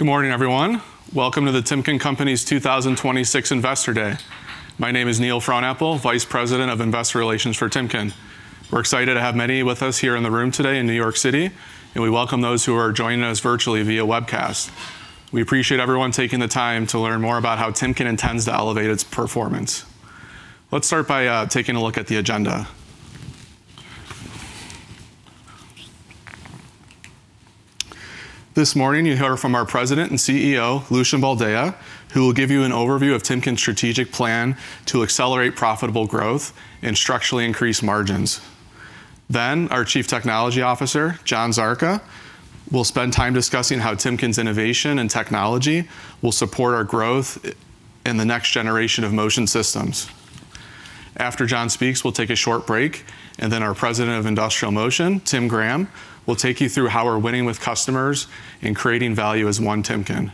Good morning, everyone. Welcome to The Timken Company's 2026 Investor Day. My name is Neil Frohnapple, Vice President of Investor Relations for Timken. We're excited to have many with us here in the room today in New York City, and we welcome those who are joining us virtually via webcast. We appreciate everyone taking the time to learn more about how Timken intends to elevate its performance. Let's start by taking a look at the agenda. This morning, you'll hear from our President and CEO, Lucian Boldea, who will give you an overview of Timken's strategic plan to accelerate profitable growth and structurally increase margins. Our Chief Technology Officer, John Szarka, will spend time discussing how Timken's innovation and technology will support our growth in the next generation of motion systems. After John speaks, we'll take a short break, and then our President of Industrial Motion, Tim Graham, will take you through how we're winning with customers and creating value as One Timken.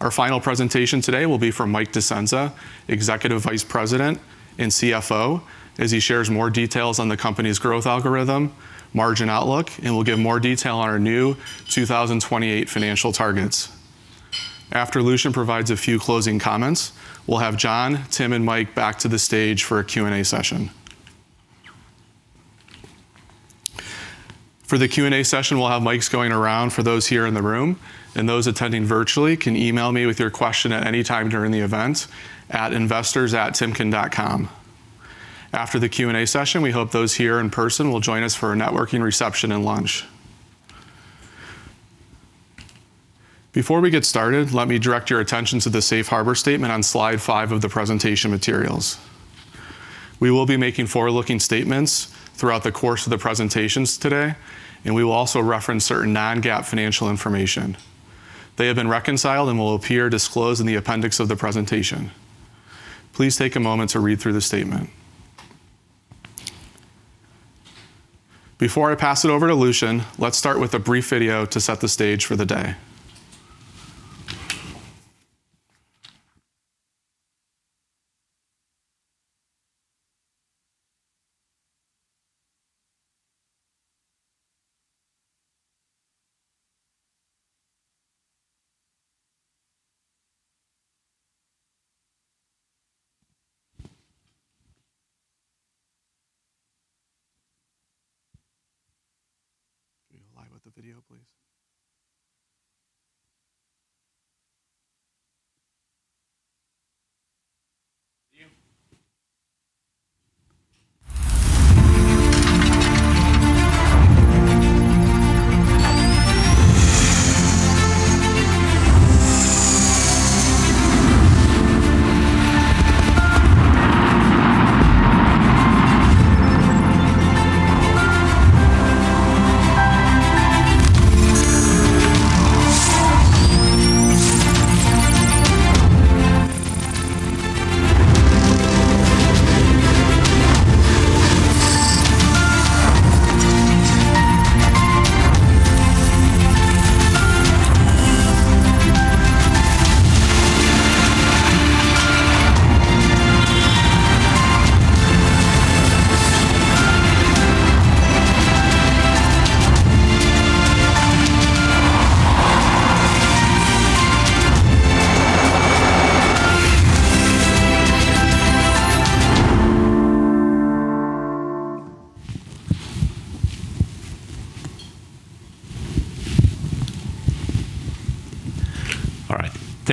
Our final presentation today will be from Mike Discenza, Executive Vice President and CFO, as he shares more details on the company's growth algorithm, margin outlook, and will give more detail on our new 2028 financial targets. After Lucian provides a few closing comments, we'll have John, Tim, and Mike back to the stage for a Q&A session. For the Q&A session, we'll have mics going around for those here in the room, and those attending virtually can email me with your question at any time during the event at investors@timken.com. After the Q&A session, we hope those here in person will join us for a networking reception and lunch. Before we get started, let me direct your attention to the safe harbor statement on slide five of the presentation materials. We will be making forward-looking statements throughout the course of the presentations today, and we will also reference certain non-GAAP financial information. They have been reconciled and will appear disclosed in the appendix of the presentation. Please take a moment to read through the statement. Before I pass it over to Lucian, let's start with a brief video to set the stage for the day.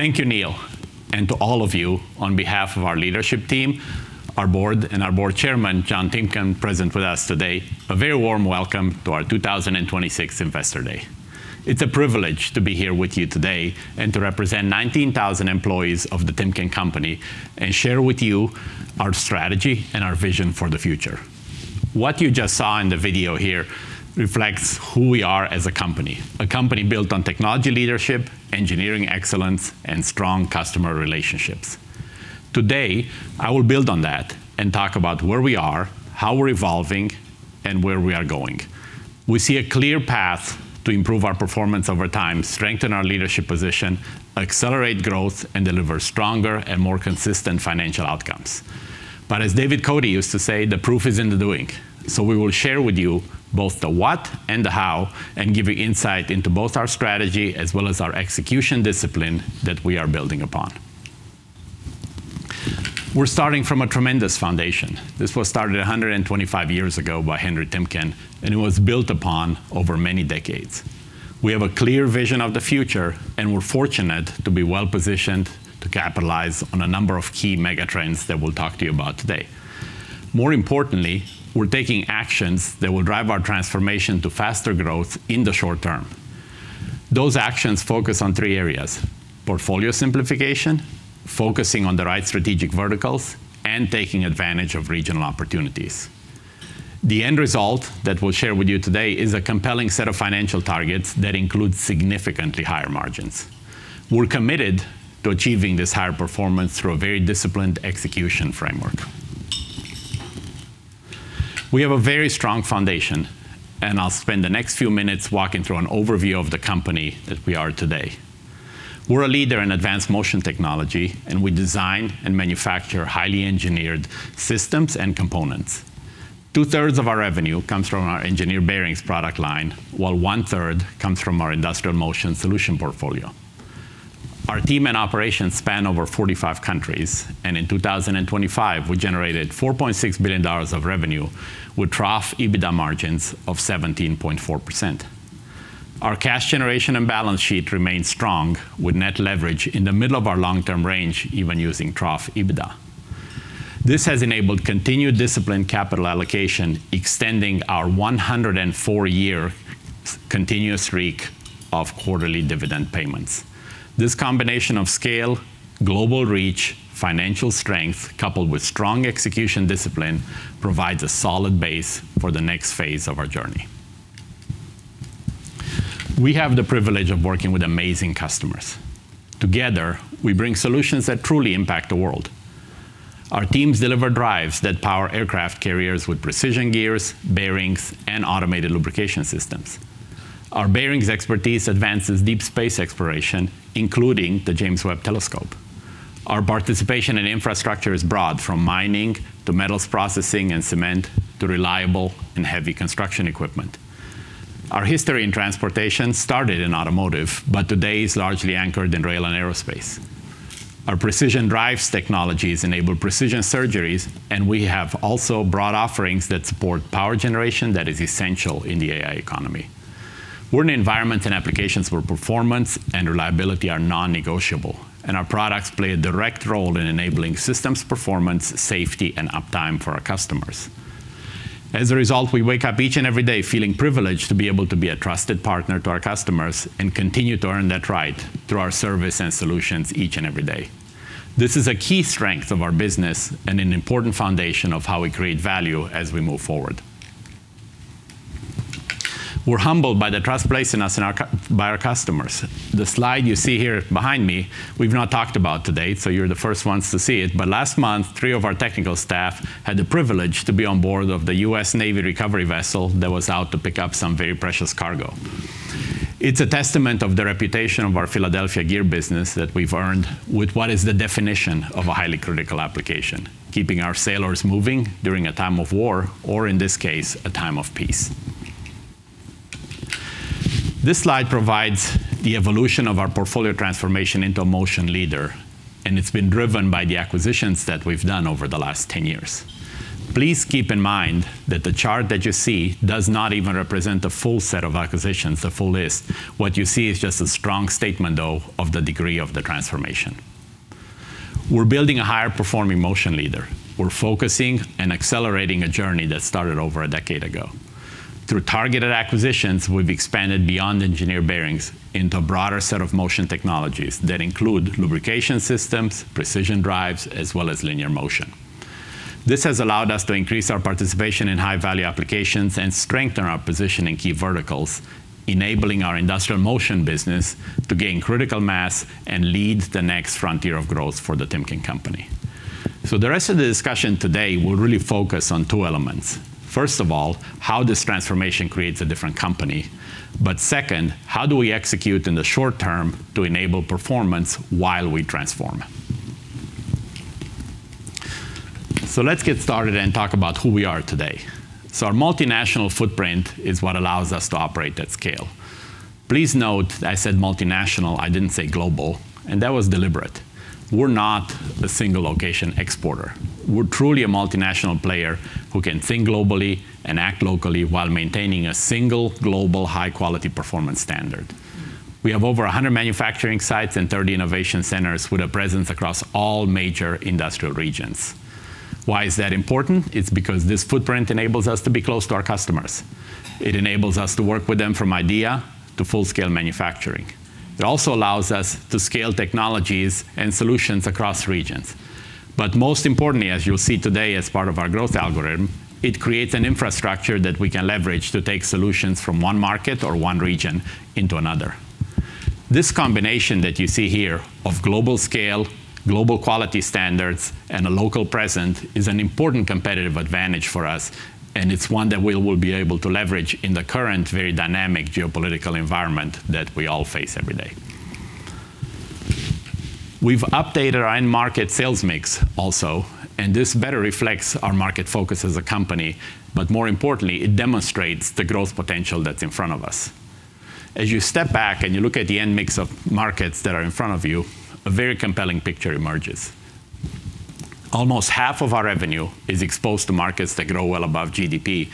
Can we go live with the video, please? All right. Thank you, Neil. To all of you, on behalf of our leadership team, our board, and our board chairman, John Timken, present with us today, a very warm welcome to our 2026 Investor Day. It's a privilege to be here with you today and to represent 19,000 employees of The Timken Company and share with you our strategy and our vision for the future. What you just saw in the video here reflects who we are as a company, a company built on technology leadership, engineering excellence, and strong customer relationships. Today, I will build on that and talk about where we are, how we're evolving, and where we are going. We see a clear path to improve our performance over time, strengthen our leadership position, accelerate growth, and deliver stronger and more consistent financial outcomes. As David Cote used to say, "The proof is in the doing." We will share with you both the what and the how, and give you insight into both our strategy as well as our execution discipline that we are building upon. We're starting from a tremendous foundation. This was started 125 years ago by Henry Timken, and it was built upon over many decades. We have a clear vision of the future, and we're fortunate to be well-positioned to capitalize on a number of key mega trends that we'll talk to you about today. More importantly, we're taking actions that will drive our transformation to faster growth in the short-term. Those actions focus on three areas, portfolio simplification, focusing on the right strategic verticals, and taking advantage of regional opportunities. The end result that we'll share with you today is a compelling set of financial targets that include significantly higher margins. We're committed to achieving this higher performance through a very disciplined execution framework. We have a very strong foundation, and I'll spend the next few minutes walking through an overview of the company that we are today. We're a leader in advanced motion technology, and we design and manufacture highly engineered systems and components. Two-thirds of our revenue comes from our engineered bearings product line, while 1/3 comes from our industrial motion solution portfolio. Our team and operations span over 45 countries, and in 2025, we generated $4.6 billion of revenue with trough EBITDA margins of 17.4%. Our cash generation and balance sheet remain strong with net leverage in the middle of our long-term range, even using trough EBITDA. This has enabled continued disciplined capital allocation, extending our 104-year continuous streak of quarterly dividend payments. This combination of scale, global reach, financial strength coupled with strong execution discipline provides a solid base for the next phase of our journey. We have the privilege of working with amazing customers. Together, we bring solutions that truly impact the world. Our teams deliver drives that power aircraft carriers with precision gears, bearings, and automatic lubrication systems. Our bearings expertise advances deep space exploration, including the James Webb Telescope. Our participation in infrastructure is broad, from mining to metals processing and cement, to reliable and heavy construction equipment. Today is largely anchored in rail and aerospace. Our precision drives technologies enable precision surgeries. We have also brought offerings that support power generation that is essential in the AI economy. We're in an environment and applications where performance and reliability are non-negotiable, and our products play a direct role in enabling systems performance, safety, and uptime for our customers. As a result, we wake up each and every day feeling privileged to be able to be a trusted partner to our customers and continue to earn that right through our service and solutions each and every day. This is a key strength of our business and an important foundation of how we create value as we move forward. We're humbled by the trust placed in us by our customers. The slide you see here behind me, we've not talked about today, so you're the first ones to see it. Last month, three of our technical staff had the privilege to be on board the U.S. Navy recovery vessel that was out to pick up some very precious cargo. It's a testament of the reputation of our Philadelphia Gear business that we've earned with what is the definition of a highly critical application, keeping our sailors moving during a time of war, or in this case, a time of peace. This slide provides the evolution of our portfolio transformation into a motion leader. It's been driven by the acquisitions that we've done over the last 10 years. Please keep in mind that the chart that you see does not even represent the full set of acquisitions, the full list. What you see is just a strong statement, though, of the degree of the transformation. We're building a higher-performing motion leader. We're focusing and accelerating a journey that started over a decade ago. Through targeted acquisitions, we've expanded beyond engineered bearings into a broader set of motion technologies that include lubrication systems, precision drives, as well as linear motion. This has allowed us to increase our participation in high-value applications and strengthen our position in key verticals, enabling our Industrial Motion business to gain critical mass and lead the next frontier of growth for The Timken Company. The rest of the discussion today will really focus on two elements. First of all, how this transformation creates a different company. Second, how do we execute in the short-term to enable performance while we transform? Let's get started and talk about who we are today. Our multinational footprint is what allows us to operate at scale. Please note I said multinational, I didn't say global, and that was deliberate. We're not a single-location exporter. We're truly a multinational player who can think globally and act locally while maintaining a single global high-quality performance standard. We have over 100 manufacturing sites and 30 innovation centers with a presence across all major industrial regions. Why is that important? It's because this footprint enables us to be close to our customers. It enables us to work with them from idea to full-scale manufacturing. It also allows us to scale technologies and solutions across regions. Most importantly, as you'll see today as part of our growth algorithm, it creates an infrastructure that we can leverage to take solutions from one market or one region into another. This combination that you see here of global scale, global quality standards, and a local presence is an important competitive advantage for us, and it's one that we will be able to leverage in the current, very dynamic geopolitical environment that we all face every day. We've updated our end market sales mix also, and this better reflects our market focus as a company, but more importantly, it demonstrates the growth potential that's in front of us. As you step back and you look at the end mix of markets that are in front of you, a very compelling picture emerges. Almost half of our revenue is exposed to markets that grow well above GDP.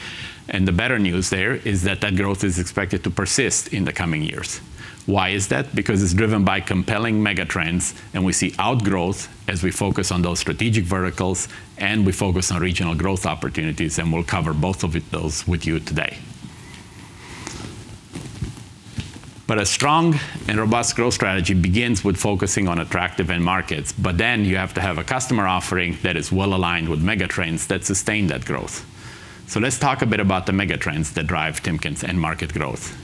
The better news there is that that growth is expected to persist in the coming years. Why is that? Because it's driven by compelling mega trends, and we see outgrowth as we focus on those strategic verticals and we focus on regional growth opportunities, and we'll cover both of those with you today. A strong and robust growth strategy begins with focusing on attractive end markets, you have to have a customer offering that is well-aligned with mega trends that sustain that growth. Let's talk a bit about the mega trends that drive Timken's end market growth.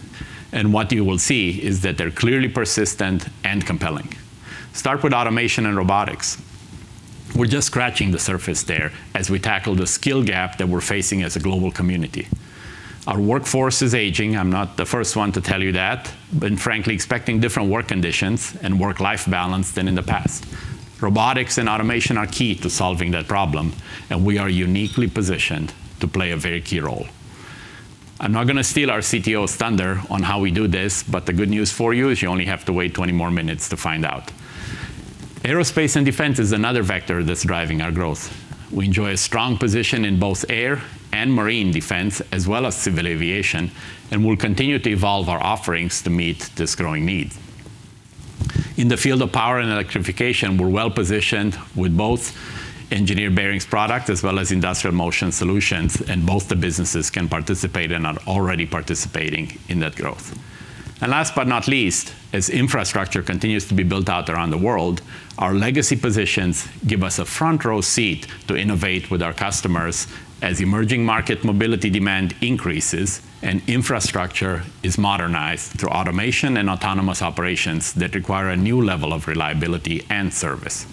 What you will see is that they're clearly persistent and compelling. Start with automation and robotics. We're just scratching the surface there as we tackle the skill gap that we're facing as a global community. Our workforce is aging, I'm not the first one to tell you that, and frankly, expecting different work conditions and work-life balance than in the past. Robotics and automation are key to solving that problem, and we are uniquely positioned to play a very key role. I'm not going to steal our CTO's thunder on how we do this, but the good news for you is you only have to wait 20 more minutes to find out. Aerospace and defense is another vector that's driving our growth. We enjoy a strong position in both air and marine defense, as well as civil aviation, and we'll continue to evolve our offerings to meet this growing need. In the field of power and electrification, we're well-positioned with both engineered bearings product as well as industrial motion solutions, and both the businesses can participate and are already participating in that growth. Last but not least, as infrastructure continues to be built out around the world, our legacy positions give us a front-row seat to innovate with our customers as emerging market mobility demand increases and infrastructure is modernized through automation and autonomous operations that require a new level of reliability and service.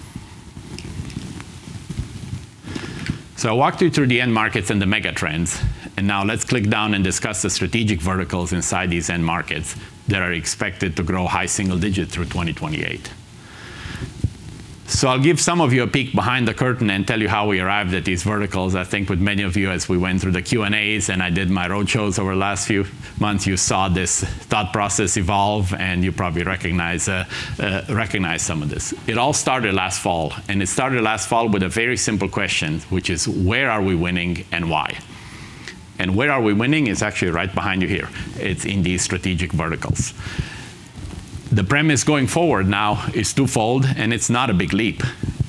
I walked you through the end markets and the mega trends, and now let's click down and discuss the strategic verticals inside these end markets that are expected to grow high single digits through 2028. I'll give some of you a peek behind the curtain and tell you how we arrived at these verticals. I think with many of you, as we went through the Q&As, and I did my road shows over the last few months, you saw this thought process evolve, and you probably recognize some of this. It all started last fall, it started last fall with a very simple question, which is, where are we winning and why? Where are we winning is actually right behind you here. It's in these strategic verticals. The premise going forward now is twofold, it's not a big leap.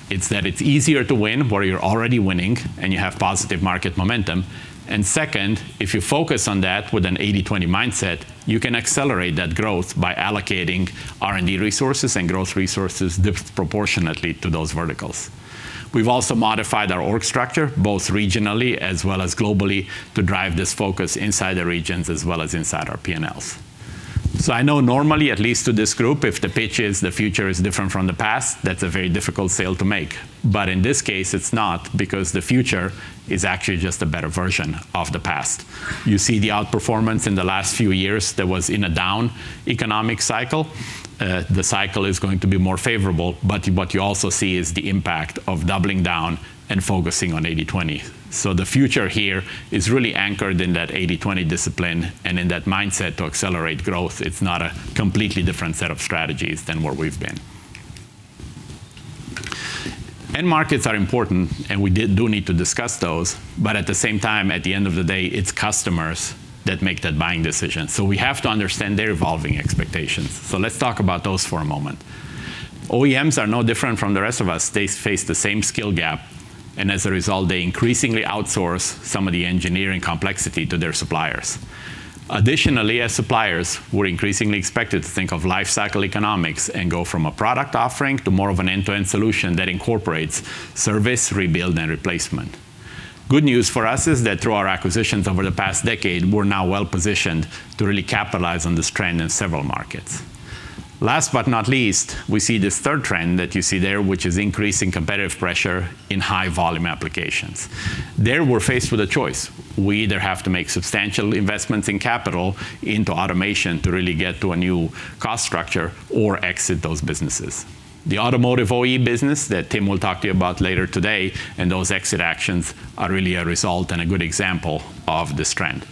It's that it's easier to win where you're already winning and you have positive market momentum. Second, if you focus on that with an 80/20 mindset, you can accelerate that growth by allocating R&D resources and growth resources disproportionately to those verticals. We've also modified our org structure, both regionally as well as globally, to drive this focus inside the regions as well as inside our P&Ls. I know normally, at least to this group, if the pitch is the future is different from the past, that's a very difficult sale to make. In this case, it's not, because the future is actually just a better version of the past. You see the outperformance in the last few years that was in a down economic cycle. The cycle is going to be more favorable, but what you also see is the impact of doubling down and focusing on 80/20. The future here is really anchored in that 80/20 discipline and in that mindset to accelerate growth. It's not a completely different set of strategies than what we've been. End markets are important and we do need to discuss those, but at the same time, at the end of the day, it's customers that make that buying decision. We have to understand their evolving expectations. Let's talk about those for a moment. OEMs are no different from the rest of us. They face the same skill gap, and as a result, they increasingly outsource some of the engineering complexity to their suppliers. Additionally, as suppliers, we're increasingly expected to think of lifecycle economics and go from a product offering to more of an end-to-end solution that incorporates service, rebuild, and replacement. Good news for us is that through our acquisitions over the past decade, we're now well-positioned to really capitalize on this trend in several markets. Last but not least, we see this third trend that you see there, which is increasing competitive pressure in high-volume applications. There, we're faced with a choice. We either have to make substantial investments in capital into automation to really get to a new cost structure or exit those businesses. The automotive OE business that Tim will talk to you about later today. Those exit actions are really a result and a good example of this trend.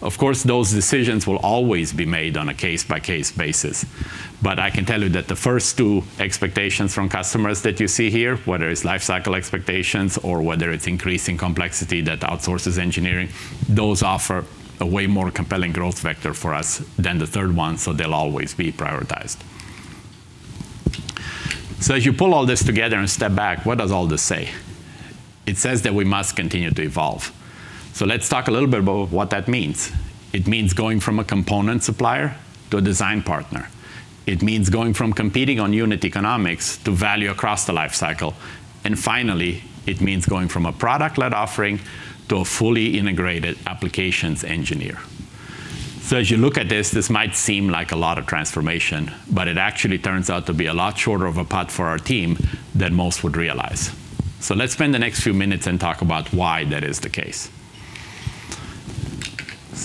Of course, those decisions will always be made on a case-by-case basis. I can tell you that the first two expectations from customers that you see here, whether it's lifecycle expectations or whether it's increasing complexity that outsources engineering, those offer a way more compelling growth vector for us than the third one. They'll always be prioritized. As you pull all this together and step back, what does all this say? It says that we must continue to evolve. Let's talk a little bit about what that means. It means going from a component supplier to a design partner. It means going from competing on unit economics to value across the lifecycle. Finally, it means going from a product-led offering to a fully integrated applications engineer. As you look at this might seem like a lot of transformation, but it actually turns out to be a lot shorter of a path for our team than most would realize. Let's spend the next few minutes and talk about why that is the case.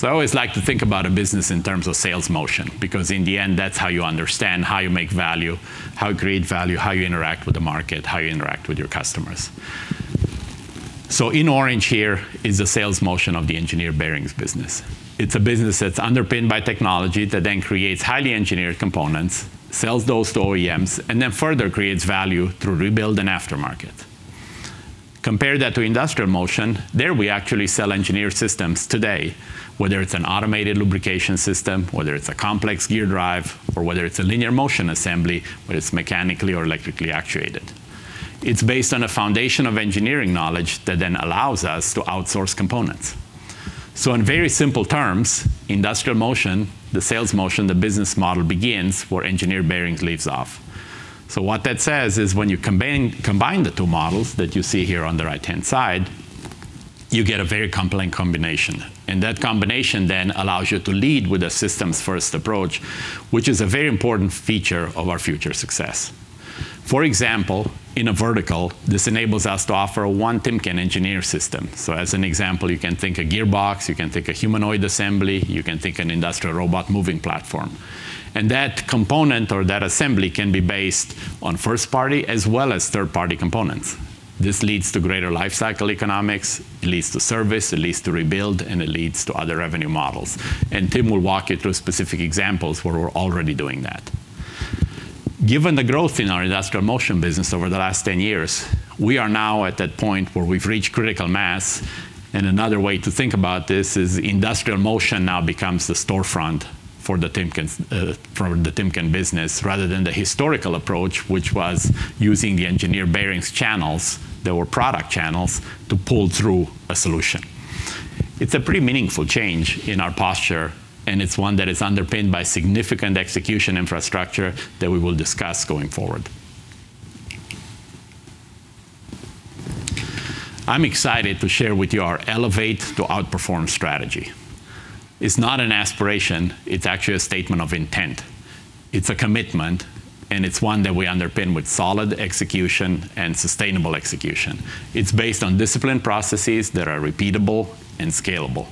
I always like to think about a business in terms of sales motion, because in the end, that's how you understand how you make value, how you create value, how you interact with the market, how you interact with your customers. In orange here is the sales motion of the engineered bearings business. It's a business that's underpinned by technology that then creates highly engineered components, sells those to OEMs, and then further creates value through rebuild and aftermarket. Compare that to Industrial Motion. There we actually sell engineered systems today, whether it's an automated lubrication system, whether it's a complex gear drive, or whether it's a linear motion assembly, whether it's mechanically or electrically actuated. It's based on a foundation of engineering knowledge that then allows us to outsource components. In very simple terms, industrial motion, the sales motion, the business model begins where engineered bearings leaves off. What that says is when you combine the two models that you see here on the right-hand side. You get a very compelling combination, and that combination then allows you to lead with a systems-first approach, which is a very important feature of our future success. For example, in a vertical, this enables us to offer a One Timken engineer system. As an example, you can think a gearbox, you can think a humanoid assembly, you can think an industrial robot moving platform. That component or that assembly can be based on first-party as well as third-party components. This leads to greater lifecycle economics, it leads to service, it leads to rebuild, and it leads to other revenue models. Tim will walk you through specific examples where we're already doing that. Given the growth in our Industrial Motion business over the last 10 years, we are now at that point where we've reached critical mass, and another way to think about this is Industrial Motion now becomes the storefront for the Timken business, rather than the historical approach, which was using the engineered bearings channels that were product channels to pull through a solution. It's a pretty meaningful change in our posture, and it's one that is underpinned by significant execution infrastructure that we will discuss going forward. I'm excited to share with you our Elevate to Outperform strategy. It's not an aspiration, it's actually a statement of intent. It's a commitment. It's one that we underpin with solid execution and sustainable execution. It's based on disciplined processes that are repeatable and scalable.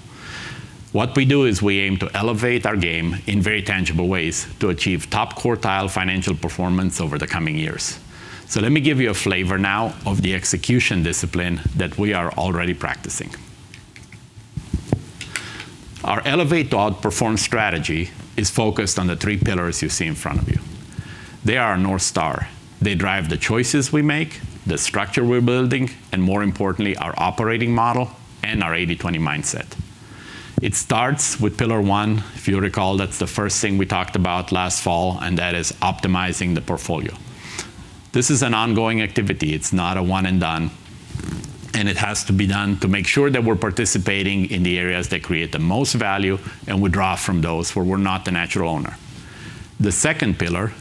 What we do is we aim to elevate our game in very tangible ways to achieve top quartile financial performance over the coming years. Let me give you a flavor now of the execution discipline that we are already practicing. Our Elevate to Outperform strategy is focused on the three pillars you see in front of you. They are our North Star. They drive the choices we make, the structure we're building, and more importantly, our operating model and our 80/20 mindset. It starts with pillar one. If you recall, that's the first thing we talked about last fall. That is optimizing the portfolio. This is an ongoing activity. It's not a one-and-done, and it has to be done to make sure that we're participating in the areas that create the most value, and withdraw from those where we're not the natural owner. The second pillar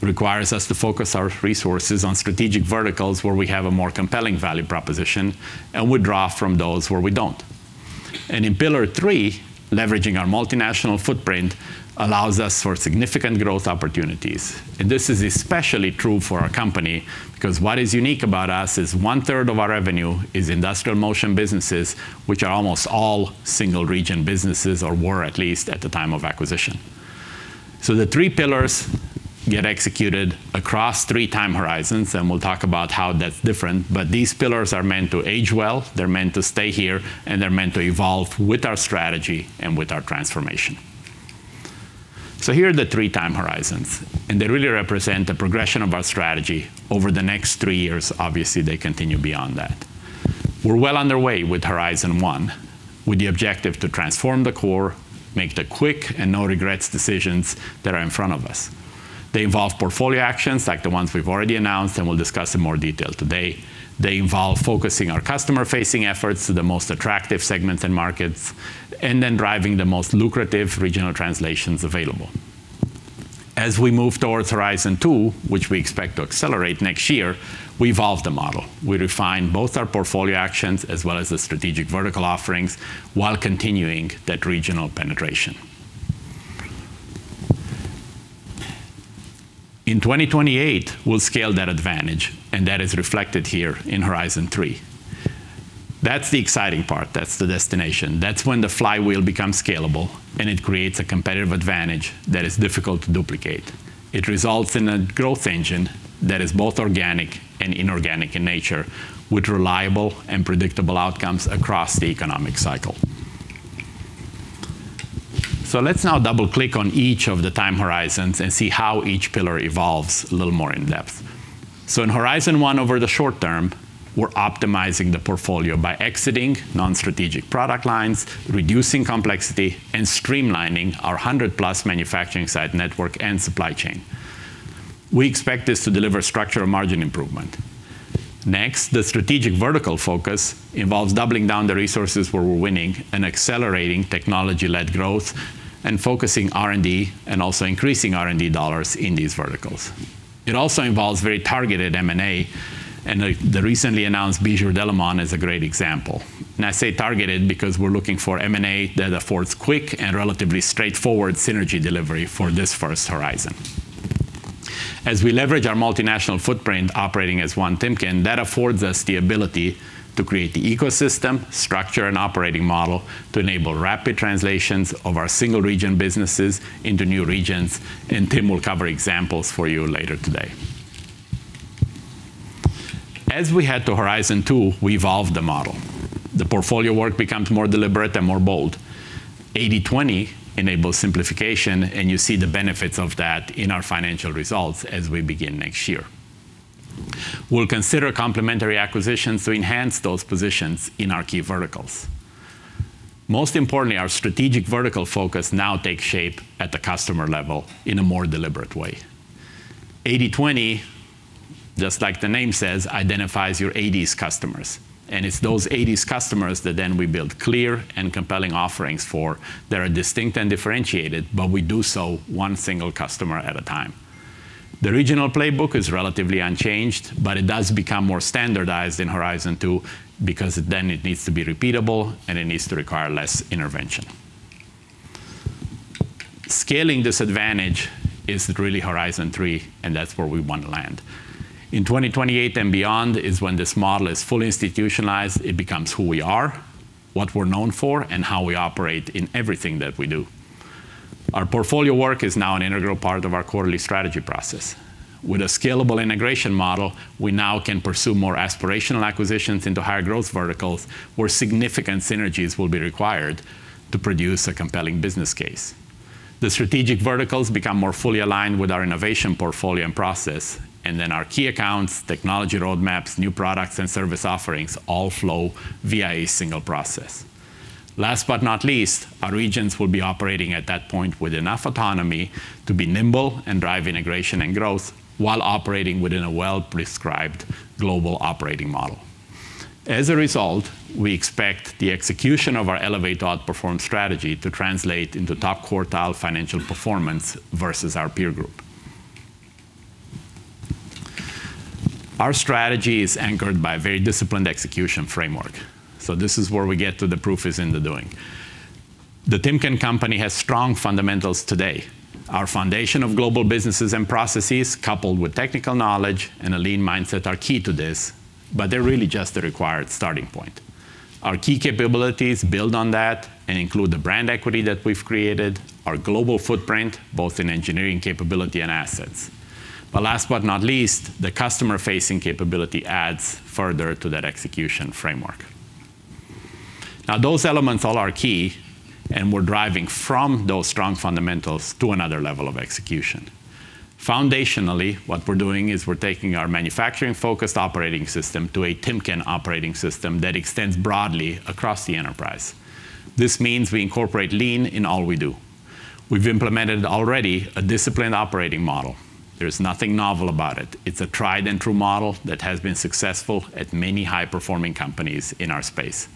requires us to focus our resources on strategic verticals where we have a more compelling value proposition, and withdraw from those where we don't. In Pillar 3, leveraging our multinational footprint allows us for significant growth opportunities. This is especially true for our company because what is unique about us is 1/3 of our revenue is industrial motion businesses, which are almost all single-region businesses, or were at least at the time of acquisition. The three pillars get executed across three-time horizons, and we'll talk about how that's different. These pillars are meant to age well, they're meant to stay here, and they're meant to evolve with our strategy and with our transformation. Here are the three-time horizons, and they really represent the progression of our strategy over the next three years. Obviously, they continue beyond that. We're well underway with Horizon 1, with the objective to transform the core, make the quick and no-regrets decisions that are in front of us. They involve portfolio actions like the ones we've already announced and will discuss in more detail today. They involve focusing our customer-facing efforts to the most attractive segments and markets, and then driving the most lucrative regional translations available. As we move towards Horizon 2, which we expect to accelerate next year, we evolve the model. We refine both our portfolio actions as well as the strategic vertical offerings while continuing that regional penetration. In 2028, we'll scale that advantage, and that is reflected here in Horizon 3. That's the exciting part. That's the destination. That's when the flywheel becomes scalable, and it creates a competitive advantage that is difficult to duplicate. It results in a growth engine that is both organic and inorganic in nature, with reliable and predictable outcomes across the economic cycle. Let's now double-click on each of the time horizons and see how each pillar evolves a little more in depth. In Horizon 1, over the short-term, we're optimizing the portfolio by exiting non-strategic product lines, reducing complexity, and streamlining our 100+ manufacturing site network and supply chain. We expect this to deliver structural margin improvement. Next, the strategic vertical focus involves doubling down the resources where we're winning and accelerating technology-led growth and focusing R&D and also increasing R&D dollars in these verticals. It also involves very targeted M&A. The recently announced Bijur Delimon is a great example. I say targeted because we're looking for M&A that affords quick and relatively straightforward synergy delivery for this first horizon. We leverage our multinational footprint operating as One Timken, that affords us the ability to create the ecosystem, structure, and operating model to enable rapid translations of our single-region businesses into new regions. Tim will cover examples for you later today. We head to Horizon 2, we evolve the model. The portfolio work becomes more deliberate and more bold. 80/20 enables simplification. You see the benefits of that in our financial results as we begin next year. We'll consider complementary acquisitions to enhance those positions in our key verticals. Most importantly, our strategic vertical focus now takes shape at the customer level in a more deliberate way. 80/20, just like the name says, identifies your 80s customers, it's those 80s customers that we build clear and compelling offerings for that are distinct and differentiated, we do so one single customer at a time. The regional playbook is relatively unchanged, it does become more standardized in Horizon Two because it needs to be repeatable and it needs to require less intervention. Scaling this advantage is really Horizon 3, that's where we want to land. In 2028 and beyond is when this model is fully institutionalized. It becomes who we are, what we're known for, and how we operate in everything that we do. Our portfolio work is now an integral part of our quarterly strategy process. With a scalable integration model, we now can pursue more aspirational acquisitions into higher growth verticals, where significant synergies will be required to produce a compelling business case. The strategic verticals become more fully aligned with our innovation portfolio and process, our key accounts, technology roadmaps, new products, and service offerings all flow via a single process. Last but not least, our regions will be operating at that point with enough autonomy to be nimble and drive integration and growth while operating within a well-prescribed global operating model. As a result, we expect the execution of our Elevate to Outperform strategy to translate into top-quartile financial performance versus our peer group. Our strategy is anchored by a very disciplined execution framework. This is where we get to the proof is in the doing. The Timken Company has strong fundamentals today. Our foundation of global businesses and processes, coupled with technical knowledge and a lean mindset, are key to this, but they're really just a required starting point. Our key capabilities build on that and include the brand equity that we've created, our global footprint, both in engineering capability and assets. Last but not least, the customer-facing capability adds further to that execution framework. Now, those elements all are key, and we're driving from those strong fundamentals to another level of execution. Foundationally, what we're doing is we're taking our manufacturing-focused operating system to a Timken operating system that extends broadly across the enterprise. This means we incorporate lean in all we do. We've implemented already a disciplined operating model. There's nothing novel about it. It's a tried-and-true model that has been successful at many high-performing companies in our space.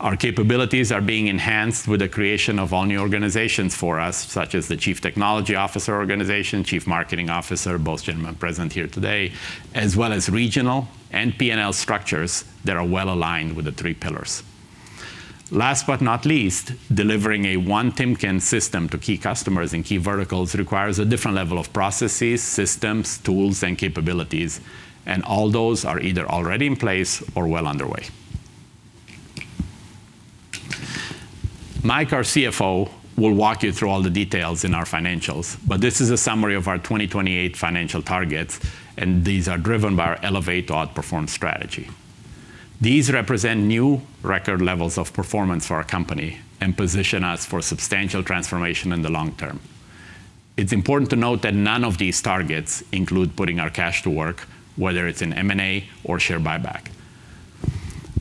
Our capabilities are being enhanced with the creation of all-new organizations for us, such as the Chief Technology Officer organization, Chief Marketing Officer, both gentlemen present here today, as well as regional and P&L structures that are well-aligned with the three pillars. Last but not least, delivering a One Timken system to key customers and key verticals requires a different level of processes, systems, tools, and capabilities, and all those are either already in place or well underway. Mike, our CFO, will walk you through all the details in our financials, but this is a summary of our 2028 financial targets, and these are driven by our Elevate to Outperform strategy. These represent new record levels of performance for our company and position us for substantial transformation in the long-term. It's important to note that none of these targets include putting our cash to work, whether it's in M&A or share buyback.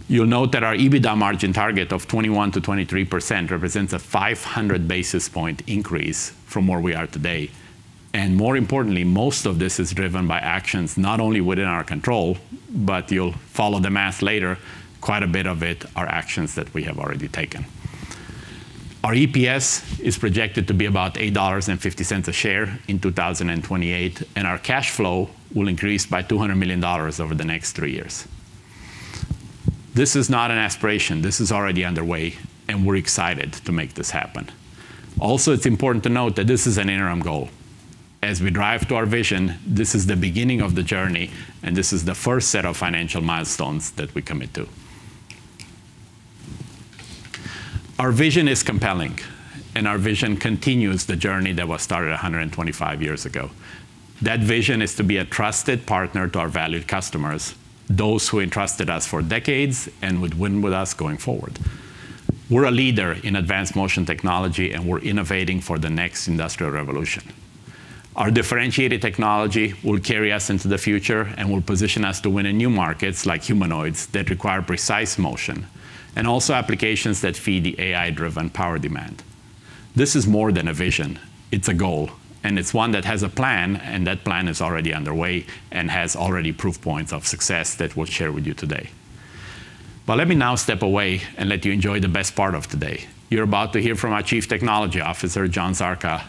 You'll note that our EBITDA margin target of 21%-23% represents a 500 basis points increase from where we are today. More importantly, most of this is driven by actions not only within our control, but you'll follow the math later, quite a bit of it are actions that we have already taken. Our EPS is projected to be about $8.50 a share in 2028, and our cash flow will increase by $200 million over the next three years. This is not an aspiration. This is already underway, and we're excited to make this happen. Also, it's important to note that this is an interim goal. As we drive to our vision, this is the beginning of the journey, and this is the first set of financial milestones that we commit to. Our vision is compelling, and our vision continues the journey that was started 125 years ago. That vision is to be a trusted partner to our valued customers, those who entrusted us for decades and would win with us going forward. We're a leader in advanced motion technology, and we're innovating for the next industrial revolution. Our differentiated technology will carry us into the future and will position us to win in new markets like humanoids that require precise motion, and also applications that feed the AI-driven power demand. This is more than a vision. It's a goal, and it's one that has a plan, and that plan is already underway and has already proof points of success that we'll share with you today. Let me now step away and let you enjoy the best part of today. You're about to hear from our Chief Technology Officer, John Szarka,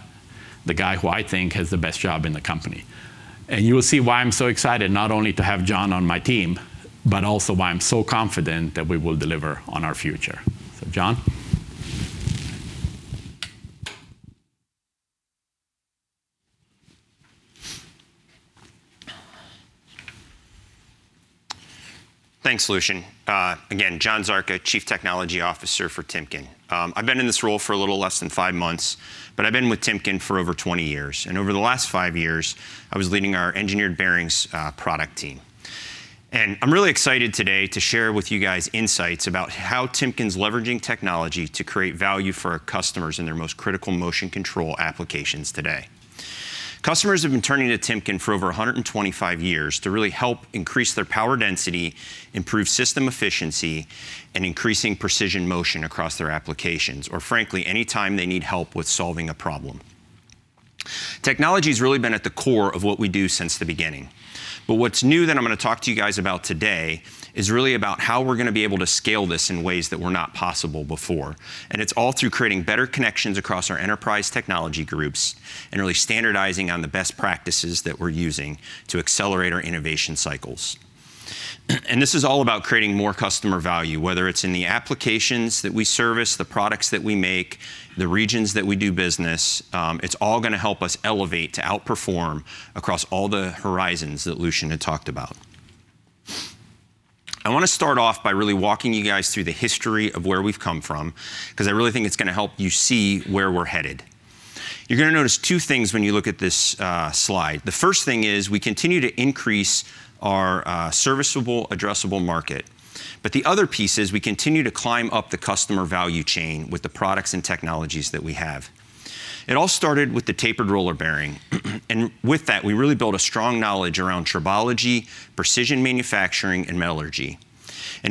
the guy who I think has the best job in the company. You will see why I'm so excited not only to have John on my team, but also why I'm so confident that we will deliver on our future. John? Thanks, Lucian. Again, John Szarka, Chief Technology Officer for Timken. I've been in this role for a little less than five months, but I've been with Timken for over 20 years. Over the last five years, I was leading our engineered bearings product team. I'm really excited today to share with you guys insights about how Timken's leveraging technology to create value for our customers in their most critical motion control applications today. Customers have been turning to Timken for over 125 years to really help increase their power density, improve system efficiency, and increasing precision motion across their applications, or frankly, anytime they need help with solving a problem. Technology's really been at the core of what we do since the beginning. What's new that I'm going to talk to you guys about today is really about how we're going to be able to scale this in ways that were not possible before. It's all through creating better connections across our enterprise technology groups and really standardizing on the best practices that we're using to accelerate our innovation cycles. This is all about creating more customer value, whether it's in the applications that we service, the products that we make, the regions that we do business. It's all going to help us Elevate to Outperform across all the horizons that Lucian had talked about. I want to start off by really walking you guys through the history of where we've come from, because I really think it's going to help you see where we're headed. You're going to notice two things when you look at this slide. The first thing is we continue to increase our serviceable addressable market. The other piece is we continue to climb up the customer value chain with the products and technologies that we have. It all started with the tapered roller bearing. With that, we really built a strong knowledge around tribology, precision manufacturing, and metallurgy.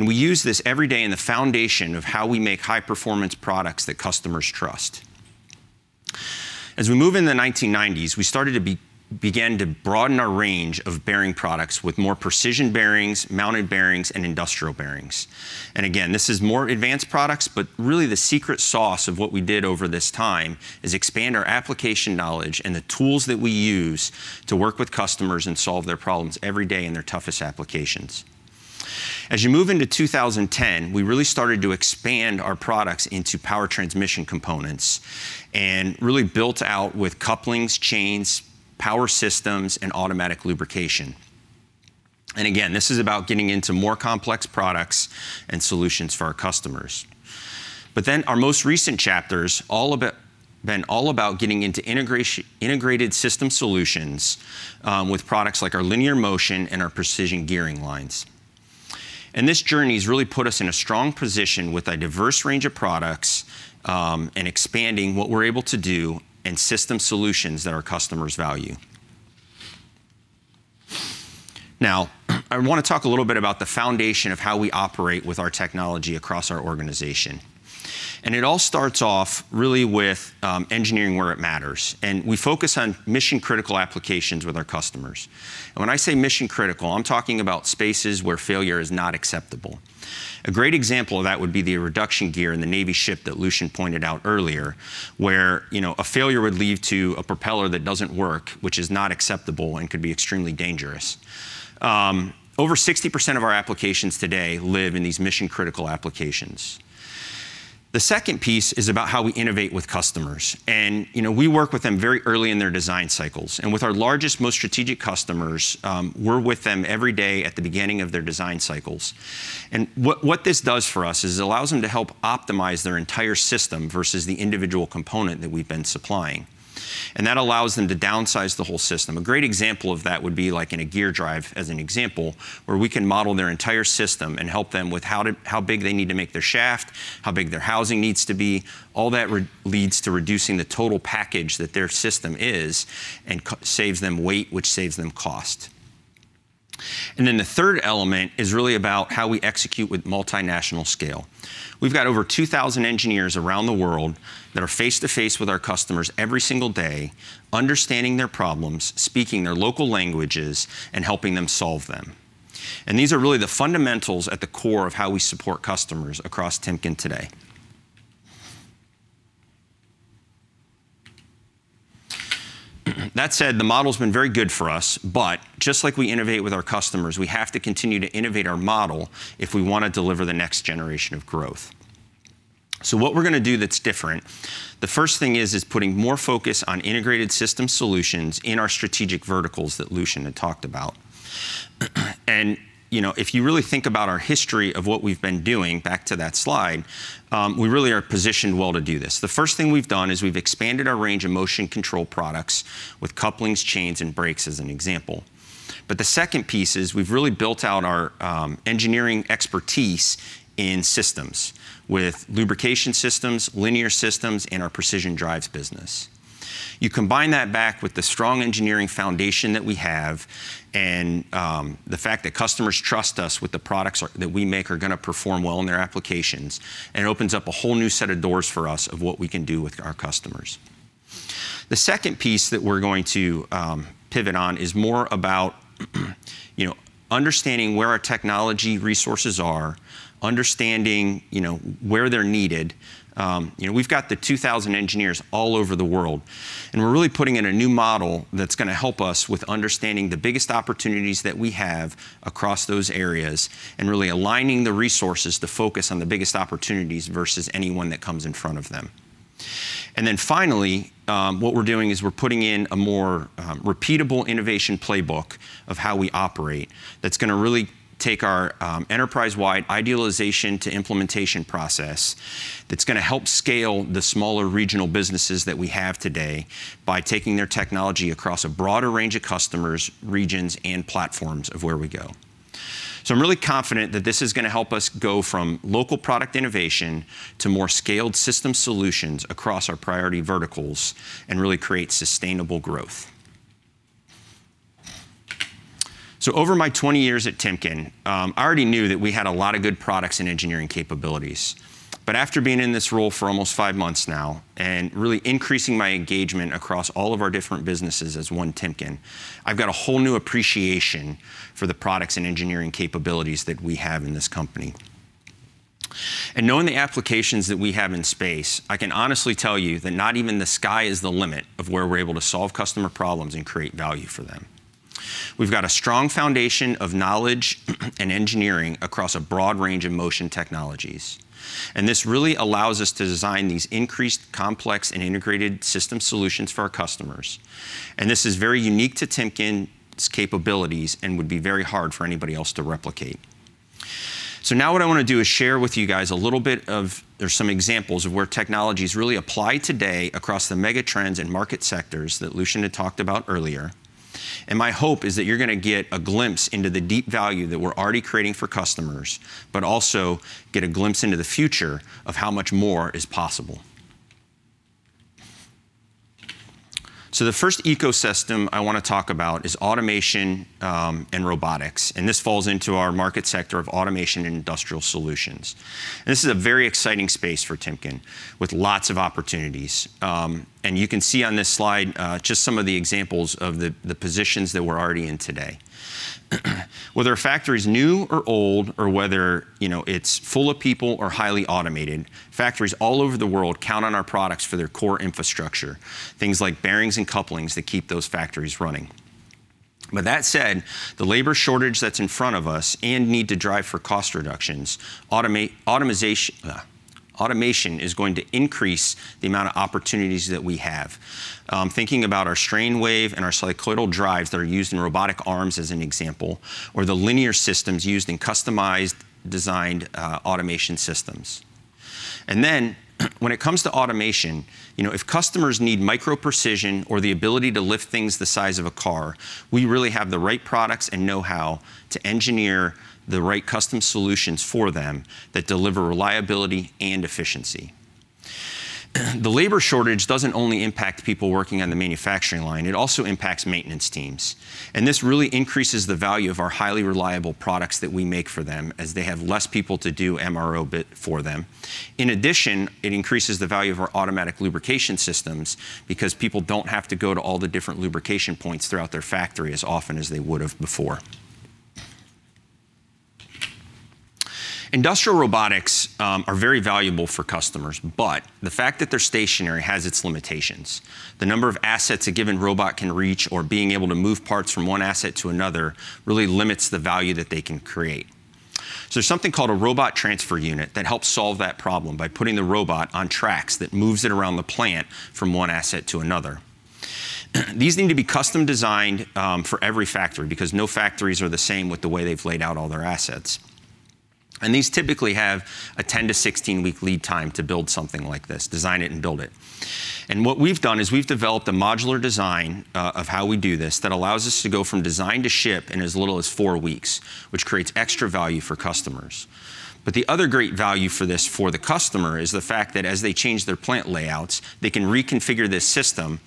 We use this every day in the foundation of how we make high-performance products that customers trust. As we move in the 1990s, we began to broaden our range of bearing products with more precision bearings, mounted bearings, and industrial bearings. Again, this is more advanced products, but really the secret sauce of what we did over this time is expand our application knowledge and the tools that we use to work with customers and solve their problems every day in their toughest applications. You move into 2010, we really started to expand our products into power transmission components, really built out with couplings, chains, power systems, and automatic lubrication. Again, this is about getting into more complex products and solutions for our customers. Our most recent chapters have been all about getting into integrated system solutions with products like our linear motion and our precision drives lines. This journey has really put us in a strong position with a diverse range of products and expanding what we're able to do in system solutions that our customers value. Now, I want to talk a little bit about the foundation of how we operate with our technology across our organization. It all starts off really with engineering where it matters. We focus on mission-critical applications with our customers. When I say mission-critical, I'm talking about spaces where failure is not acceptable. A great example of that would be the reduction gear in the Navy ship that Lucian pointed out earlier, where a failure would lead to a propeller that doesn't work, which is not acceptable and could be extremely dangerous. Over 60% of our applications today live in these mission-critical applications. The second piece is about how we innovate with customers, and we work with them very early in their design cycles. With our largest, most strategic customers, we're with them every day at the beginning of their design cycles. What this does for us is it allows them to help optimize their entire system versus the individual component that we've been supplying. That allows them to downsize the whole system. A great example of that would be like in a gear drive, as an example, where we can model their entire system and help them with how big they need to make their shaft, how big their housing needs to be. All that leads to reducing the total package that their system is saves them weight, which saves them cost. The third element is really about how we execute with multinational scale. We've got over 2,000 engineers around the world that are face-to-face with our customers every single day, understanding their problems, speaking their local languages, and helping them solve them. These are really the fundamentals at the core of how we support customers across Timken today. That said, the model's been very good for us. Just like we innovate with our customers, we have to continue to innovate our model if we want to deliver the next generation of growth. What we're going to do that's different, the first thing is putting more focus on integrated system solutions in our strategic verticals that Lucian had talked about. If you really think about our history of what we've been doing, back to that slide, we really are positioned well to do this. The first thing we've done is we've expanded our range of motion control products with couplings, chains, and brakes, as an example. The second piece is we've really built out our engineering expertise in systems with lubrication systems, linear systems, and our precision drives business. You combine that back with the strong engineering foundation that we have and the fact that customers trust us with the products that we make are going to perform well in their applications, and it opens up a whole new set of doors for us of what we can do with our customers. The second piece that we're going to pivot on is more about understanding where our technology resources are, understanding where they're needed. We've got the 2,000 engineers all over the world, and we're really putting in a new model that's going to help us with understanding the biggest opportunities that we have across those areas and really aligning the resources to focus on the biggest opportunities versus anyone that comes in front of them. Finally, what we're doing is we're putting in a more repeatable innovation playbook of how we operate that's going to really take our enterprise-wide idealization to implementation process, that's going to help scale the smaller regional businesses that we have today by taking their technology across a broader range of customers, regions, and platforms of where we go. I'm really confident that this is going to help us go from local product innovation to more scaled system solutions across our priority verticals and really create sustainable growth. Over my 20 years at Timken, I already knew that we had a lot of good products and engineering capabilities. After being in this role for almost five months now and really increasing my engagement across all of our different businesses as One Timken, I've got a whole new appreciation for the products and engineering capabilities that we have in this company. Knowing the applications that we have in space, I can honestly tell you that not even the sky is the limit of where we're able to solve customer problems and create value for them. We've got a strong foundation of knowledge and engineering across a broad range of motion technologies, and this really allows us to design these increased complex and integrated system solutions for our customers. This is very unique to Timken's capabilities and would be very hard for anybody else to replicate. Now what I want to do is share with you guys a little bit of-- There's some examples of where technology's really applied today across the mega trends and market sectors that Lucian had talked about earlier. My hope is that you're going to get a glimpse into the deep value that we're already creating for customers, but also get a glimpse into the future of how much more is possible. The first ecosystem I want to talk about is automation and robotics, and this falls into our market sector of automation and industrial solutions. This is a very exciting space for Timken with lots of opportunities. You can see on this slide just some of the examples of the positions that we're already in today. Whether a factory's new or old or whether it's full of people or highly automated, factories all over the world count on our products for their core infrastructure, things like bearings and couplings that keep those factories running. That said, the labor shortage that's in front of us and need to drive for cost reductions, automation is going to increase the amount of opportunities that we have. Thinking about our strain wave and our cycloidal drives that are used in robotic arms as an example, or the linear systems used in customized designed automation systems. When it comes to automation, if customers need micro precision or the ability to lift things the size of a car, we really have the right products and know-how to engineer the right custom solutions for them that deliver reliability and efficiency. The labor shortage doesn't only impact people working on the manufacturing line, it also impacts maintenance teams. This really increases the value of our highly reliable products that we make for them as they have less people to do MRO bit for them. In addition, it increases the value of our automatic lubrication systems because people don't have to go to all the different lubrication points throughout their factory as often as they would have before. Industrial robotics are very valuable for customers, the fact that they're stationary has its limitations. The number of assets a given robot can reach or being able to move parts from one asset to another really limits the value that they can create. There's something called a Robot Transfer Unit that helps solve that problem by putting the robot on tracks that moves it around the plant from one asset to another. These need to be custom designed for every factory because no factories are the same with the way they've laid out all their assets. These typically have a 10–16-week lead time to build something like this, design it and build it. What we've done is we've developed a modular design of how we do this that allows us to go from design to ship in as little as four weeks, which creates extra value for customers. The other great value for this for the customer is the fact that as they change their plant layouts, they can reconfigure this system.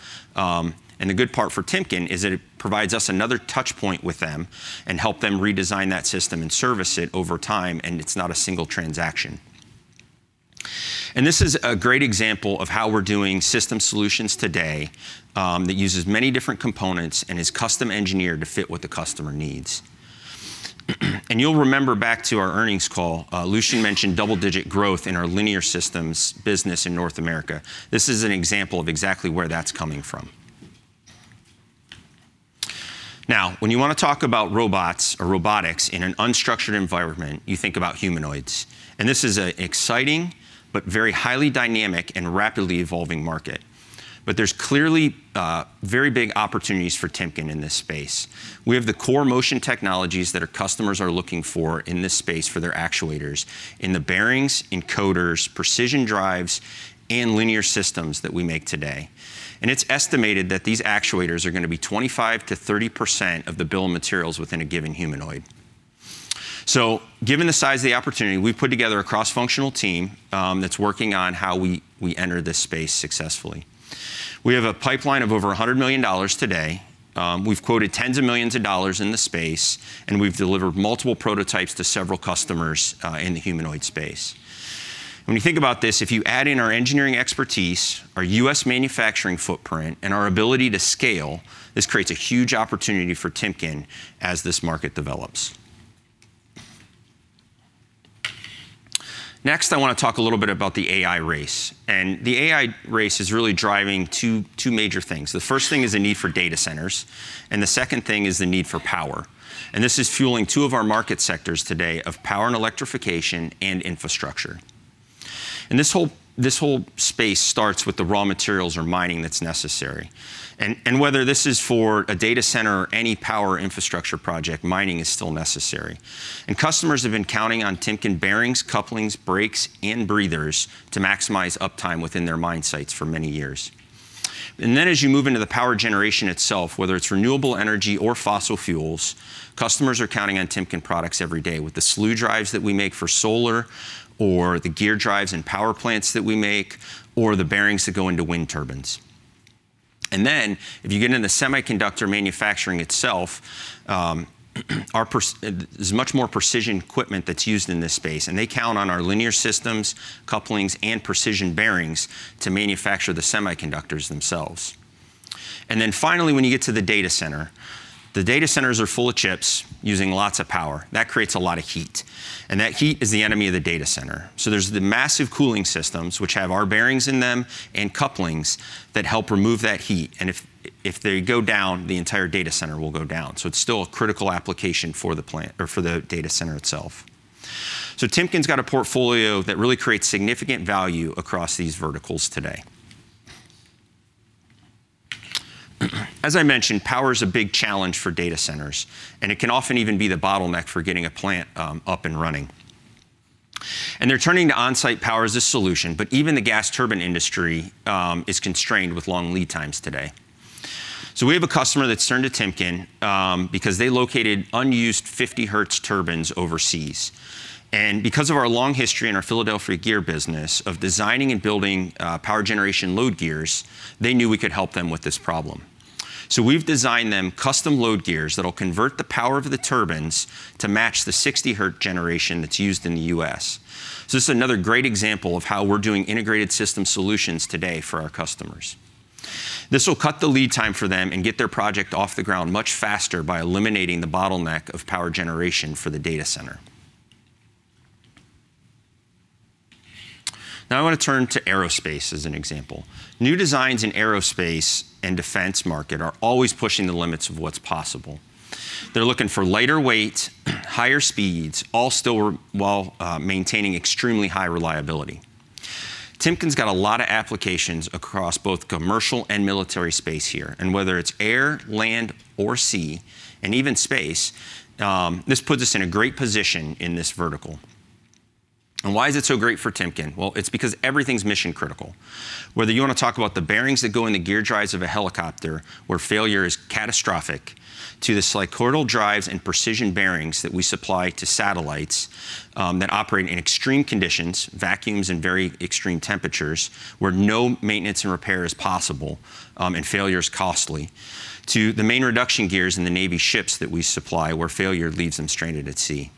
The good part for Timken is that it provides us another touch point with them and help them redesign that system and service it over time, and it's not a single transaction. This is a great example of how we're doing system solutions today, that uses many different components and is custom engineered to fit what the customer needs. You'll remember back to our earnings call, Lucian mentioned double-digit growth in our linear systems business in North America. This is an example of exactly where that's coming from. Now, when you want to talk about robots or robotics in an unstructured environment, you think about humanoids. This is an exciting but very highly dynamic and rapidly evolving market. There's clearly very big opportunities for Timken in this space. We have the core motion technologies that our customers are looking for in this space for their actuators in the bearings, encoders, precision drives, and linear systems that we make today. It's estimated that these actuators are going to be 25%-30% of the bill of materials within a given humanoid. Given the size of the opportunity, we've put together a cross-functional team that's working on how we enter this space successfully. We have a pipeline of over $100 million today. We've quoted tens of millions of dollars in the space, and we've delivered multiple prototypes to several customers in the humanoid space. When you think about this, if you add in our engineering expertise, our U.S. manufacturing footprint, and our ability to scale, this creates a huge opportunity for Timken as this market develops. Next, I want to talk a little bit about the AI race, and the AI race is really driving two major things. The first thing is the need for data centers, and the second thing is the need for power. This is fueling two of our market sectors today of power and electrification and infrastructure. This whole space starts with the raw materials or mining that's necessary. Whether this is for a data center or any power infrastructure project, mining is still necessary. Customers have been counting on Timken bearings, couplings, brakes, and breathers to maximize uptime within their mine sites for many years. As you move into the power generation itself, whether it's renewable energy or fossil fuels, customers are counting on Timken products every day with the slew drives that we make for solar, or the gear drives and power plants that we make, or the bearings that go into wind turbines. If you get into semiconductor manufacturing itself, there's much more precision equipment that's used in this space, and they count on our linear systems, couplings, and precision bearings to manufacture the semiconductors themselves. Finally, when you get to the data center, the data centers are full of chips using lots of power. That creates a lot of heat, and that heat is the enemy of the data center. There's the massive cooling systems, which have our bearings in them and couplings that help remove that heat. If they go down, the entire data center will go down. It's still a critical application for the data center itself. Timken's got a portfolio that really creates significant value across these verticals today. As I mentioned, power is a big challenge for data centers, and it can often even be the bottleneck for getting a plant up and running. They're turning to on-site power as a solution. Even the gas turbine industry is constrained with long lead times today. We have a customer that's turned to Timken because they located unused 50 Hz turbines overseas. Because of our long history in our Philadelphia Gear business of designing and building power generation load gears, they knew we could help them with this problem. We've designed them custom load gears that'll convert the power of the turbines to match the 60-hertz generation that's used in the U.S. This is another great example of how we're doing integrated system solutions today for our customers. This will cut the lead time for them and get their project off the ground much faster by eliminating the bottleneck of power generation for the data center. I want to turn to aerospace as an example. New designs in aerospace and defense market are always pushing the limits of what's possible. They're looking for lighter weight, higher speeds, all still while maintaining extremely high reliability. Timken's got a lot of applications across both commercial and military space here, and whether it's air, land or sea, and even space, this puts us in a great position in this vertical. Why is it so great for Timken? Well, it's because everything's mission critical. Whether you want to talk about the bearings that go in the gear drives of a helicopter, where failure is catastrophic, to the cycloidal drives and precision bearings that we supply to satellites that operate in extreme conditions, vacuums and very extreme temperatures where no maintenance and repair is possible, and failure is costly, to the main reduction gears in the Navy ships that we supply, where failure leaves them stranded at sea.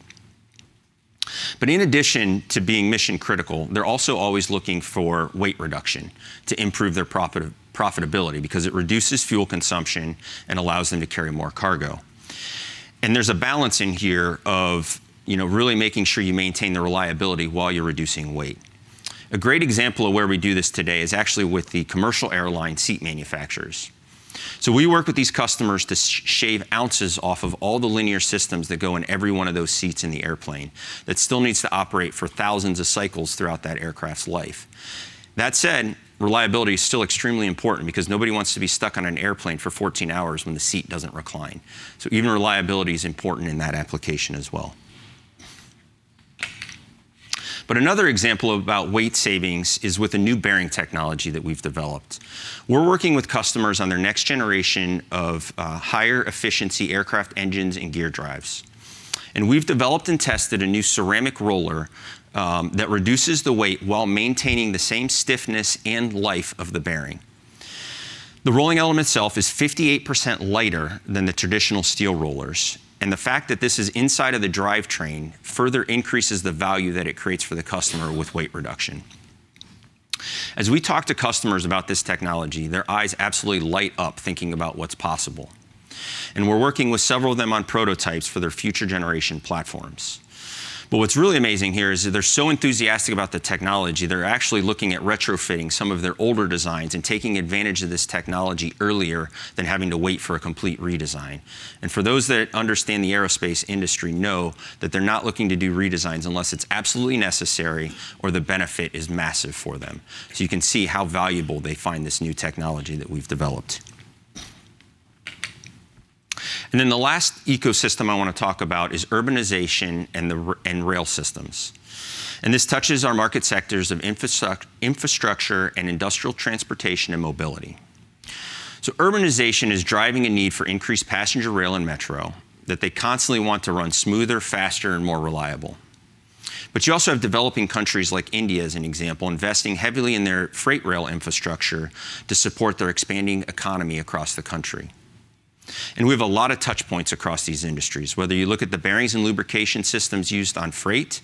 In addition to being mission critical, they're also always looking for weight reduction to improve their profitability because it reduces fuel consumption and allows them to carry more cargo. There's a balancing here of really making sure you maintain the reliability while you're reducing weight. A great example of where we do this today is actually with the commercial airline seat manufacturers. We work with these customers to shave ounces off of all the linear systems that go in every one of those seats in the airplane that still needs to operate for thousands of cycles throughout that aircraft's life. That said, reliability is still extremely important because nobody wants to be stuck on an airplane for 14 hours when the seat doesn't recline. Even reliability is important in that application as well. Another example about weight savings is with a new bearing technology that we've developed. We're working with customers on their next generation of higher efficiency aircraft engines and gear drives, and we've developed and tested a new Ceramic Roller that reduces the weight while maintaining the same stiffness and life of the bearing. The rolling element itself is 58% lighter than the traditional steel rollers, and the fact that this is inside of the drivetrain further increases the value that it creates for the customer with weight reduction. As we talk to customers about this technology, their eyes absolutely light up thinking about what's possible, and we're working with several of them on prototypes for their future generation platforms. What's really amazing here is that they're so enthusiastic about the technology, they're actually looking at retrofitting some of their older designs and taking advantage of this technology earlier than having to wait for a complete redesign. For those that understand the aerospace industry know that they're not looking to do redesigns unless it's absolutely necessary or the benefit is massive for them. You can see how valuable they find this new technology that we've developed. Then the last ecosystem I want to talk about is urbanization and rail systems, and this touches our market sectors of infrastructure and industrial transportation and mobility. Urbanization is driving a need for increased passenger rail and metro that they constantly want to run smoother, faster and more reliable. You also have developing countries like India, as an example, investing heavily in their freight rail infrastructure to support their expanding economy across the country. We have a lot of touch points across these industries. Whether you look at the bearings and lubrication systems used on freight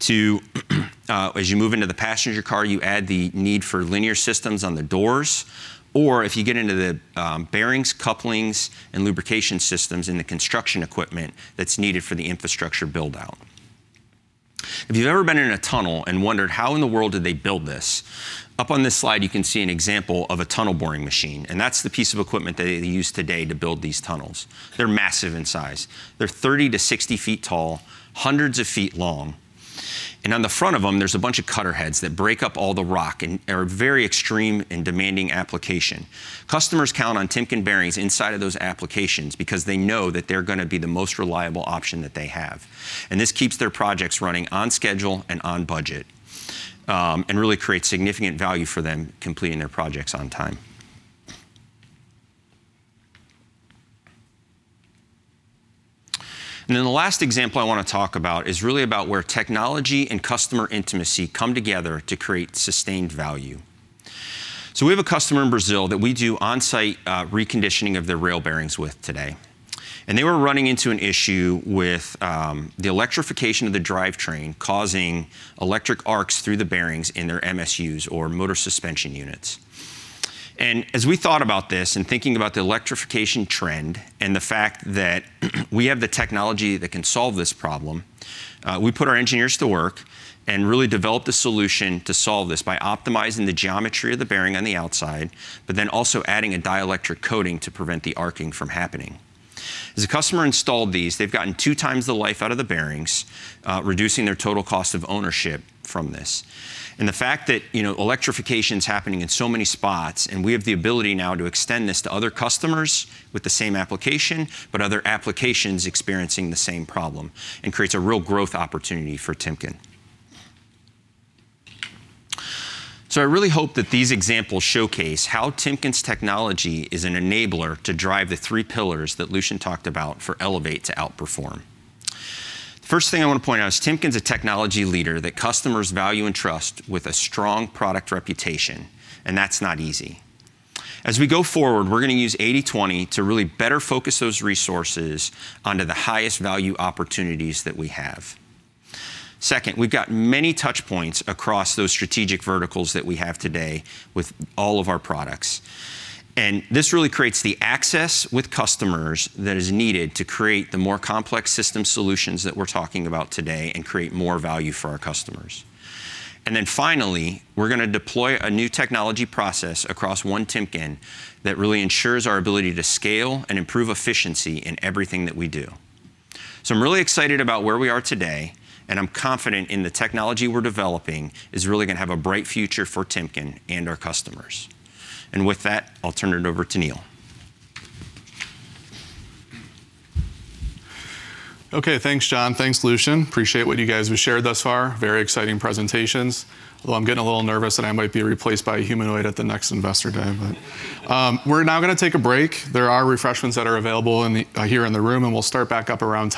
to as you move into the passenger car, you add the need for linear systems on the doors, or if you get into the bearings, couplings and lubrication systems in the construction equipment that's needed for the infrastructure build out. If you've ever been in a tunnel and wondered how in the world did they build this? Up on this slide, you can see an example of a tunnel boring machine, that's the piece of equipment that they use today to build these tunnels. They're massive in size. They're 30ft to 60 ft tall, hundreds of feet long, on the front of them, there's a bunch of cutter heads that break up all the rock and are very extreme and demanding application. Customers count on Timken bearings inside of those applications because they know that they're going to be the most reliable option that they have. This keeps their projects running on schedule and on budget, really creates significant value for them completing their projects on time. The last example I want to talk about is really about where technology and customer intimacy come together to create sustained value. We have a customer in Brazil that we do on-site reconditioning of their rail bearings with today. They were running into an issue with the electrification of the drivetrain causing electric arcs through the bearings in their MSUs or motor suspension units. As we thought about this and thinking about the electrification trend and the fact that we have the technology that can solve this problem, we put our engineers to work and really developed a solution to solve this by optimizing the geometry of the bearing on the outside, but then also adding a dielectric coating to prevent the arcing from happening. The fact that electrification is happening in so many spots, and we have the ability now to extend this to other customers with the same application, but other applications experiencing the same problem, and creates a real growth opportunity for Timken. I really hope that these examples showcase how Timken's technology is an enabler to drive the three pillars that Lucian talked about for Elevate to Outperform. First thing I want to point out is Timken's a technology leader that customers value and trust with a strong product reputation, and that's not easy. As we go forward, we're going to use 80/20 to really better focus those resources onto the highest value opportunities that we have. Second, we've got many touch points across those strategic verticals that we have today with all of our products, and this really creates the access with customers that is needed to create the more complex system solutions that we're talking about today and create more value for our customers. Finally, we're going to deploy a new technology process across One Timken that really ensures our ability to scale and improve efficiency in everything that we do. I'm really excited about where we are today, and I'm confident in the technology we're developing is really going to have a bright future for Timken and our customers. With that, I'll turn it over to Neil. Okay. Thanks, John. Thanks, Lucian. Appreciate what you guys have shared thus far. Very exciting presentations. Although I'm getting a little nervous that I might be replaced by a humanoid at the next Investor Day. We're now going to take a break. There are refreshments that are available here in the room, and we'll start back up around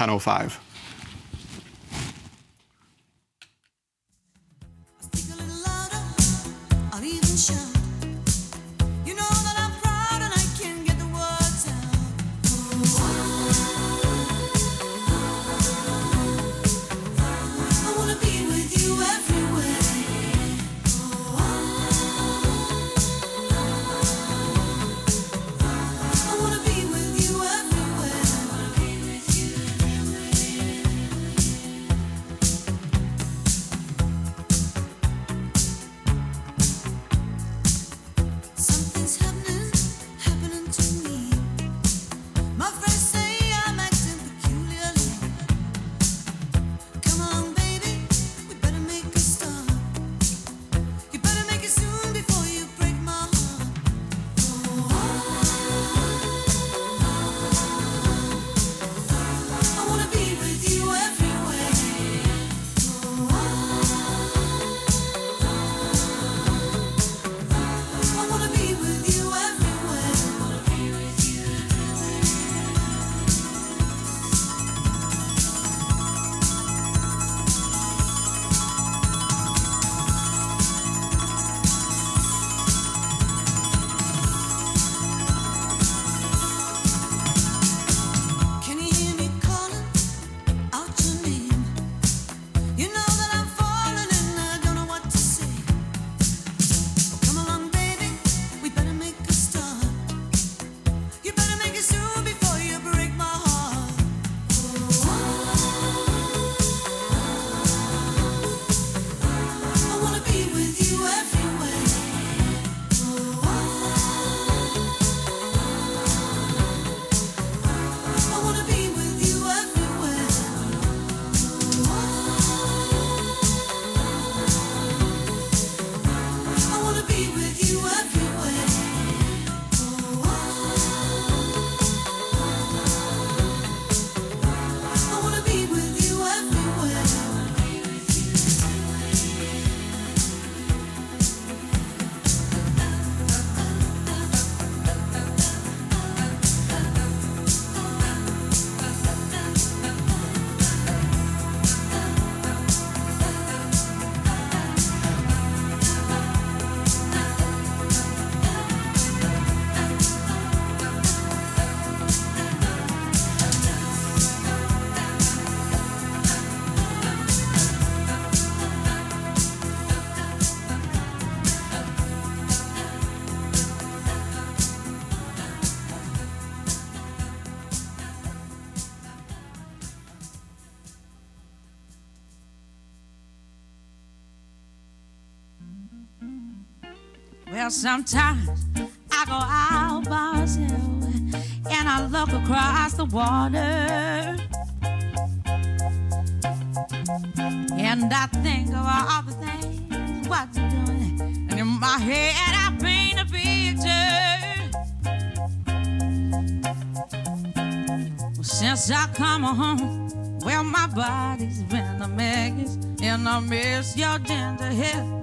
10:05 A.M. All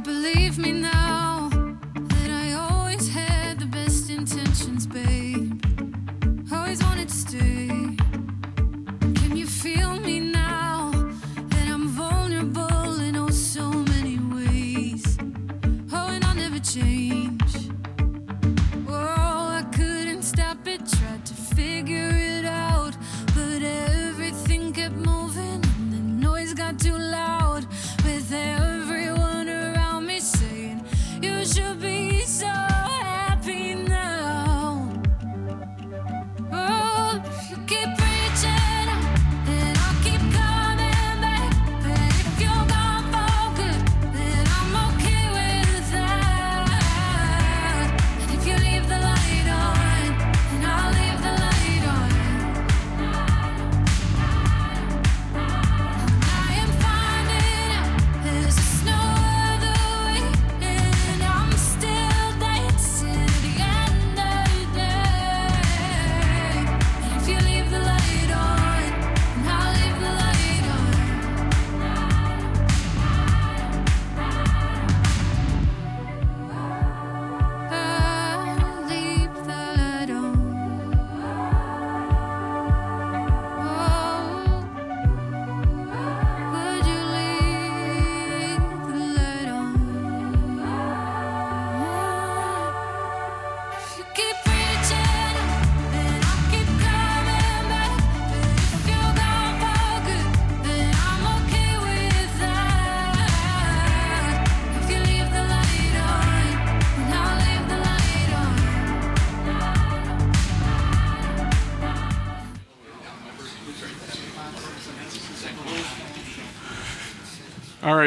right,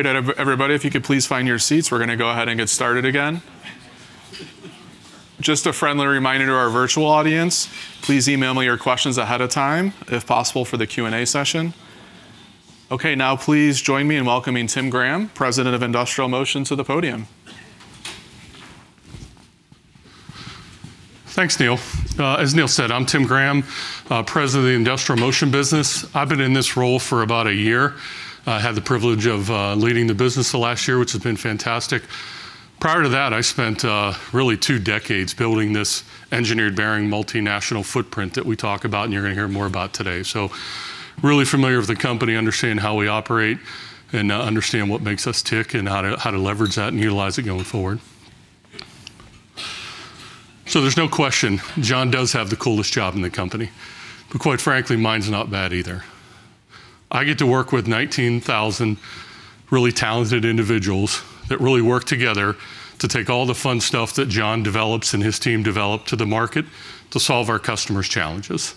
everybody, if you could please find your seats, we're going to go ahead and get started again. Just a friendly reminder to our virtual audience, please email me your questions ahead of time if possible for the Q&A session. Okay, now please join me in welcoming Tim Graham, President of Industrial Motion, to the podium. Thanks, Neil. As Neil said, I'm Tim Graham, President of the Industrial Motion business. I've been in this role for about a year. I had the privilege of leading the business the last year, which has been fantastic. Prior to that, I spent really two decades building this engineered bearing multinational footprint that we talk about, and you're gonna hear more about today. Really familiar with the company, understand how we operate, and understand what makes us tick, and how to leverage that and utilize it going forward. There's no question, John does have the coolest job in the company, but quite frankly, mine's not bad either. I get to work with 19,000 really talented individuals that really work together to take all the fun stuff that John develops and his team develop to the market to solve our customers' challenges.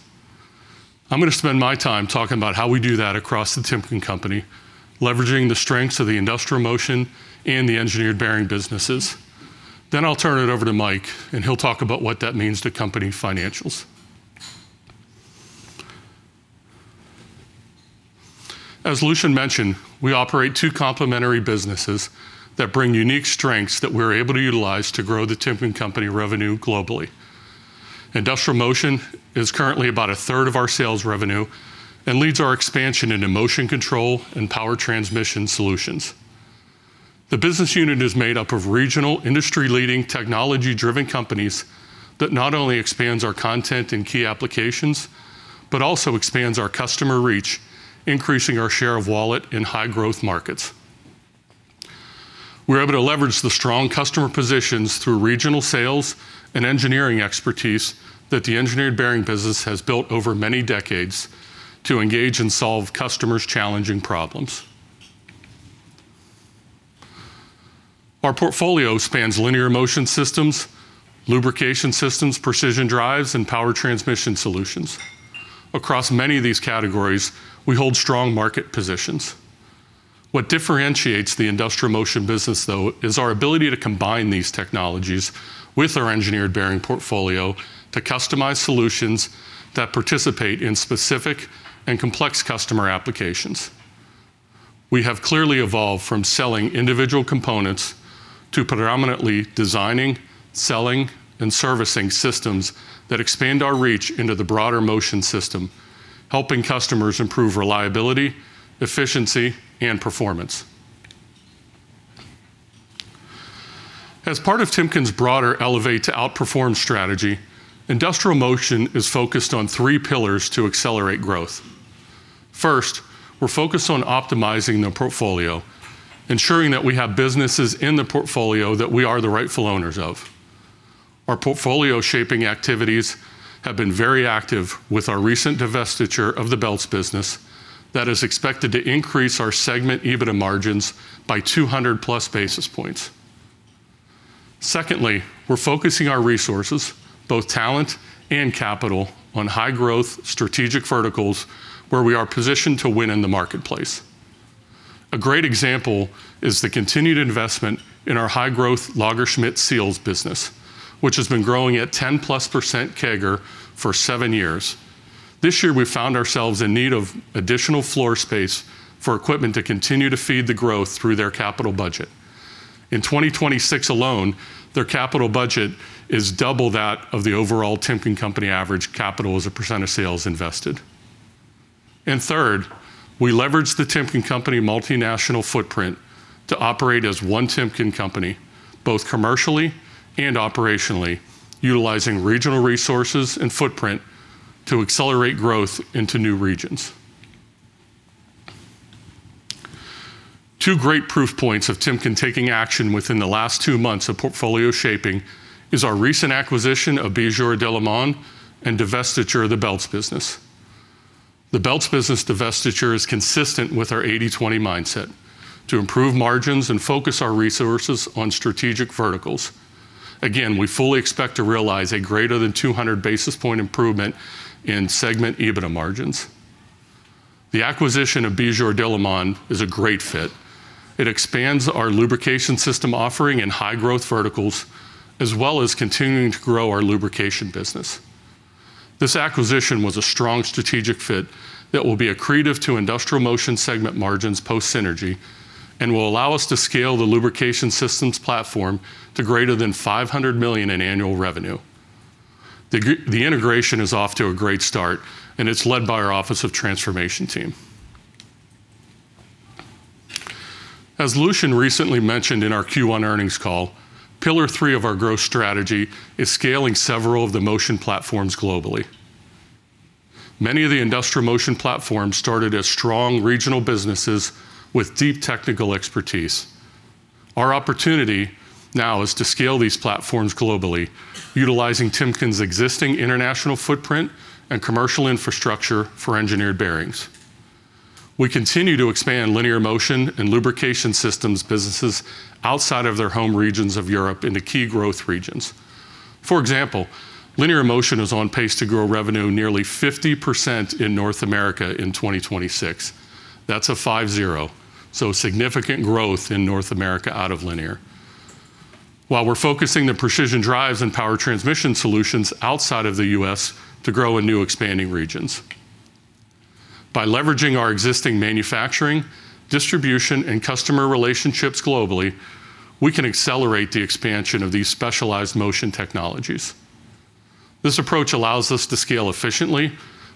I'm gonna spend my time talking about how we do that across The Timken Company, leveraging the strengths of the Industrial Motion and the engineered bearing businesses. I'll turn it over to Mike, and he'll talk about what that means to company financials. As Lucian mentioned, we operate two complementary businesses that bring unique strengths that we're able to utilize to grow The Timken Company revenue globally. Industrial Motion is currently about 1/3 of our sales revenue and leads our expansion into motion control and power transmission solutions. The business unit is made up of regional, industry-leading technology-driven companies that not only expands our content and key applications, but also expands our customer reach, increasing our share of wallet in high growth markets. We're able to leverage the strong customer positions through regional sales and engineering expertise that the engineered bearing business has built over many decades to engage and solve customers' challenging problems. Our portfolio spans linear motion systems, lubrication systems, precision drives, and power transmission solutions. Across many of these categories, we hold strong market positions. What differentiates the Industrial Motion business, though, is our ability to combine these technologies with our engineered bearing portfolio to customize solutions that participate in specific and complex customer applications. We have clearly evolved from selling individual components to predominantly designing, selling, and servicing systems that expand our reach into the broader motion system, helping customers improve reliability, efficiency, and performance. As part of Timken's broader Elevate to Outperform strategy, Industrial Motion is focused on three pillars to accelerate growth. First, we're focused on optimizing the portfolio, ensuring that we have businesses in the portfolio that we are the rightful owners of. Our portfolio shaping activities have been very active with our recent divestiture of the Belts business that is expected to increase our segment EBITDA margins by 200+ basis points. Secondly, we're focusing our resources, both talent and capital, on high-growth strategic verticals where we are positioned to win in the marketplace. A great example is the continued investment in our high-growth Lagersmit seals business, which has been growing at 10%+ CAGR for seven years. This year, we found ourselves in need of additional floor space for equipment to continue to feed the growth through their capital budget. In 2026 alone, their capital budget is double that of the overall The Timken Company average capital as a percent of sales invested. Third, we leverage The Timken Company multinational footprint to operate as One Timken, both commercially and operationally, utilizing regional resources and footprint to accelerate growth into new regions. Two great proof points of Timken taking action within the last two months of portfolio shaping is our recent acquisition of Bijur Delimon and divestiture of the Belts business. The Belts business divestiture is consistent with our 80/20 mindset to improve margins and focus our resources on strategic verticals. Again, we fully expect to realize a greater than 200 basis point improvement in segment EBITDA margins. The acquisition of Bijur Delimon is a great fit. It expands our lubrication system offering in high growth verticals, as well as continuing to grow our lubrication business. This acquisition was a strong strategic fit that will be accretive to Industrial Motion segment margins post-synergy and will allow us to scale the lubrication systems platform to greater than $500 million in annual revenue. The integration is off to a great start, and it is led by our Office of Transformation team. As Lucian recently mentioned in our Q1 earnings call, Pillar 3 of our growth strategy is scaling several of the motion platforms globally. Many of the Industrial Motion platforms started as strong regional businesses with deep technical expertise. Our opportunity now is to scale these platforms globally, utilizing Timken's existing international footprint and commercial infrastructure for engineered bearings. We continue to expand linear motion and lubrication systems businesses outside of their home regions of Europe into key growth regions. For example, linear motion is on pace to grow revenue nearly 50% in North America in 2026. That's a 50, significant growth in North America out of linear. While we're focusing the precision drives and power transmission solutions outside of the U.S. to grow in new expanding regions. By leveraging our existing manufacturing, distribution, and customer relationships globally, we can accelerate the expansion of these specialized motion technologies. This approach allows us to scale efficiently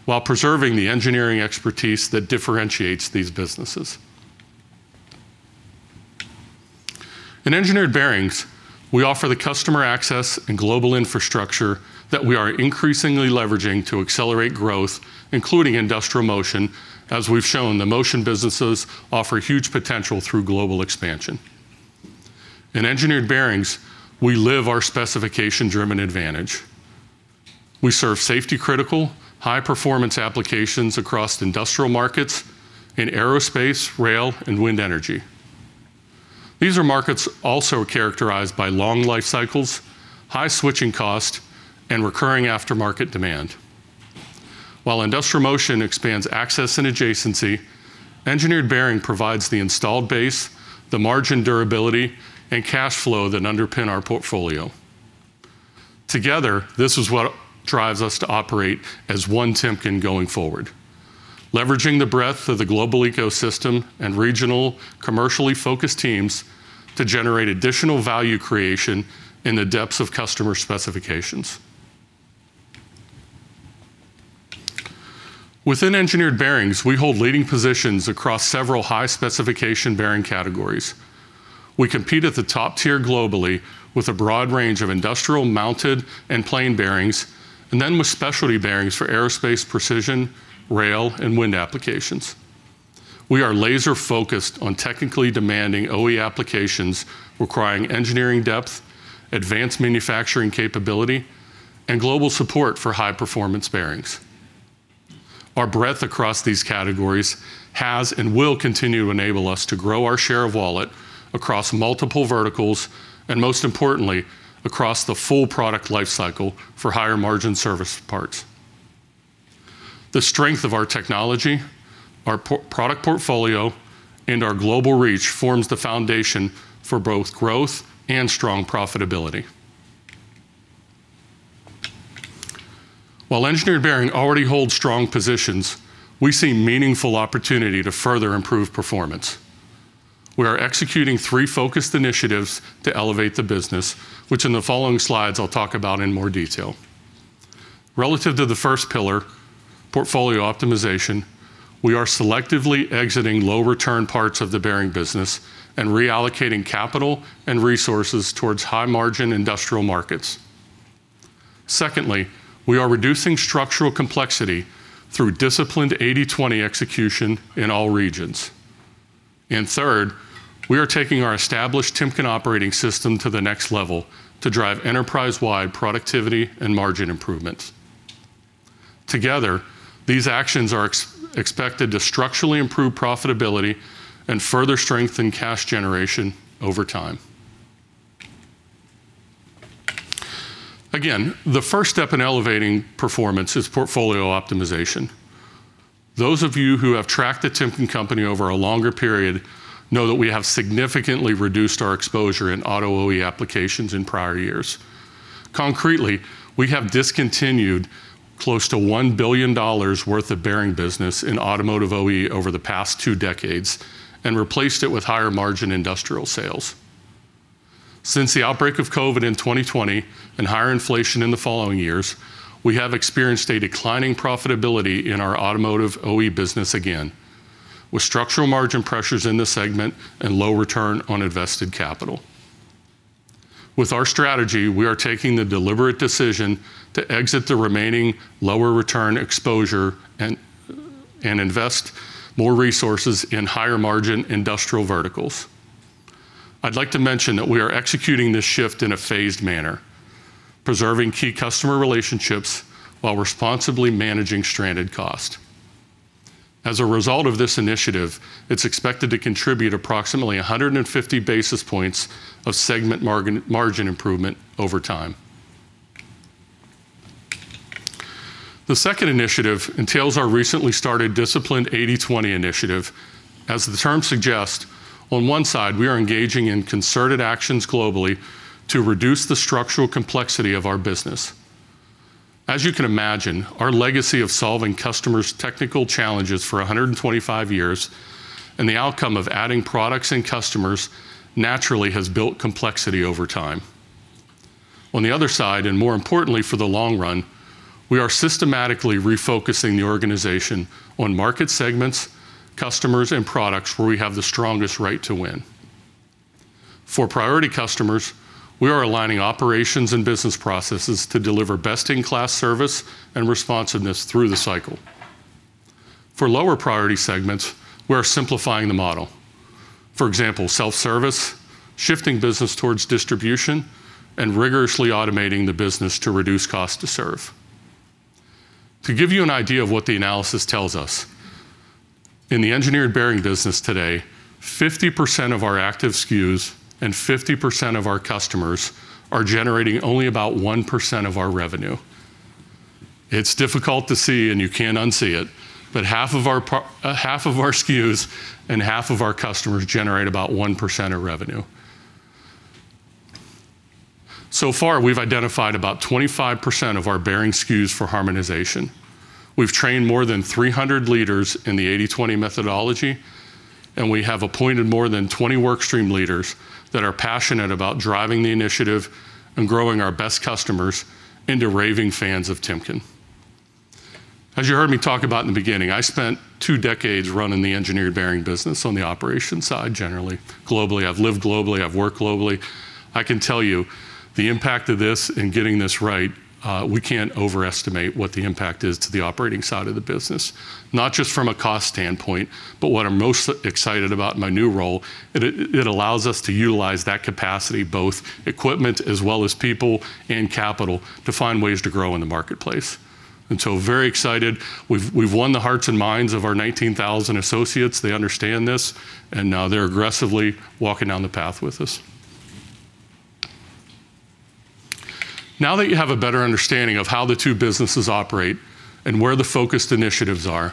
while preserving the engineering expertise that differentiates these businesses. In engineered bearings, we offer the customer access and global infrastructure that we are increasingly leveraging to accelerate growth, including industrial motion. As we've shown, the motion businesses offer huge potential through global expansion. In engineered bearings, we live our specification-driven advantage. We serve safety-critical, high-performance applications across industrial markets in aerospace, rail, and wind energy. These are markets also characterized by long life cycles, high switching cost, and recurring aftermarket demand. While industrial motion expands access and adjacency, engineered bearings provides the installed base, the margin durability, and cash flow that underpin our portfolio. Together, this is what drives us to operate as One Timken going forward. Leveraging the breadth of the global ecosystem and regional commercially focused teams to generate additional value creation in the depths of customer specifications. Within engineered bearings, we hold leading positions across several high-specification bearing categories. We compete at the top tier globally with a broad range of industrial, mounted, and plain bearings, and then with specialty bearings for aerospace precision, rail, and wind applications. We are laser-focused on technically demanding OE applications requiring engineering depth, advanced manufacturing capability, and global support for high-performance bearings. Our breadth across these categories has and will continue to enable us to grow our share of wallet across multiple verticals, and most importantly, across the full product life cycle for higher margin service parts. The strength of our technology, our product portfolio, and our global reach forms the foundation for both growth and strong profitability. While engineered bearing already holds strong positions, we see meaningful opportunity to further improve performance. We are executing three focused initiatives to elevate the business, which in the following slides, I'll talk about in more detail. Relative to the first pillar, portfolio optimization, we are selectively exiting low-return parts of the bearing business and reallocating capital and resources towards high-margin industrial markets. Secondly, we are reducing structural complexity through disciplined 80/20 execution in all regions. Third, we are taking our established Timken operating system to the next level to drive enterprise-wide productivity and margin improvements. Together, these actions are expected to structurally improve profitability and further strengthen cash generation over time. Again, the first step in elevating performance is portfolio optimization. Those of you who have tracked The Timken Company over a longer period know that we have significantly reduced our exposure in auto OE applications in prior years. Concretely, we have discontinued close to $1 billion worth of bearing business in automotive OE over the past two decades and replaced it with higher margin industrial sales. Since the outbreak of COVID in 2020 and higher inflation in the following years, we have experienced a declining profitability in our automotive OE business again, with structural margin pressures in the segment and low return on invested capital. With our strategy, we are taking the deliberate decision to exit the remaining lower return exposure and invest more resources in higher margin industrial verticals. I'd like to mention that we are executing this shift in a phased manner, preserving key customer relationships while responsibly managing stranded cost. As a result of this initiative, it's expected to contribute approximately 150 basis points of segment margin improvement over time. The second initiative entails our recently started disciplined 80/20 initiative. As the term suggests, on one side, we are engaging in concerted actions globally to reduce the structural complexity of our business. As you can imagine, our legacy of solving customers' technical challenges for 125 years, and the outcome of adding products and customers naturally has built complexity over time. On the other side, more importantly for the long run, we are systematically refocusing the organization on market segments, customers, and products where we have the strongest right to win. For priority customers, we are aligning operations and business processes to deliver best-in-class service and responsiveness through the cycle. For lower priority segments, we are simplifying the model. For example, self-service, shifting business towards distribution, and rigorously automating the business to reduce cost to serve. To give you an idea of what the analysis tells us, in the engineered bearings business today, 50% of our active SKUs and 50% of our customers are generating only about 1% of our revenue. It's difficult to see, and you can't unsee it, but half of our SKUs and half of our customers generate about 1% of revenue. So far, we've identified about 25% of our bearing SKUs for harmonization. We've trained more than 300 leaders in the 80/20 methodology. We have appointed more than 20 work stream leaders that are passionate about driving the initiative and growing our best customers into raving fans of Timken. As you heard me talk about in the beginning, I spent two decades running the engineered bearing business on the operations side, generally, globally. I've lived globally, I've worked globally. I can tell you the impact of this in getting this right, we can't overestimate what the impact is to the operating side of the business, not just from a cost standpoint, but what I'm most excited about in my new role, it allows us to utilize that capacity, both equipment as well as people and capital, to find ways to grow in the marketplace. Very excited. We've won the hearts and minds of our 19,000 associates. They understand this, and now they're aggressively walking down the path with us. Now that you have a better understanding of how the two businesses operate and where the focused initiatives are,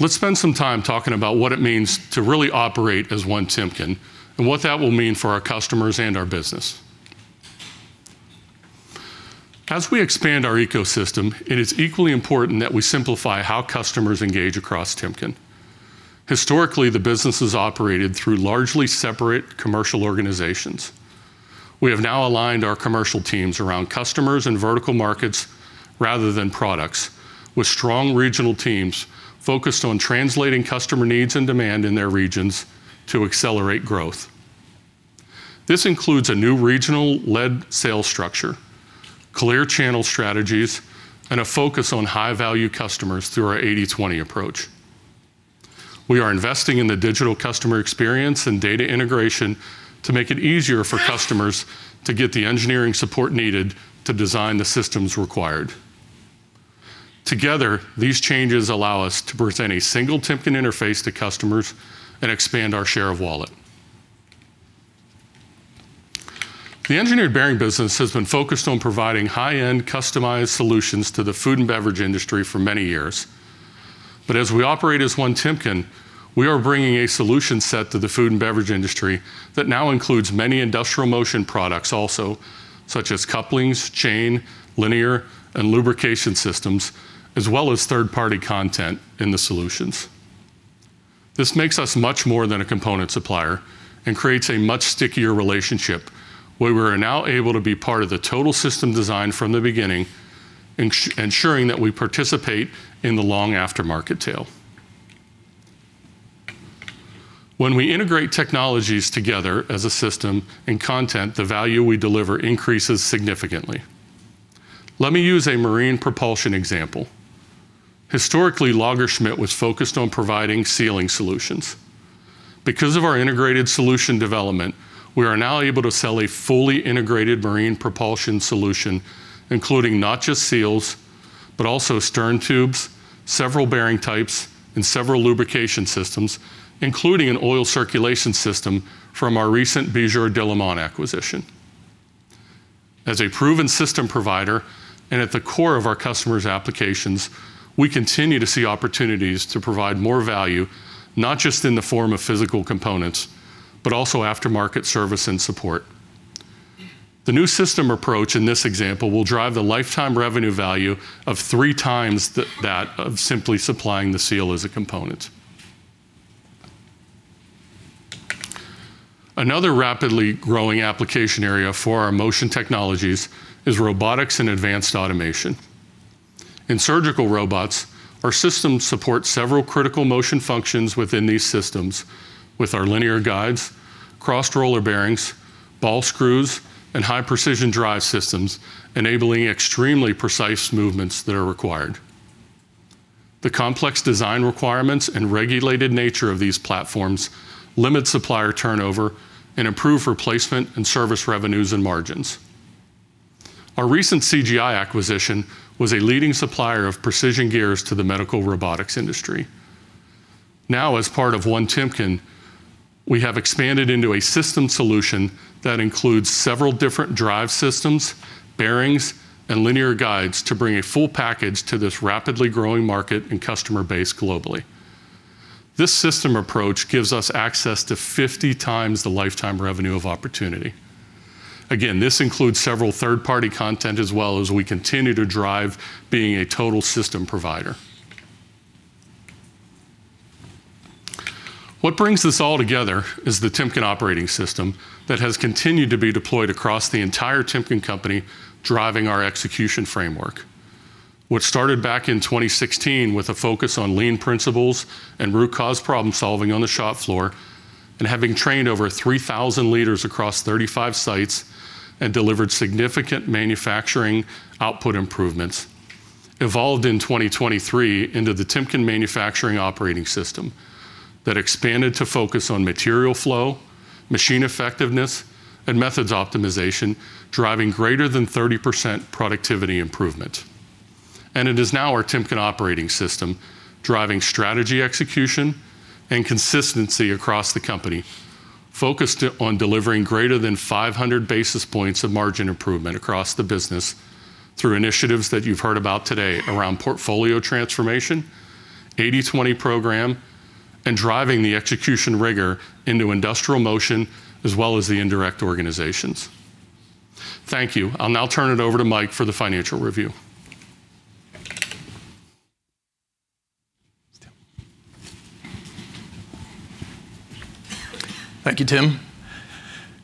let's spend some time talking about what it means to really operate as One Timken and what that will mean for our customers and our business. As we expand our ecosystem, it is equally important that we simplify how customers engage across Timken. Historically, the business is operated through largely separate commercial organizations. We have now aligned our commercial teams around customers and vertical markets rather than products, with strong regional teams focused on translating customer needs and demand in their regions to accelerate growth. This includes a new regional-led sales structure, clear channel strategies, and a focus on high-value customers through our 80/20 approach. We are investing in the digital customer experience and data integration to make it easier for customers to get the engineering support needed to design the systems required. Together, these changes allow us to present a single Timken interface to customers and expand our share of wallet. The engineered bearing business has been focused on providing high-end customized solutions to the food and beverage industry for many years. As we operate as One Timken, we are bringing a solution set to the food and beverage industry that now includes many industrial motion products also, such as couplings, chain, linear, and lubrication systems, as well as third-party content in the solutions. This makes us much more than a component supplier and creates a much stickier relationship, where we are now able to be part of the total system design from the beginning, ensuring that we participate in the long aftermarket tail. When we integrate technologies together as a system and content, the value we deliver increases significantly. Let me use a marine propulsion example. Historically, Lagersmit was focused on providing sealing solutions. Because of our integrated solution development, we are now able to sell a fully integrated marine propulsion solution, including not just seals, but also stern tubes, several bearing types, and several lubrication systems, including an oil circulation system from our recent Bijur Delimon acquisition. As a proven system provider and at the core of our customers' applications, we continue to see opportunities to provide more value, not just in the form of physical components, but also aftermarket service and support. The new system approach in this example will drive the lifetime revenue value of three times that of simply supplying the seal as a component. Another rapidly growing application area for our motion technologies is robotics and advanced automation. In surgical robots, our systems support several critical motion functions within these systems with our linear guides, crossed roller bearings, ball screws, and high-precision drive systems, enabling extremely precise movements that are required. The complex design requirements and regulated nature of these platforms limit supplier turnover and improve replacement and service revenues and margins. Our recent CGI acquisition was a leading supplier of precision gears to the medical robotics industry. Now, as part of One Timken, we have expanded into a system solution that includes several different drive systems, bearings, and linear guides to bring a full package to this rapidly growing market and customer base globally. This system approach gives us access to 50 times the lifetime revenue of opportunity. This includes several third-party content as well as we continue to drive being a total system provider. What brings this all together is the Timken operating system that has continued to be deployed across the entire The Timken Company, driving our execution framework. What started back in 2016 with a focus on lean principles and root cause problem-solving on the shop floor, having trained over 3,000 leaders across 35 sites and delivered significant manufacturing output improvements, evolved in 2023 into the Timken manufacturing operating system that expanded to focus on material flow, machine effectiveness, and methods optimization, driving greater than 30% productivity improvement. It is now our Timken operating system, driving strategy execution and consistency across the company, focused on delivering greater than 500 basis points of margin improvement across the business through initiatives that you've heard about today around portfolio transformation, 80/20 program, and driving the execution rigor into Industrial Motion as well as the indirect organizations. Thank you. I'll now turn it over to Mike for the financial review. Thank you, Tim.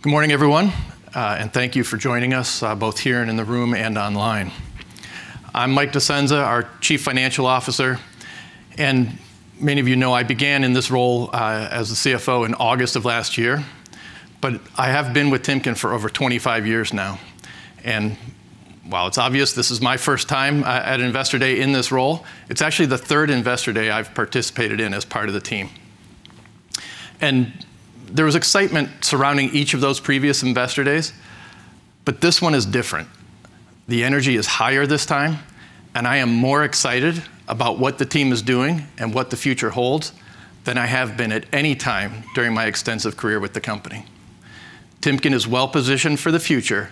Good morning, everyone, and thank you for joining us both here and in the room and online. I'm Mike Discenza, our Chief Financial Officer, and many of you know I began in this role as the CFO in August of last year, but I have been with Timken for over 25 years now. While it's obvious this is my first time at Investor Day in this role, it's actually the third Investor Day I've participated in as part of the team. There was excitement surrounding each of those previous investor days, but this one is different. The energy is higher this time, and I am more excited about what the team is doing and what the future holds than I have been at any time during my extensive career with the company. Timken is well-positioned for the future,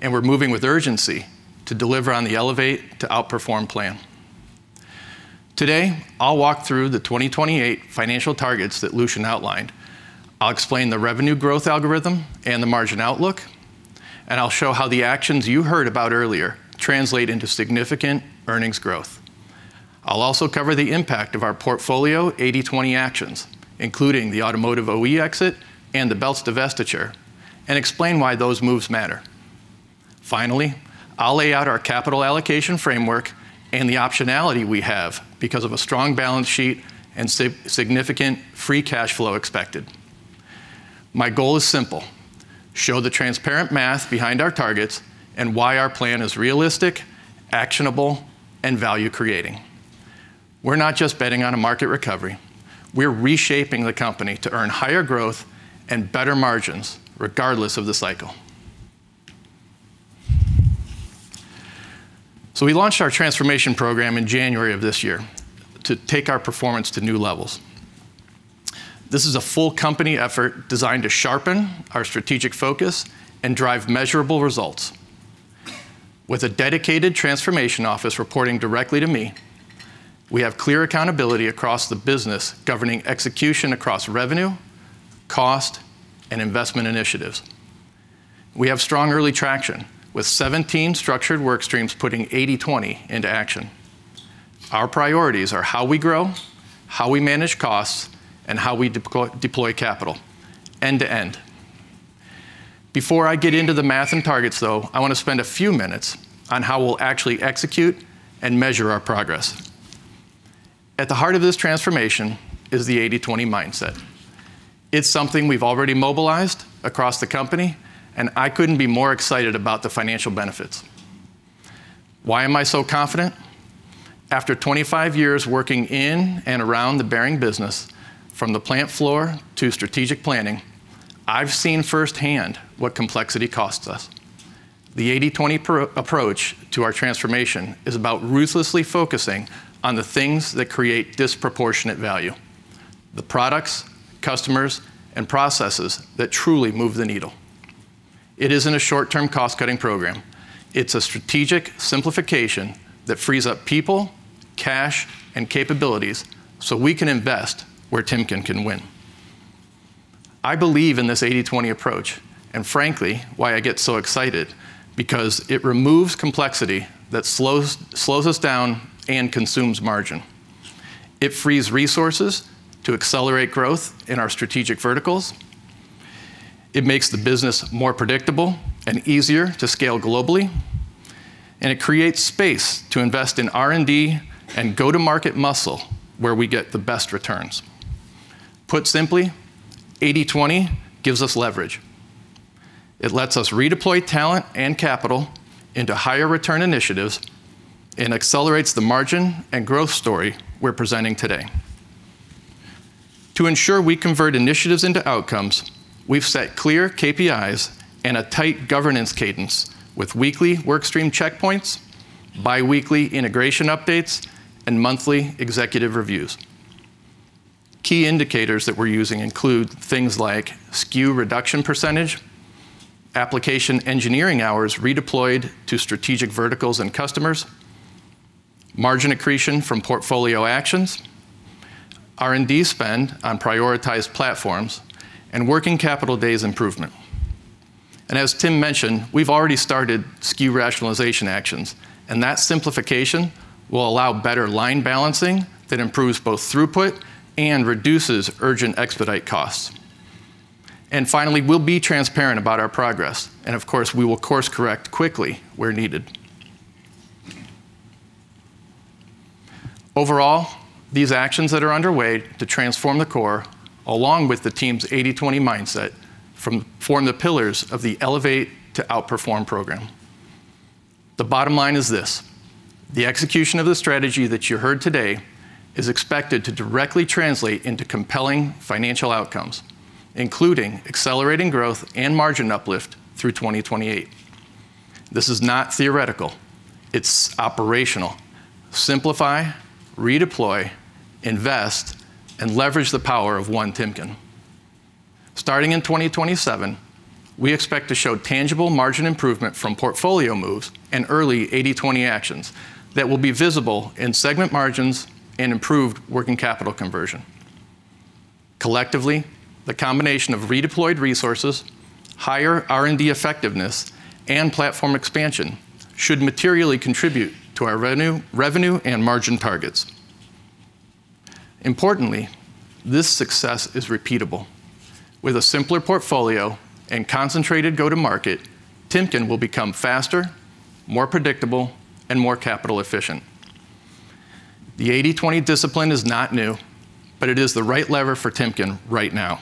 and we're moving with urgency to deliver on the Elevate to Outperform plan. Today, I'll walk through the 2028 financial targets that Lucian outlined. I'll explain the revenue growth algorithm and the margin outlook. I'll show how the actions you heard about earlier translate into significant earnings growth. I'll also cover the impact of our portfolio 80/20 actions, including the automotive OE exit and the Belts divestiture, and explain why those moves matter. Finally, I'll lay out our capital allocation framework and the optionality we have because of a strong balance sheet and significant free cash flow expected. My goal is simple, show the transparent math behind our targets and why our plan is realistic, actionable, and value-creating. We're not just betting on a market recovery. We're reshaping the company to earn higher growth and better margins regardless of the cycle. We launched our transformation program in January of this year to take our performance to new levels. This is a full company effort designed to sharpen our strategic focus and drive measurable results. With a dedicated Office of Transformation reporting directly to me, we have clear accountability across the business governing execution across revenue, cost, and investment initiatives. We have strong early traction with 17 structured work streams putting 80/20 into action. Our priorities are how we grow, how we manage costs, and how we deploy capital end-to-end. Before I get into the math and targets, though, I want to spend a few minutes on how we'll actually execute and measure our progress. At the heart of this transformation is the 80/20 mindset. It's something we've already mobilized across the company, and I couldn't be more excited about the financial benefits. Why am I so confident? After 25 years working in and around the bearing business, from the plant floor to strategic planning, I've seen firsthand what complexity costs us. The 80/20 approach to our transformation is about ruthlessly focusing on the things that create disproportionate value, the products, customers, and processes that truly move the needle. It isn't a short-term cost-cutting program. It's a strategic simplification that frees up people, cash, and capabilities so we can invest where Timken can win. I believe in this 80/20 approach, and frankly, why I get so excited, because it removes complexity that slows us down and consumes margin. It frees resources to accelerate growth in our strategic verticals. It makes the business more predictable and easier to scale globally. It creates space to invest in R&D and go-to-market muscle where we get the best returns. Put simply, 80/20 gives us leverage. It lets us redeploy talent and capital into higher return initiatives and accelerates the margin and growth story we're presenting today. To ensure we convert initiatives into outcomes, we've set clear KPIs and a tight governance cadence with weekly work stream checkpoints, biweekly integration updates, and monthly executive reviews. Key indicators that we're using include things like SKU reduction percentage, application engineering hours redeployed to strategic verticals and customers, margin accretion from portfolio actions, R&D spend on prioritized platforms, and working capital days improvement. As Tim mentioned, we've already started SKU rationalization actions, and that simplification will allow better line balancing that improves both throughput and reduces urgent expedite costs. Finally, we'll be transparent about our progress. Of course, we will course correct quickly where needed. Overall, these actions that are underway to transform the core, along with the team's 80/20 mindset, form the pillars of the Elevate to Outperform program. The bottom line is this, the execution of the strategy that you heard today is expected to directly translate into compelling financial outcomes, including accelerating growth and margin uplift through 2028. This is not theoretical. It's operational. Simplify, redeploy, invest, and leverage the power of One Timken. Starting in 2027, we expect to show tangible margin improvement from portfolio moves and early 80/20 actions that will be visible in segment margins and improved working capital conversion. Collectively, the combination of redeployed resources, higher R&D effectiveness, and platform expansion should materially contribute to our revenue and margin targets. Importantly, this success is repeatable. With a simpler portfolio and concentrated go-to-market, Timken will become faster, more predictable, and more capital efficient. The 80/20 discipline is not new, but it is the right lever for Timken right now.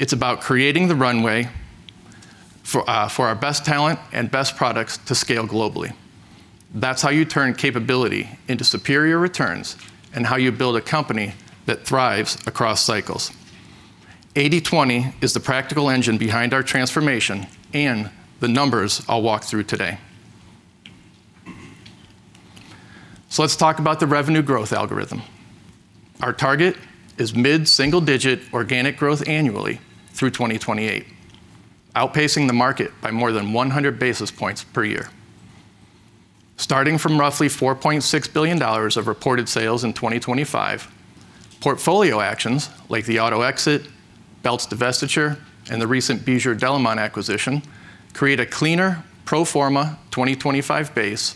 It's about creating the runway for our best talent and best products to scale globally. That's how you turn capability into superior returns and how you build a company that thrives across cycles. 80/20 is the practical engine behind our transformation and the numbers I'll walk through today. Let's talk about the revenue growth algorithm. Our target is mid-single-digit organic growth annually through 2028, outpacing the market by more than 100 basis points per year. Starting from roughly $4.6 billion of reported sales in 2025, portfolio actions like the auto exit, Belts divestiture, and the recent Bijur Delimon acquisition create a cleaner pro forma 2025 base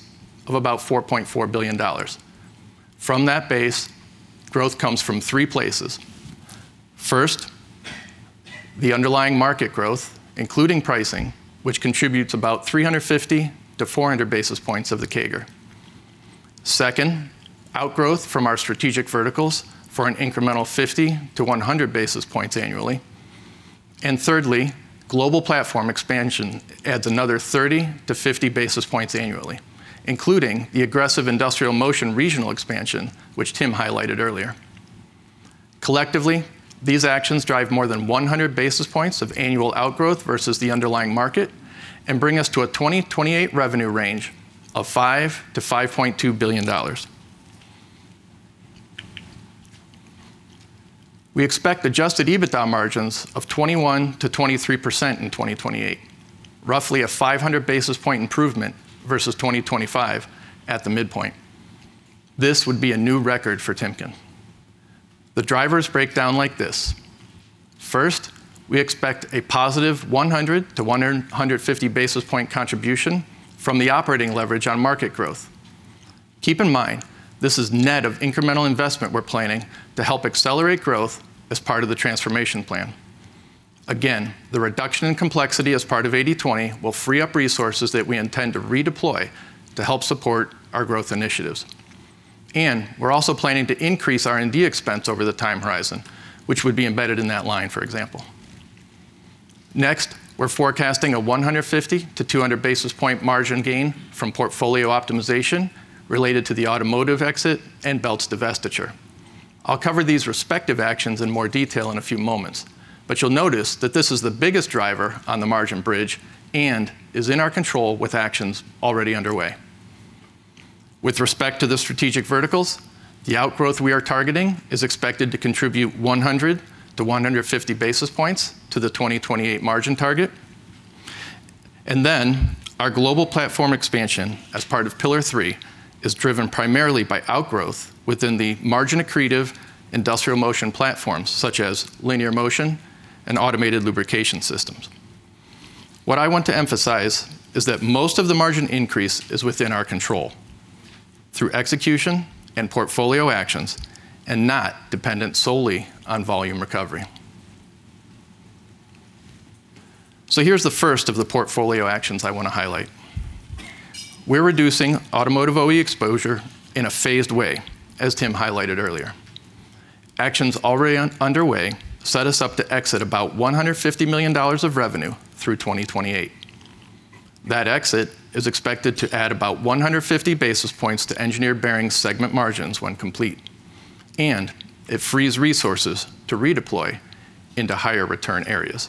of about $4.4 billion. From that base, growth comes from three places. First, the underlying market growth, including pricing, which contributes about 350 to 400 basis points of the CAGR. Second, outgrowth from our strategic verticals for an incremental 50 to 100 basis points annually. Thirdly, global platform expansion adds another 30 to 50 basis points annually, including the aggressive industrial motion regional expansion, which Tim highlighted earlier. Collectively, these actions drive more than 100 basis points of annual outgrowth versus the underlying market and bring us to a 2028 revenue range of $5 billion-$5.2 billion. We expect adjusted EBITDA margins of 21%-23% in 2028, roughly a 500 basis point improvement versus 2025 at the mid-point. This would be a new record for Timken. The drivers break down like this. First, we expect a positive 100 to 150 basis point contribution from the operating leverage on market growth. Keep in mind, this is net of incremental investment we're planning to help accelerate growth as part of the transformation plan. Again, the reduction in complexity as part of 80/20 will free up resources that we intend to redeploy to help support our growth initiatives. We're also planning to increase R&D expense over the time horizon, which would be embedded in that line, for example. Next, we're forecasting a 150 to 200 basis point margin gain from portfolio optimization related to the automotive exit and Belts divestiture. I'll cover these respective actions in more detail in a few moments, but you'll notice that this is the biggest driver on the margin bridge and is in our control with actions already underway. With respect to the strategic verticals, the outgrowth we are targeting is expected to contribute 100 to 150 basis points to the 2028 margin target. Our global platform expansion as part of Pillar 3 is driven primarily by outgrowth within the margin-accretive industrial motion platforms, such as linear motion and automated lubrication systems. What I want to emphasize is that most of the margin increase is within our control through execution and portfolio actions and not dependent solely on volume recovery. Here's the first of the portfolio actions I want to highlight. We're reducing automotive OE exposure in a phased way, as Tim highlighted earlier. Actions already underway set us up to exit about $150 million of revenue through 2028. That exit is expected to add about 150 basis points to engineered bearings segment margins when complete, and it frees resources to redeploy into higher return areas.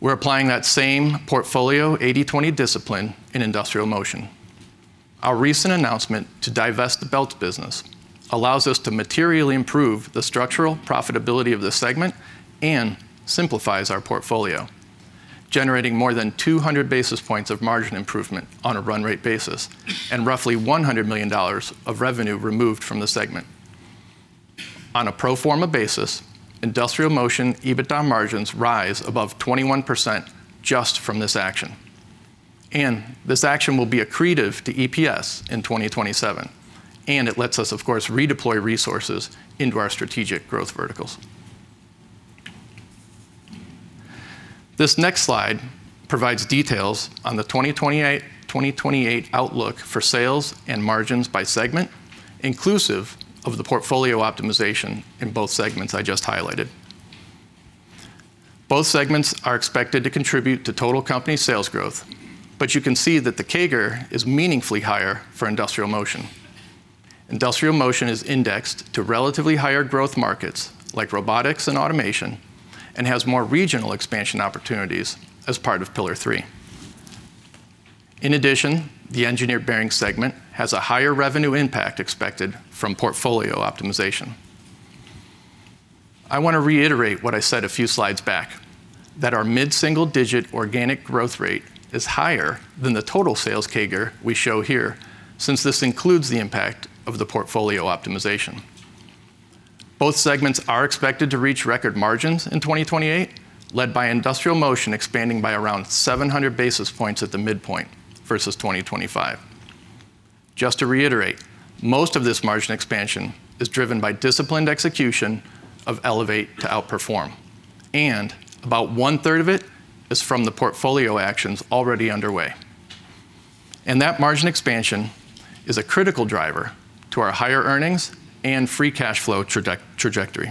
We're applying that same portfolio 80/20 discipline in industrial motion. Our recent announcement to divest the Belts business allows us to materially improve the structural profitability of the segment and simplifies our portfolio, generating more than 200 basis points of margin improvement on a run rate basis and roughly $100 million of revenue removed from the segment. On a pro forma basis, Industrial Motion EBITDA margins rise above 21% just from this action. This action will be accretive to EPS in 2027. It lets us, of course, redeploy resources into our strategic growth verticals. This next slide provides details on the 2028 outlook for sales and margins by segment, inclusive of the portfolio optimization in both segments I just highlighted. Both segments are expected to contribute to total company sales growth, but you can see that the CAGR is meaningfully higher for Industrial Motion. Industrial Motion is indexed to relatively higher growth markets like robotics and automation and has more regional expansion opportunities as part of Pillar 3. In addition, the Engineered Bearing segment has a higher revenue impact expected from portfolio optimization. I want to reiterate what I said a few slides back, that our mid-single-digit organic growth rate is higher than the total sales CAGR we show here, since this includes the impact of the portfolio optimization. Both segments are expected to reach record margins in 2028, led by Industrial Motion expanding by around 700 basis points at the mid-point versus 2025. Just to reiterate, most of this margin expansion is driven by disciplined execution of Elevate to Outperform, and about 1/3 of it is from the portfolio actions already underway. That margin expansion is a critical driver to our higher earnings and free cash flow trajectory.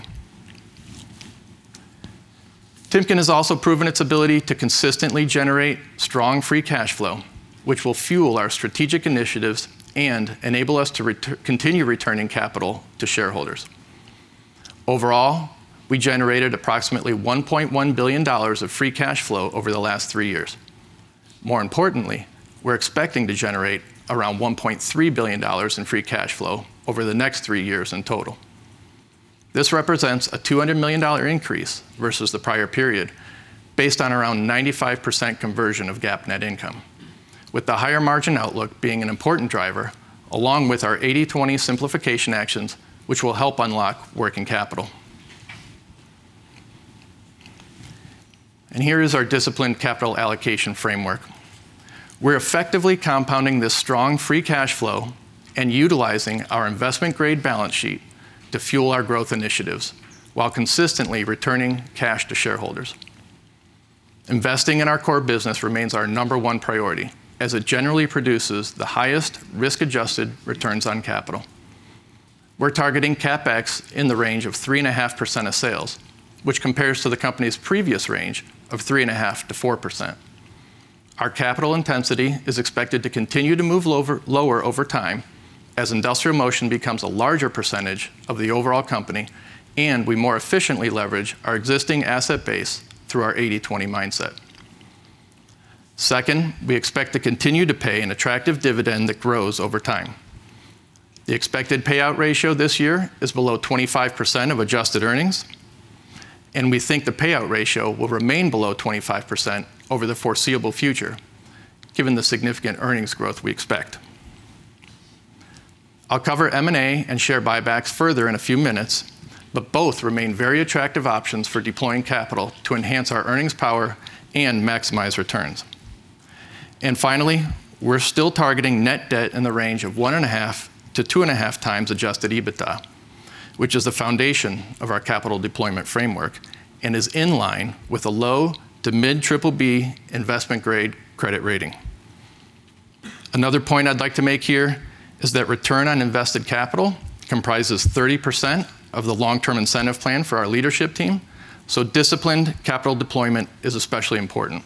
Timken has also proven its ability to consistently generate strong free cash flow, which will fuel our strategic initiatives and enable us to continue returning capital to shareholders. Overall, we generated approximately $1.1 billion of free cash flow over the last three years. More importantly, we're expecting to generate around $1.3 billion in free cash flow over the next three years in total. This represents a $200 million increase versus the prior period based on around 95% conversion of GAAP net income, with the higher margin outlook being an important driver along with our 80/20 simplification actions which will help unlock working capital. Here is our disciplined capital allocation framework. We're effectively compounding this strong free cash flow and utilizing our investment-grade balance sheet to fuel our growth initiatives while consistently returning cash to shareholders. Investing in our core business remains our number one priority, as it generally produces the highest risk-adjusted returns on capital. We're targeting CapEx in the range of 3.5% of sales, which compares to the company's previous range of 3.5%-4%. Our capital intensity is expected to continue to move lower over time as Industrial Motion becomes a larger percentage of the overall company and we more efficiently leverage our existing asset base through our 80/20 mindset. Second, we expect to continue to pay an attractive dividend that grows over time. The expected payout ratio this year is below 25% of adjusted earnings, and we think the payout ratio will remain below 25% over the foreseeable future given the significant earnings growth we expect. I'll cover M&A and share buybacks further in a few minutes, both remain very attractive options for deploying capital to enhance our earnings power and maximize returns. Finally, we're still targeting net debt in the range of 1.5-2.5x adjusted EBITDA, which is the foundation of our capital deployment framework and is in line with a low to mid-BBB investment-grade credit rating. Another point I'd like to make here is that return on invested capital comprises 30% of the long-term incentive plan for our leadership team, so disciplined capital deployment is especially important.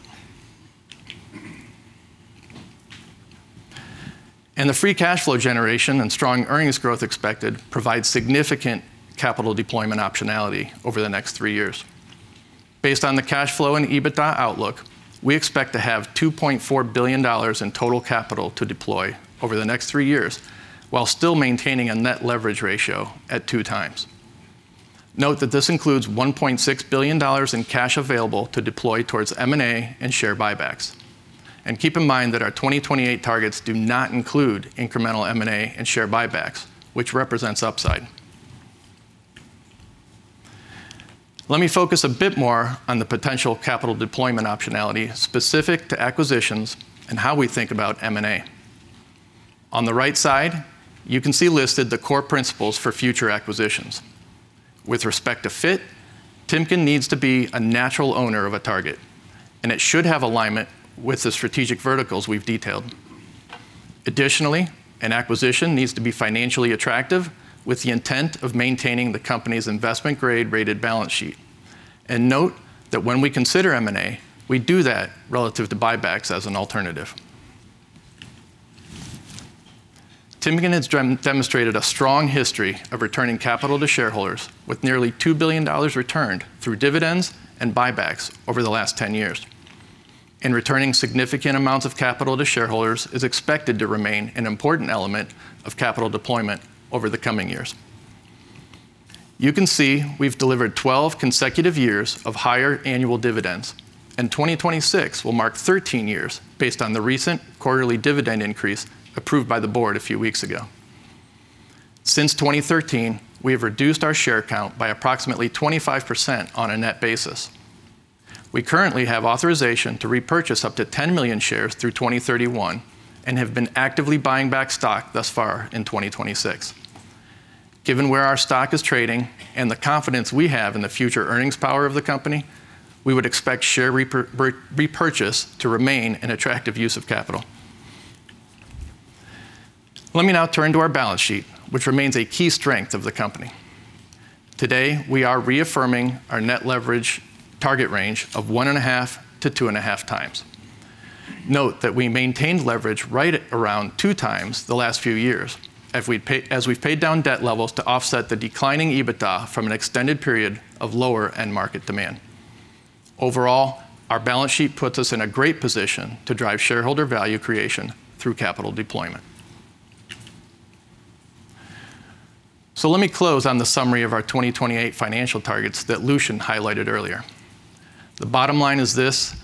The free cash flow generation and strong earnings growth expected provide significant capital deployment optionality over the next three years. Based on the cash flow and EBITDA outlook, we expect to have $2.4 billion in total capital to deploy over the next three years while still maintaining a net leverage ratio at 2x. Note that this includes $1.6 billion in cash available to deploy towards M&A and share buybacks. Keep in mind that our 2028 targets do not include incremental M&A and share buybacks, which represents upside. Let me focus a bit more on the potential capital deployment optionality specific to acquisitions and how we think about M&A. On the right side, you can see listed the core principles for future acquisitions. With respect to fit, Timken needs to be a natural owner of a target, and it should have alignment with the strategic verticals we've detailed. Additionally, an acquisition needs to be financially attractive with the intent of maintaining the company's investment-grade rated balance sheet. Note that when we consider M&A, we do that relative to buybacks as an alternative. Timken has demonstrated a strong history of returning capital to shareholders with nearly $2 billion returned through dividends and buybacks over the last 10 years. Returning significant amounts of capital to shareholders is expected to remain an important element of capital deployment over the coming years. You can see we've delivered 12 consecutive years of higher annual dividends, and 2026 will mark 13 years based on the recent quarterly dividend increase approved by the board a few weeks ago. Since 2013, we have reduced our share count by approximately 25% on a net basis. We currently have authorization to repurchase up to 10 million shares through 2031 and have been actively buying back stock thus far in 2026. Given where our stock is trading and the confidence we have in the future earnings power of the company, we would expect share repurchase to remain an attractive use of capital. Let me now turn to our balance sheet, which remains a key strength of the company. Today, we are reaffirming our net leverage target range of 1.5-2.5x. Note that we maintained leverage right around 2x the last few years as we've paid down debt levels to offset the declining EBITDA from an extended period of lower end market demand. Overall, our balance sheet puts us in a great position to drive shareholder value creation through capital deployment. Let me close on the summary of our 2028 financial targets that Lucian highlighted earlier. The bottom line is this: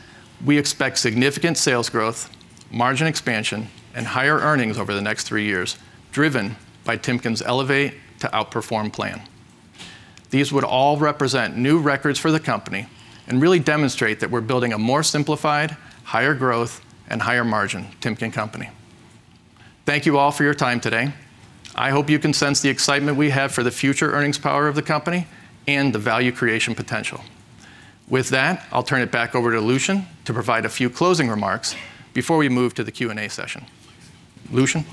we expect significant sales growth, margin expansion, and higher earnings over the next three years, driven by Timken's Elevate to Outperform plan. Really demonstrate that we're building a more simplified, higher growth, and higher margin Timken Company. Thank you all for your time today. I hope you can sense the excitement we have for the future earnings power of the company and the value creation potential. With that, I'll turn it back over to Lucian to provide a few closing remarks before we move to the Q&A session. Lucian?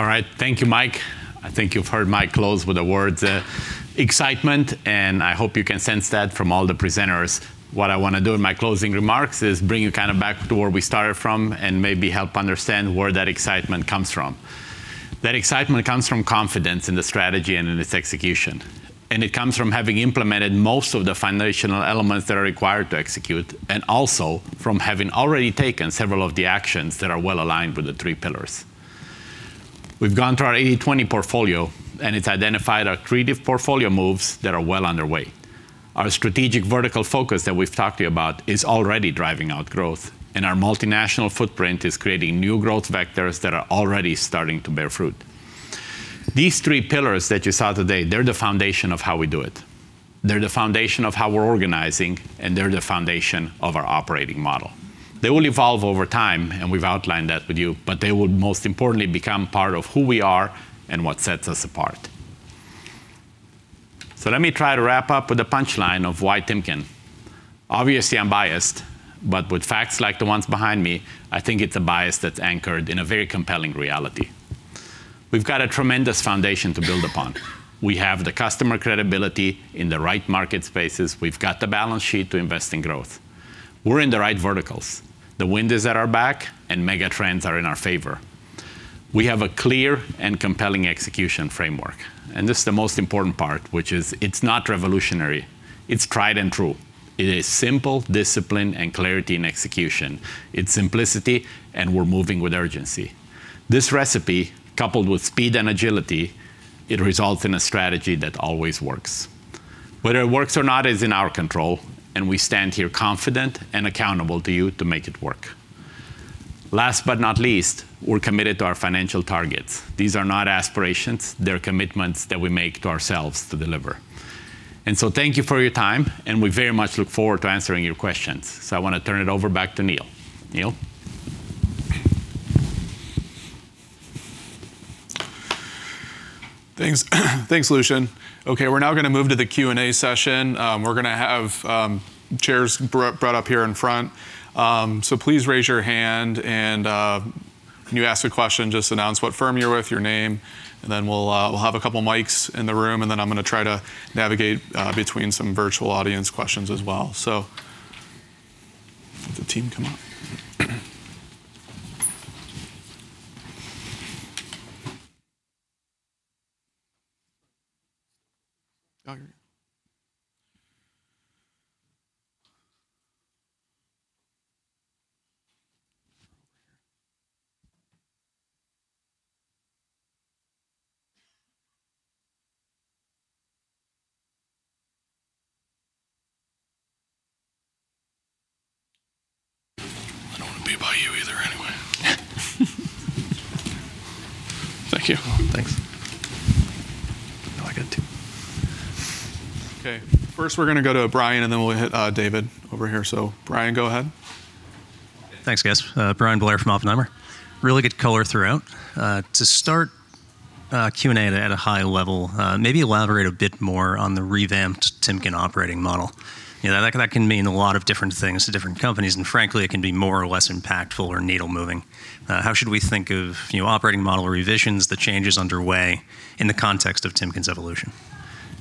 All right. Thank you, Mike. I think you've heard Mike close with the words excitement, and I hope you can sense that from all the presenters. What I want to do in my closing remarks is bring you kind of back to where we started from and maybe help understand where that excitement comes from. That excitement comes from confidence in the strategy and in its execution. It comes from having implemented most of the foundational elements that are required to execute, and also from having already taken several of the actions that are well-aligned with the three pillars. We've gone through our 80/20 portfolio, and it's identified our creative portfolio moves that are well underway. Our strategic vertical focus that we've talked to you about is already driving our growth, and our multinational footprint is creating new growth vectors that are already starting to bear fruit. These three pillars that you saw today, they're the foundation of how we do it. They're the foundation of how we're organizing, and they're the foundation of our operating model. They will evolve over time, and we've outlined that with you, but they will most importantly become part of who we are and what sets us apart. Let me try to wrap up with a punchline of why Timken. Obviously, I'm biased, but with facts like the ones behind me, I think it's a bias that's anchored in a very compelling reality. We've got a tremendous foundation to build upon. We have the customer credibility in the right market spaces. We've got the balance sheet to invest in growth. We're in the right verticals. The wind is at our back, and mega trends are in our favor. We have a clear and compelling execution framework. This is the most important part, which is it's not revolutionary. It's tried and true. It is simple discipline and clarity in execution. It's simplicity, and we're moving with urgency. This recipe, coupled with speed and agility, it results in a strategy that always works. Whether it works or not is in our control, and we stand here confident and accountable to you to make it work. Last but not least, we're committed to our financial targets. These are not aspirations. They're commitments that we make to ourselves to deliver. Thank you for your time, and we very much look forward to answering your questions. I want to turn it over back to Neil. Neil? Thanks, Lucian. We're now going to move to the Q&A session. We're going to have chairs brought up here in front. Please raise your hand. When you ask a question, just announce what firm you're with, your name. We'll have a couple mics in the room. I'm going to try to navigate between some virtual audience questions as well. Have the team come up. Here. Over here. I don't want to be by you either anyway. Thank you. Okay. First, we're going to go to Bryan, and then we'll hit David over here. Bryan, go ahead. Thanks, guys. Bryan Blair from Oppenheimer. Really good color throughout. To start Q&A at a high level, maybe elaborate a bit more on the revamped Timken operating model. That can mean a lot of different things to different companies, and frankly, it can be more or less impactful or needle-moving. How should we think of operating model revisions, the changes underway in the context of Timken's evolution?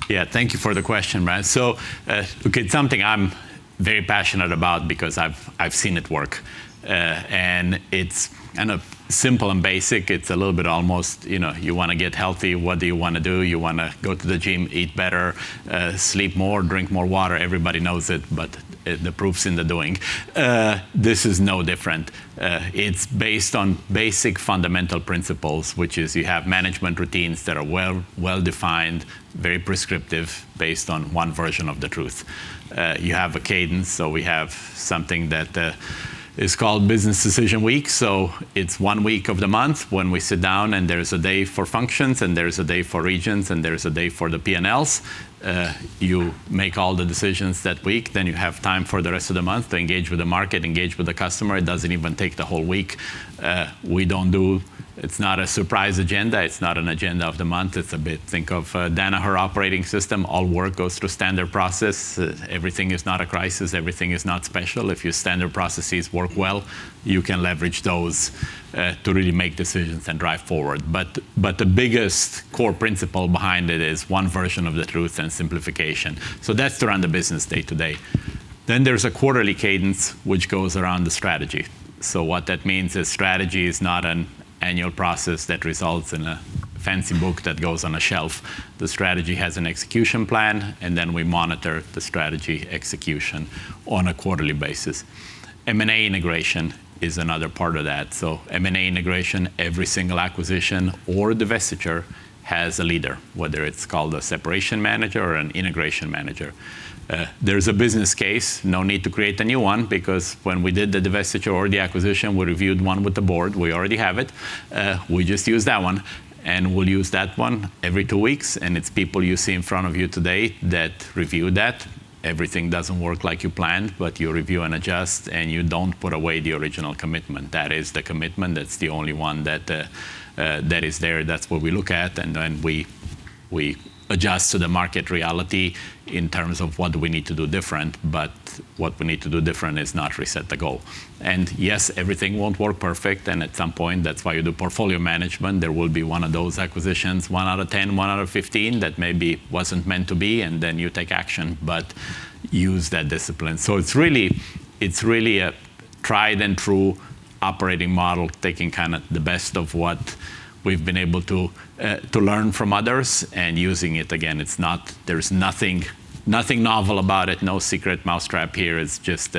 Yeah, thank you for the question, Bryan. Okay, it's something I'm very passionate about because I've seen it work. It's kind of simple and basic. It's a little bit almost, you want to get healthy. What do you want to do? You want to go to the gym, eat better, sleep more, drink more water. Everybody knows it, the proof's in the doing. This is no different. It's based on basic fundamental principles, which is you have management routines that are well-defined, very prescriptive, based on one version of the truth. You have a cadence, we have something that is called Business Decision Week. It's one week of the month when we sit down, and there is a day for functions, and there is a day for regions, and there is a day for the P&Ls. You make all the decisions that week. You have time for the rest of the month to engage with the market, engage with the customer. It doesn't even take the whole week. It's not a surprise agenda. It's not an agenda of the month. Think of Danaher operating system. All work goes through standard process. Everything is not a crisis. Everything is not special. If your standard processes work well, you can leverage those to really make decisions and drive forward. The biggest core principle behind it is one version of the truth and simplification. That's around the business day to day. There's a quarterly cadence which goes around the strategy. What that means is strategy is not an annual process that results in a fancy book that goes on a shelf. The strategy has an execution plan, and then we monitor the strategy execution on a quarterly basis. M&A integration is another part of that. M&A integration, every single acquisition or divestiture has a leader, whether it's called a separation manager or an integration manager. There is a business case. No need to create a new one because when we did the divestiture or the acquisition, we reviewed one with the board. We already have it. We just use that one, and we'll use that one every two weeks, and it's people you see in front of you today that review that. Everything doesn't work like you planned, but you review and adjust, and you don't put away the original commitment. That is the commitment. That's the only one that is there. That's what we look at, and then we adjust to the market reality in terms of what do we need to do different, but what we need to do different is not reset the goal. Yes, everything won't work perfect, and at some point, that's why you do portfolio management. There will be one of those acquisitions, one out of 10, one out of 15, that maybe wasn't meant to be, and then you take action, but use that discipline. It's really a tried and true operating model, taking the best of what we've been able to learn from others and using it. Again, there's nothing novel about it, no secret mousetrap here. It's just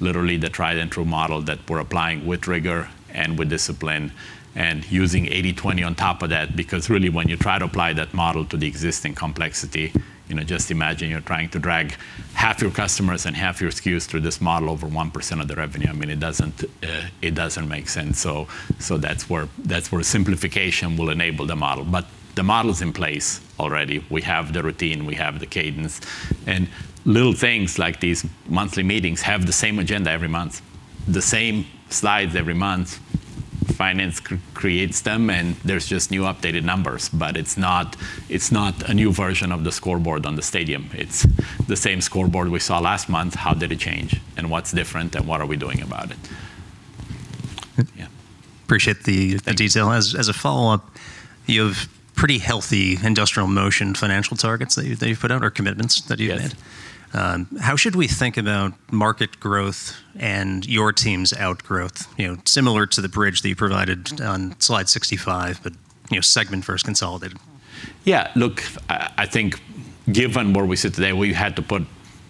literally the tried and true model that we're applying with rigor and with discipline, and using 80/20 on top of that. Really, when you try to apply that model to the existing complexity, just imagine you're trying to drag half your customers and half your SKUs through this model over 1% of the revenue. It doesn't make sense. That's where simplification will enable the model. The model's in place already. We have the routine, we have the cadence. Little things like these monthly meetings have the same agenda every month, the same slides every month. Finance creates them, and there's just new updated numbers. It's not a new version of the scoreboard on the stadium. It's the same scoreboard we saw last month. How did it change and what's different and what are we doing about it. Yeah. Appreciate the detail. As a follow-up, you have pretty healthy Industrial Motion financial targets that you've put out, or commitments that you added. Yeah. How should we think about market growth and your team's outgrowth? Similar to the bridge that you provided on slide 65, but segment first, consolidated. Yeah. Look, I think given where we sit today, we had to put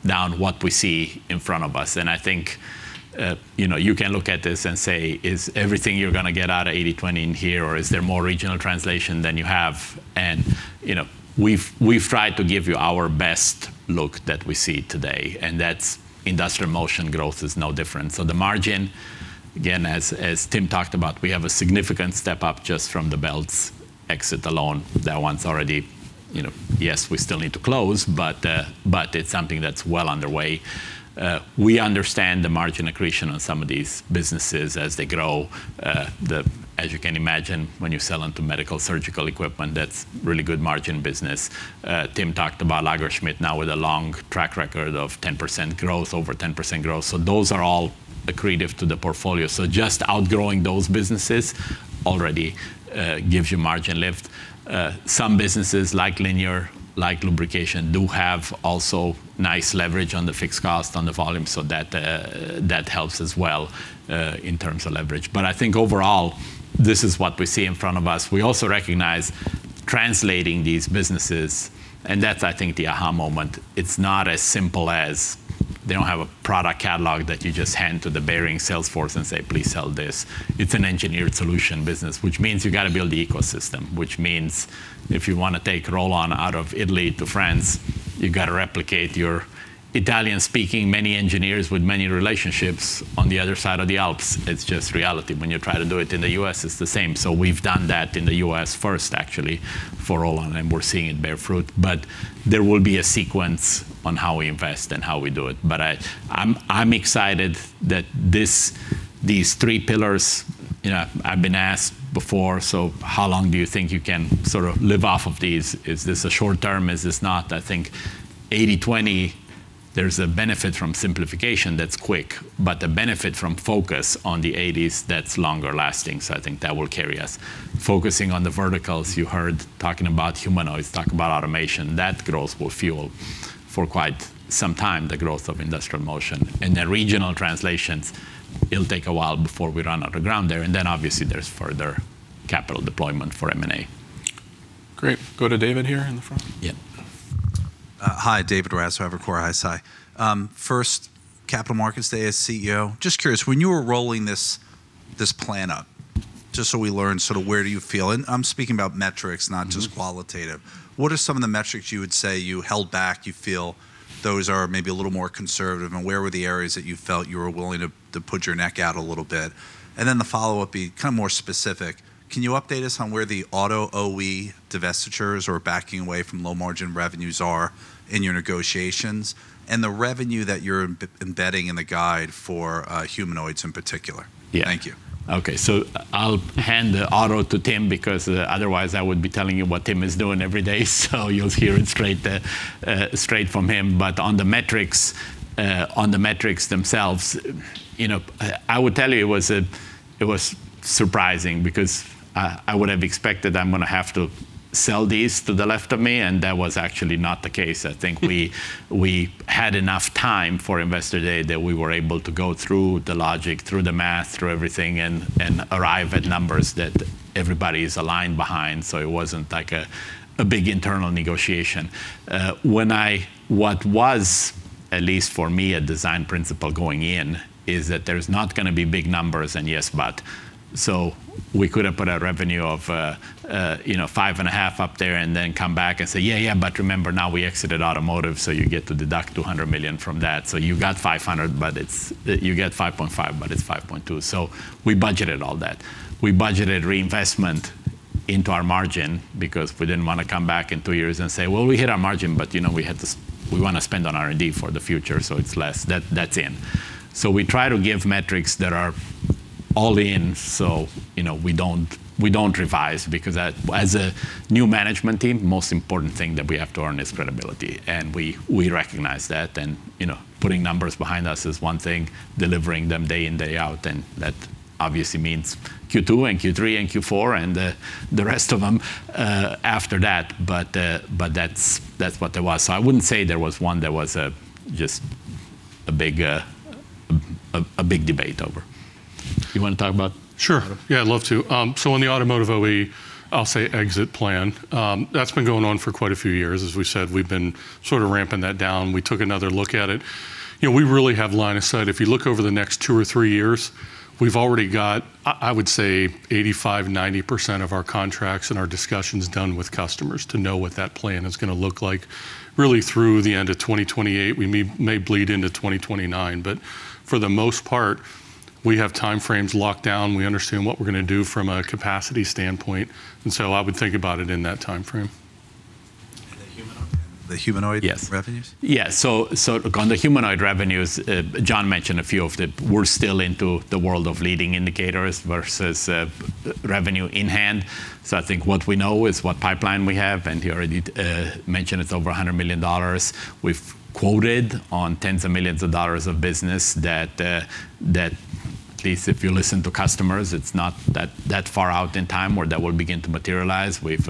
down what we see in front of us. I think you can look at this and say, "Is everything you're going to get out of 80/20 in here, or is there more regional translation than you have?" We've tried to give you our best look that we see today, and Industrial Motion growth is no different. The margin, again, as Tim talked about, we have a significant step up just from the Belts exit alone. Yes, we still need to close, but it's something that's well underway. We understand the margin accretion on some of these businesses as they grow. As you can imagine, when you sell into medical surgical equipment, that's really good margin business. Tim talked about Lagersmit now with a long track record of 10% growth, over 10% growth. Those are all accretive to the portfolio. Just outgrowing those businesses already gives you margin lift. Some businesses like Linear, like lubrication, do have also nice leverage on the fixed cost, on the volume, so that helps as well in terms of leverage. I think overall, this is what we see in front of us. We also recognize translating these businesses, and that's, I think, the aha moment. It's not as simple as they don't have a product catalog that you just hand to the bearing sales force and say, "Please sell this." It's an engineered solution business, which means you've got to build the ecosystem. Which means if you want to take Rollon out of Italy to France, you've got to replicate your Italian-speaking, many engineers with many relationships on the other side of the Alps. It's just reality. When you try to do it in the U.S., it's the same. We've done that in the U.S. first actually for Rollon, and we're seeing it bear fruit. There will be a sequence on how we invest and how we do it. I'm excited that these three pillars, I've been asked before, "So how long do you think you can sort of live off of these? Is this a short-term? Is this not?" I think 80/20, there's a benefit from simplification that's quick. The benefit from focus on the 80s, that's longer lasting. I think that will carry us. Focusing on the verticals, you heard talking about humanoids, talk about automation. That growth will fuel for quite some time, the growth of Industrial Motion. The regional translations, it'll take a while before we run out of ground there. Obviously, there's further capital deployment for M&A. Great. Go to David here in the front. Yeah. Hi, David Raso, Evercore ISI. First Capital Markets Day as CEO. Just curious, when you were rolling this plan up, just so we learn sort of where do you feel, and I'm speaking about metrics, not just qualitative. What are some of the metrics you would say you held back, you feel those are maybe a little more conservative? Where were the areas that you felt you were willing to put your neck out a little bit? The follow-up being kind of more specific. Can you update us on where the auto OE divestitures or backing away from low-margin revenues are in your negotiations, and the revenue that you're embedding in the guide for humanoids in particular? Yeah. Thank you. Okay. I'll hand the auto to Tim because otherwise I would be telling you what Tim is doing every day. You'll hear it straight from him. On the metrics themselves, I would tell you it was surprising because I would have expected I'm going to have to sell these to the left of me, and that was actually not the case. I think we had enough time for Investor Day that we were able to go through the logic, through the math, through everything, and arrive at numbers that everybody is aligned behind. It wasn't like a big internal negotiation. What was, at least for me, a design principle going in, is that there's not going to be big numbers and yes, but. We could have put a revenue of $5.5 up there and then come back and say, "Yeah. Remember now we exited automotive, you get to deduct $200 million from that. You get $5.5, but it's $5.2. We budgeted all that. We budgeted reinvestment into our margin because we didn't want to come back in two years and say, "Well, we hit our margin, but we want to spend on R&D for the future, so it's less." That's in. We try to give metrics that are all in, so we don't revise because as a new management team, most important thing that we have to earn is credibility. We recognize that. Putting numbers behind us is one thing, delivering them day in, day out, and that obviously means Q2 and Q3 and Q4 and the rest of them after that. That's what there was. I wouldn't say there was one that was just a big-A big debate over. Sure. Yeah, I'd love to. On the automotive OE, I'll say exit plan. That's been going on for quite a few years. As we said, we've been sort of ramping that down. We took another look at it. We really have line of sight. If you look over the next two or three years, we've already got, I would say 85%, 90% of our contracts and our discussions done with customers to know what that plan is going to look like really through the end of 2028. We may bleed into 2029. For the most part, we have timeframes locked down. We understand what we're going to do from a capacity standpoint, and so I would think about it in that timeframe. The humanoid revenues? Yes. On the humanoid revenues, John mentioned a few of them. We're still into the world of leading indicators versus revenue in hand. I think what we know is what pipeline we have, and he already mentioned it's over $100 million. We've quoted on tens of millions of dollars of business that at least if you listen to customers, it's not that far out in time where that will begin to materialize. We've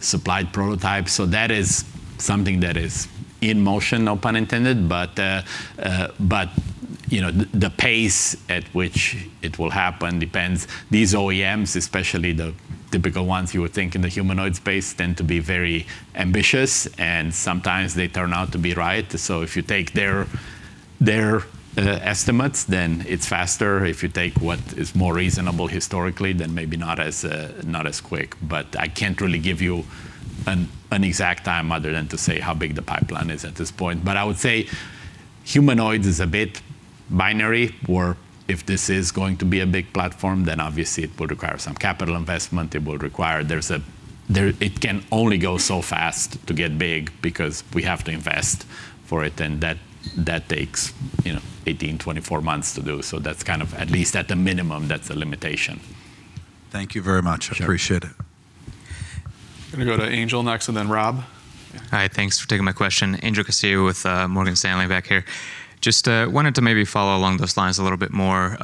supplied prototypes. That is something that is in motion, no pun intended, but the pace at which it will happen depends. These OEMs, especially the bigger ones you would think in the humanoids space, tend to be very ambitious, and sometimes they turn out to be right. If you take their estimates, then it's faster. If you take what is more reasonable historically, then maybe not as quick, but I can't really give you an exact time other than to say how big the pipeline is at this point. I would say humanoids is a bit binary, where if this is going to be a big platform, then obviously it will require some capital investment. It can only go so fast to get big because we have to invest for it, and that takes 18-24 months to do. At least at the minimum, that's a limitation. Thank you very much. Sure. Appreciate it. Going to go to Angel next, and then Rob. Hi. Thanks for taking my question. Angel Castillo with Morgan Stanley back here. Just wanted to maybe follow along those lines a little bit more.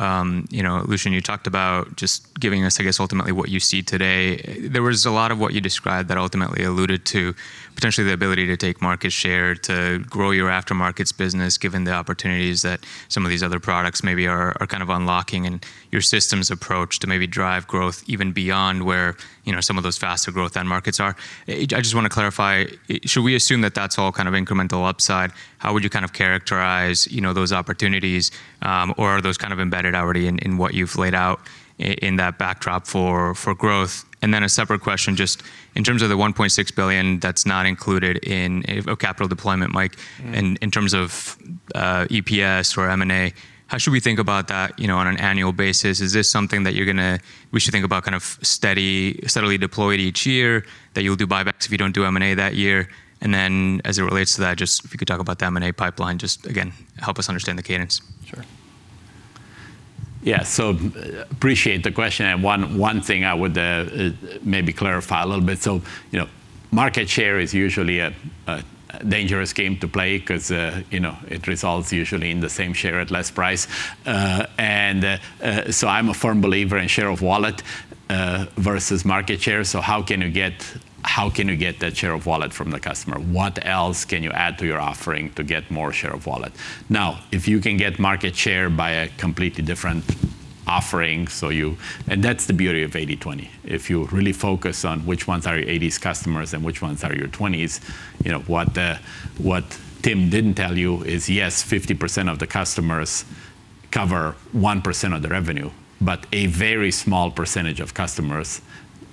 Lucian, you talked about just giving us, I guess, ultimately what you see today. There was a lot of what you described that ultimately alluded to potentially the ability to take market share, to grow your aftermarkets business, given the opportunities that some of these other products maybe are kind of unlocking, and your systems approach to maybe drive growth even beyond where some of those faster growth end markets are. I just want to clarify, should we assume that that's all kind of incremental upside? How would you characterize those opportunities? Or are those kind of embedded already in what you've laid out in that backdrop for growth? A separate question, just in terms of the $1.6 billion that's not included in capital deployment, Mike, in terms of EPS or M&A, how should we think about that on an annual basis? Is this something that we should think about kind of steadily deployed each year, that you'll do buybacks if you don't do M&A that year? As it relates to that, just if you could talk about the M&A pipeline, just again, help us understand the cadence. Sure. Yeah. Appreciate the question, and one thing I would maybe clarify a little bit. Market share is usually a dangerous game to play because it results usually in the same share at less price. I'm a firm believer in share of wallet versus market share. How can you get that share of wallet from the customer? What else can you add to your offering to get more share of wallet? Now, if you can get market share by a completely different offering. That's the beauty of 80/20. If you really focus on which ones are your 80s customers and which ones are your 20s, what Tim didn't tell you is, yes, 50% of the customers cover 1% of the revenue, but a very small percentage of customers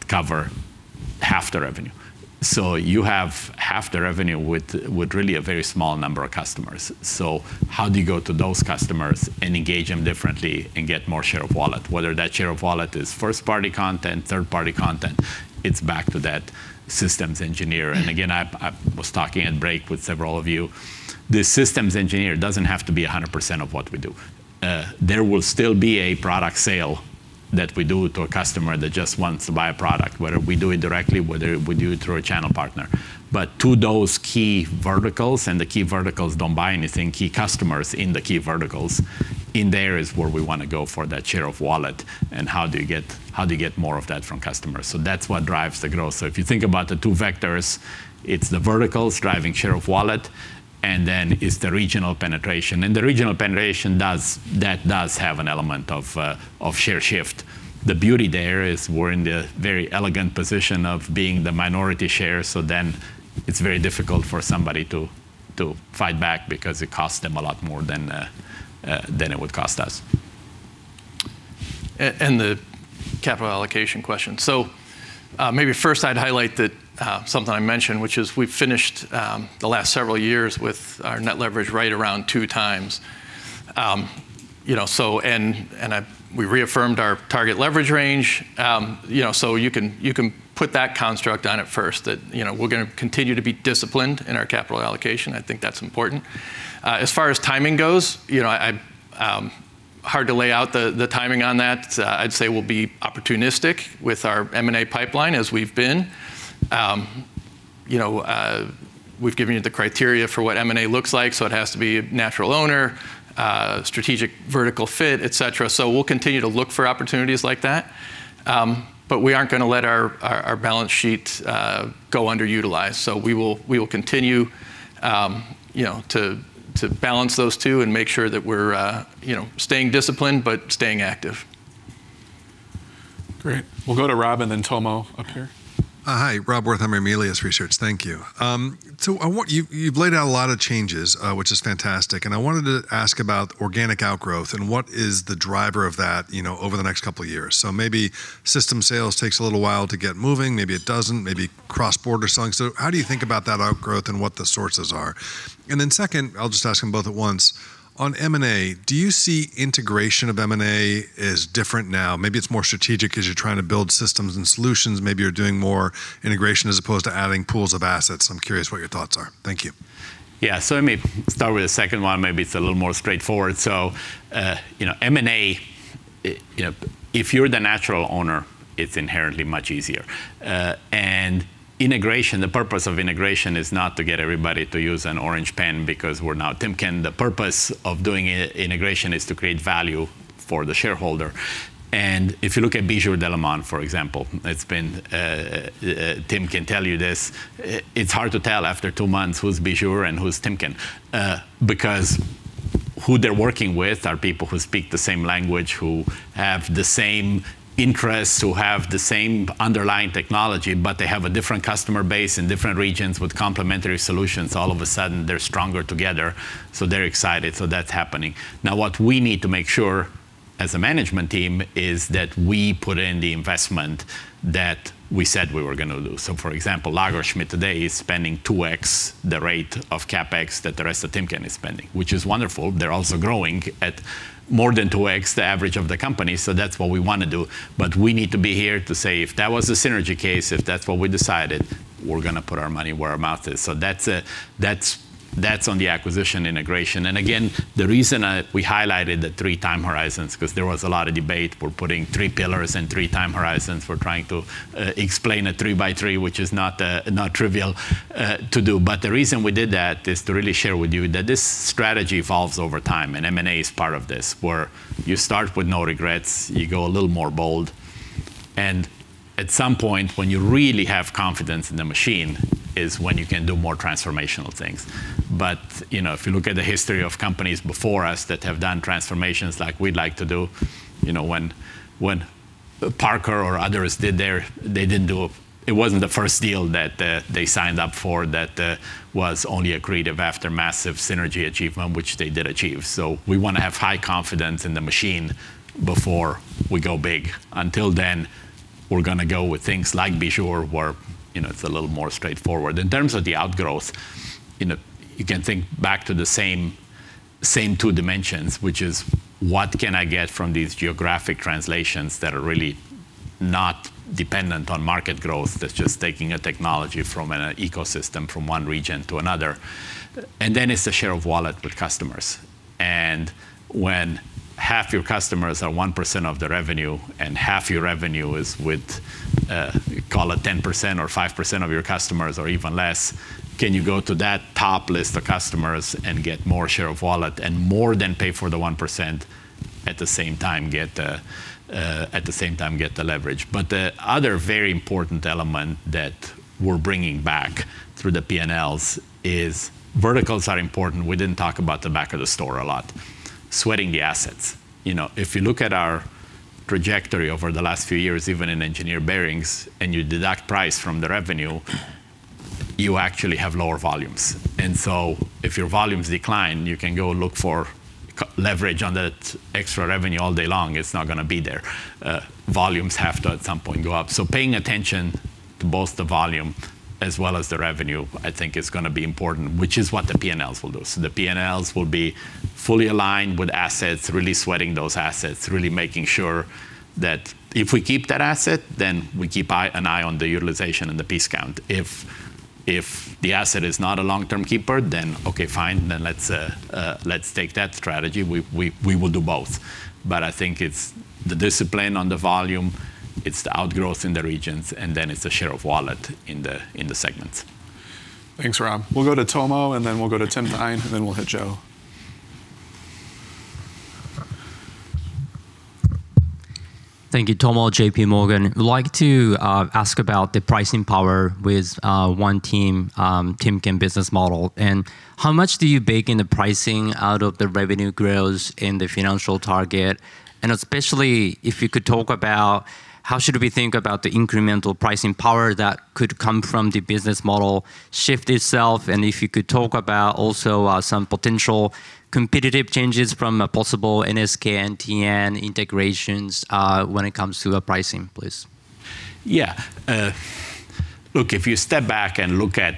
cover half the revenue. You have half the revenue with really a very small number of customers. How do you go to those customers and engage them differently and get more share of wallet? Whether that share of wallet is first-party content, third-party content, it's back to that systems engineer. Again, I was talking at break with several of you. The systems engineer doesn't have to be 100% of what we do. There will still be a product sale that we do to a customer that just wants to buy a product, whether we do it directly, whether we do it through a channel partner. To those key verticals, and the key verticals don't buy anything, key customers in the key verticals, in there is where we want to go for that share of wallet. How do you get more of that from customers? That's what drives the growth. If you think about the two vectors, it's the verticals driving share of wallet, and then it's the regional penetration. The regional penetration, that does have an element of share shift. The beauty there is we're in the very elegant position of being the minority share, so then it's very difficult for somebody to fight back because it costs them a lot more than it would cost us. The capital allocation question. Maybe first I'd highlight something I mentioned, which is we've finished the last several years with our net leverage right around two times. We reaffirmed our target leverage range. You can put that construct on it first, that we're going to continue to be disciplined in our capital allocation. I think that's important. As far as timing goes, hard to lay out the timing on that. I'd say we'll be opportunistic with our M&A pipeline as we've been. We've given you the criteria for what M&A looks like, so it has to be natural owner, strategic vertical fit, et cetera. We'll continue to look for opportunities like that. We aren't going to let our balance sheet go underutilized. We will continue to balance those two and make sure that we're staying disciplined, but staying active. Great. We'll go to Rob and then Tomo up here. Hi, Rob Wertheimer, Melius Research. Thank you. You've laid out a lot of changes, which is fantastic, and I wanted to ask about organic outgrowth and what is the driver of that over the next couple of years. Maybe system sales takes a little while to get moving, maybe it doesn't, maybe cross-border selling. How do you think about that outgrowth and what the sources are? Second, I'll just ask them both at once. On M&A, do you see integration of M&A as different now? Maybe it's more strategic as you're trying to build systems and solutions. Maybe you're doing more integration as opposed to adding pools of assets. I'm curious what your thoughts are. Thank you. Yeah. Let me start with the second one. Maybe it's a little more straightforward. M&A, if you're the natural owner, it's inherently much easier. Integration, the purpose of integration is not to get everybody to use an orange pen because we're now Timken. The purpose of doing integration is to create value for the shareholder. If you look at Bijur Delimon, for example. Tim can tell you this, it's hard to tell after two months who's Bijur and who's Timken. Because who they're working with are people who speak the same language, who have the same interests, who have the same underlying technology, but they have a different customer base in different regions with complementary solutions. All of a sudden, they're stronger together. They're excited, so that's happening. What we need to make sure as a management team is that we put in the investment that we said we were going to do. For example, Lagersmit today is spending 2x the rate of CapEx that the rest of Timken is spending, which is wonderful. They're also growing at more than 2x the average of the company, that's what we want to do. We need to be here to say, if that was the synergy case, if that's what we decided, we're going to put our money where our mouth is. That's on the acquisition integration. Again, the reason we highlighted the three-time horizons, because there was a lot of debate for putting three pillars and three-time horizons for trying to explain a three by three, which is not trivial to do. The reason we did that is to really share with you that this strategy evolves over time, and M&A is part of this, where you start with no regrets, you go a little more bold, and at some point when you really have confidence in the machine is when you can do more transformational things. If you look at the history of companies before us that have done transformations like we'd like to do. When Parker or others did there, it wasn't the first deal that they signed up for that was only accretive after massive synergy achievement, which they did achieve. We want to have high confidence in the machine before we go big. Until then, we're going to go with things like Bijur, where it's a little more straightforward. In terms of the outgrowth, you can think back to the same two dimensions, which is what can I get from these geographic translations that are really not dependent on market growth, that's just taking a technology from an ecosystem from one region to another. It's the share of wallet with customers. When half your customers are 1% of the revenue and half your revenue is with, call it 10% or 5% of your customers or even less, can you go to that top list of customers and get more share of wallet and more than pay for the 1% at the same time, get the leverage. The other very important element that we're bringing back through the P&Ls is verticals are important. We didn't talk about the back of the store a lot, sweating the assets. If you look at our trajectory over the last few years, even in engineered bearings, you deduct price from the revenue, you actually have lower volumes. If your volumes decline, you can go look for leverage on that extra revenue all day long. It's not going to be there. Volumes have to, at some point, go up. Paying attention to both the volume as well as the revenue, I think is going to be important, which is what the P&Ls will do. The P&Ls will be fully aligned with assets, really sweating those assets, really making sure that if we keep that asset, then we keep an eye on the utilization and the piece count. If the asset is not a long-term keeper, okay, fine, let's take that strategy. We will do both. I think it's the discipline on the volume, it's the outgrowth in the regions, and then it's the share of wallet in the segments. Thanks, Rob. We'll go to Tomo and then we'll go to Timken, and then we'll hit Joe. Thank you. Tomo, JPMorgan. Would like to ask about the pricing power with One Timken business model, and how much do you bake in the pricing out of the revenue growth in the financial target? Especially if you could talk about how should we think about the incremental pricing power that could come from the business model shift itself, and if you could talk about also some potential competitive changes from a possible NSK NTN integrations, when it comes to pricing, please. Yeah. Look, if you step back and look at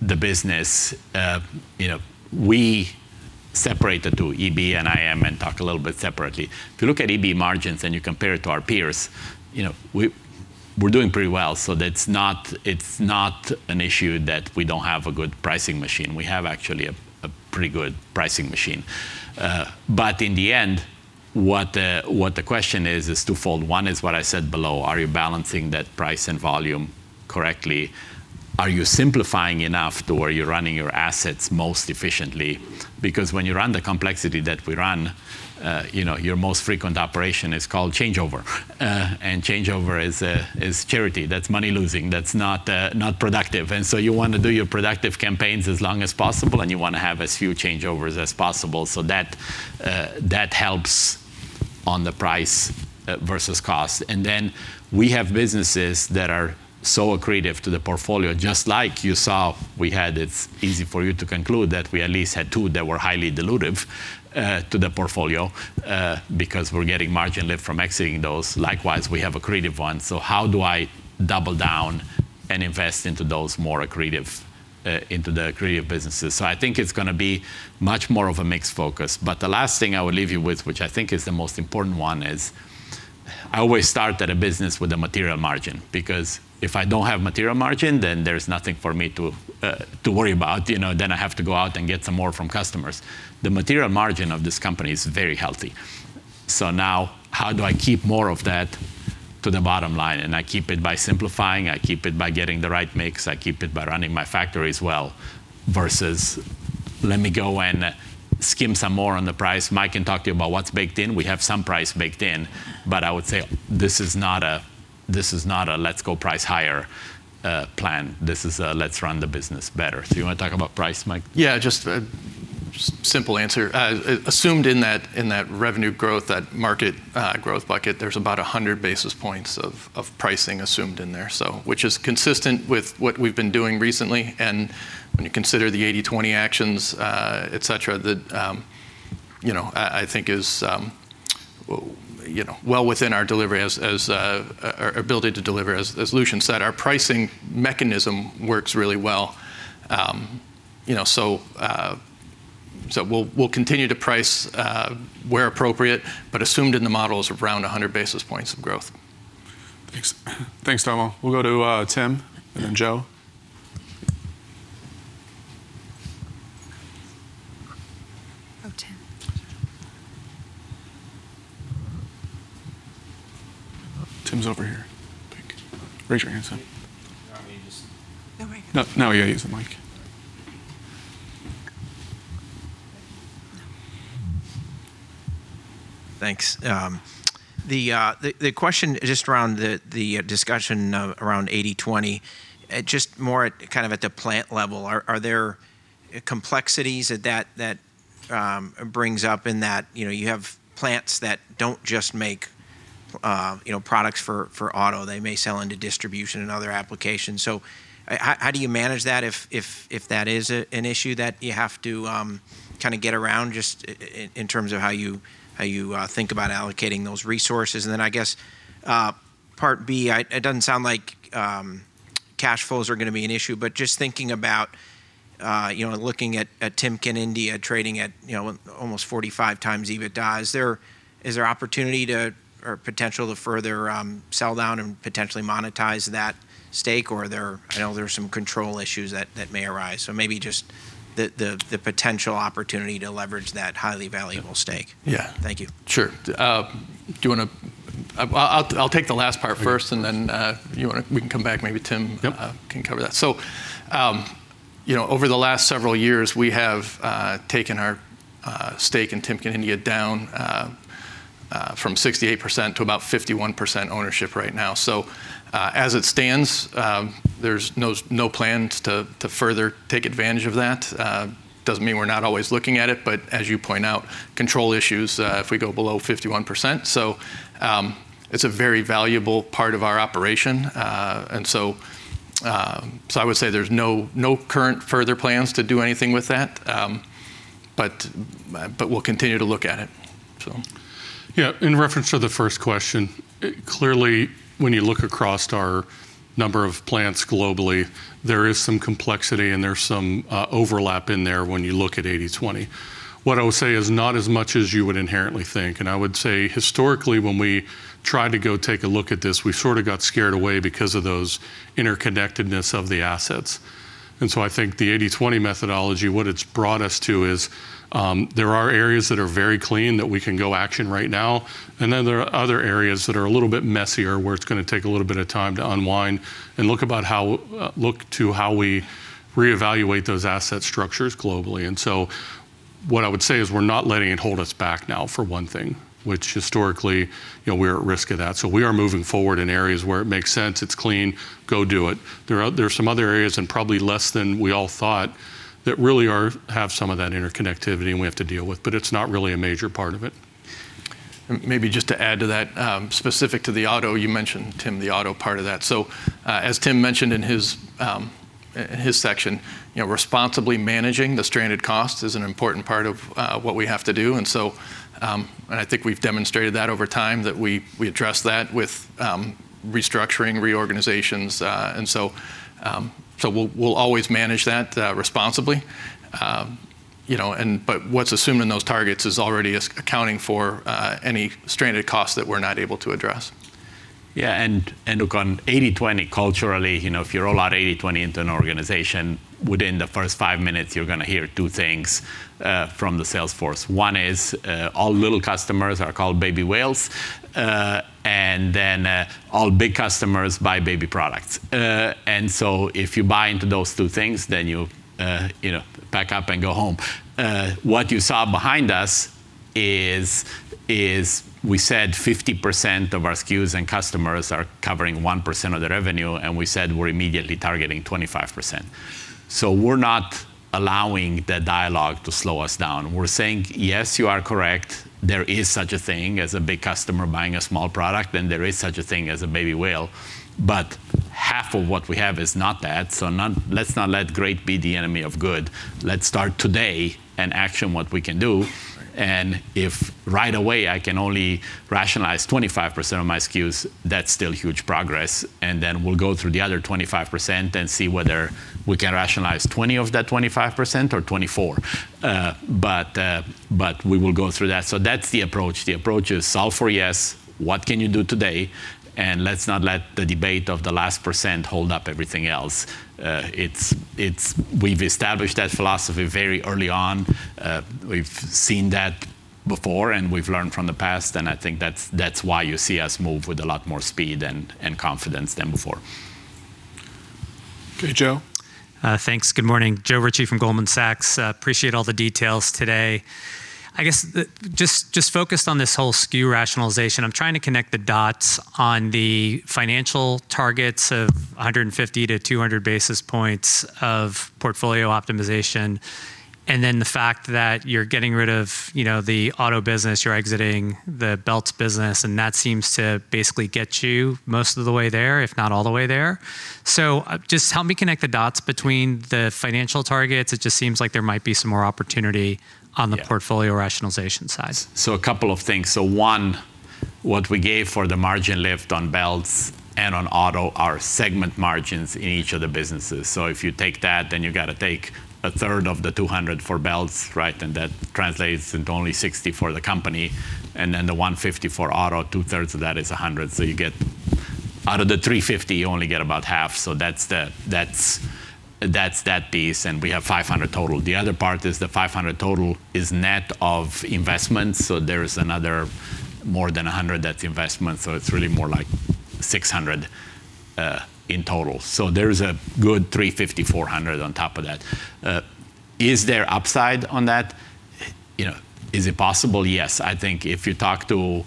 the business, we separate the two, EB and IM, and talk a little bit separately. If you look at EB margins and you compare it to our peers, we're doing pretty well. It's not an issue that we don't have a good pricing machine. We have actually a pretty good pricing machine. In the end, what the question is twofold. One is what I said below, are you balancing that price and volume correctly? Are you simplifying enough to where you're running your assets most efficiently? Because when you run the complexity that we run, your most frequent operation is called changeover. Changeover is charity. That's money losing. That's not productive. You want to do your productive campaigns as long as possible, and you want to have as few changeovers as possible. That helps on the price versus cost. Then we have businesses that are so accretive to the portfolio, just like you saw we had, it's easy for you to conclude that we at least had two that were highly dilutive to the portfolio because we're getting margin lift from exiting those. Likewise, we have accretive ones. How do I double down and invest into the accretive businesses? I think it's going to be much more of a mixed focus. The last thing I would leave you with, which I think is the most important one, is I always start at a business with a material margin. Because if I don't have material margin, then there's nothing for me to worry about. Then I have to go out and get some more from customers. The material margin of this company is very healthy. Now how do I keep more of that to the bottom line? I keep it by simplifying. I keep it by getting the right mix. I keep it by running my factories well, versus let me go and skim some more on the price. Mike can talk to you about what's baked in. We have some price baked in, I would say this is not a let's go price higher plan. This is a let's run the business better. Do you want to talk about price, Mike? Yeah, just a simple answer. Assumed in that revenue growth, that market growth bucket, there's about 100 basis points of pricing assumed in there, which is consistent with what we've been doing recently. When you consider the 80/20 actions, et cetera, that I think is well within our ability to deliver. As Lucian said, our pricing mechanism works really well. We'll continue to price where appropriate, but assumed in the model is around 100 basis points of growth. Thanks, Tomo. We'll go to Tim and then Joe. Go, Tim. Tim's over here, I think. Raise your hand, Tim. You want me to just. No worries. No, you got to use the mic. Thanks. The question just around the discussion around 80/20, just more at the plant level, are there complexities that brings up in that you have plants that don't just make products for auto. They may sell into distribution and other applications. How do you manage that if that is an issue that you have to get around, just in terms of how you think about allocating those resources? I guess part B, it doesn't sound like cash flows are going to be an issue, but just thinking about looking at Timken India trading at almost 45x EBITDA, is there opportunity or potential to further sell down and potentially monetize that stake, or I know there's some control issues that may arise. Maybe just the potential opportunity to leverage that highly valuable stake. Yeah. Thank you. Sure. I'll take the last part first, and then we can come back. Yep Over the last several years, we have taken our stake in Timken India down from 68% to about 51% ownership right now. As it stands, there's no plans to further take advantage of that. Doesn't mean we're not always looking at it, but as you point out, control issues if we go below 51%. So it's a very valuable part of our operation. I would say there's no current further plans to do anything with that. We'll continue to look at it, so. Yeah. In reference to the first question, clearly when you look across our number of plants globally, there is some complexity and there's some overlap in there when you look at 80/20. What I would say is not as much as you would inherently think. I would say historically when we tried to go take a look at this, we sort of got scared away because of those interconnectedness of the assets. I think the 80/20 methodology, what it's brought us to is there are areas that are very clean that we can go action right now, and then there are other areas that are a little bit messier where it's going to take a little bit of time to unwind and look to how we reevaluate those asset structures globally. What I would say is we're not letting it hold us back now for one thing, which historically we're at risk of that. We are moving forward in areas where it makes sense, it's clean, go do it. There are some other areas, and probably less than we all thought, that really have some of that interconnectivity and we have to deal with, but it's not really a major part of it. Maybe just to add to that, specific to the auto, you mentioned Tim, the auto part of that. As Tim mentioned in his section, responsibly managing the stranded costs is an important part of what we have to do. I think we've demonstrated that over time that we address that with restructuring, reorganizations. We'll always manage that responsibly. What's assumed in those targets is already accounting for any stranded costs that we're not able to address. Yeah. Look, on 80/20 culturally, if you roll out 80/20 into an organization, within the first five minutes you're going to hear two things from the sales force. One is all little customers are called baby whales. Then all big customers buy baby products. So if you buy into those two things, then you pack up and go home. What you saw behind us is we said 50% of our SKUs and customers are covering 1% of the revenue. We said we're immediately targeting 25%. We're not allowing the dialogue to slow us down. We're saying yes, you are correct. There is such a thing as a big customer buying a small product, and there is such a thing as a baby whale. Half of what we have is not that, let's not let great be the enemy of good. Let's start today and action what we can do. Right. If right away, I can only rationalize 25% of my SKUs, that's still huge progress. Then we'll go through the other 25% and see whether we can rationalize 20 of that 25% or 24. We will go through that. That's the approach. The approach is solve for yes, what can you do today? Let's not let the debate of the last percent hold up everything else. We've established that philosophy very early on. We've seen that before, and we've learned from the past. I think that's why you see us move with a lot more speed and confidence than before. Okay, Joe. Thanks. Good morning. Joe Ritchie from Goldman Sachs. Appreciate all the details today. I guess just focused on this whole SKU rationalization, I'm trying to connect the dots on the financial targets of 150-200 basis points of portfolio optimization, and then the fact that you're getting rid of the auto business, you're exiting the Belts business, and that seems to basically get you most of the way there, if not all the way there. Just help me connect the dots between the financial targets. It just seems like there might be some more opportunity on the- Yeah portfolio rationalization side. A couple of things. One, what we gave for the margin lift on Belts and on auto are segment margins in each of the businesses. If you take that, then you got to take 1/3 of the $200 for Belts, right? That translates into only $60 for the company. The $150 for auto, 2/3 of that is $100. Out of the $350, you only get about half, so that's that piece. We have $500 total. The other part is the $500 total is net of investments. There is another more than $100 that's investment, so it's really more like $600 in total. There is a good $350, $400 on top of that. Is there upside on that? Is it possible? Yes. I think if you talk to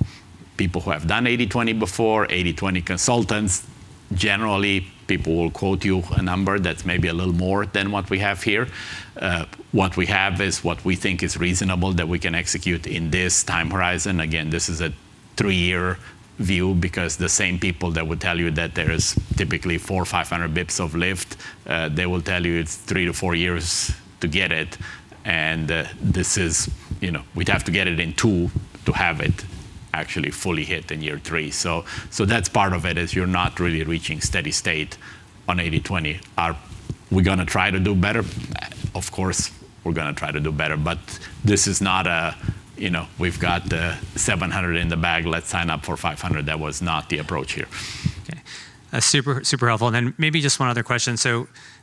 people who have done 80/20 before, 80/20 consultants, generally people will quote you a number that's maybe a little more than what we have here. What we have is what we think is reasonable that we can execute in this time horizon. This is a three-year view because the same people that would tell you that there is typically 400 or 500 basis points of lift, they will tell you it's three to four years to get it. We'd have to get it in two to have it actually fully hit in year three. That's part of it, is you're not really reaching steady state on 80/20. Are we going to try to do better? Of course, we're going to try to do better, this is not a, we've got 700 in the bag, let's sign up for 500. That was not the approach here. Okay. Super helpful. Maybe just one other question.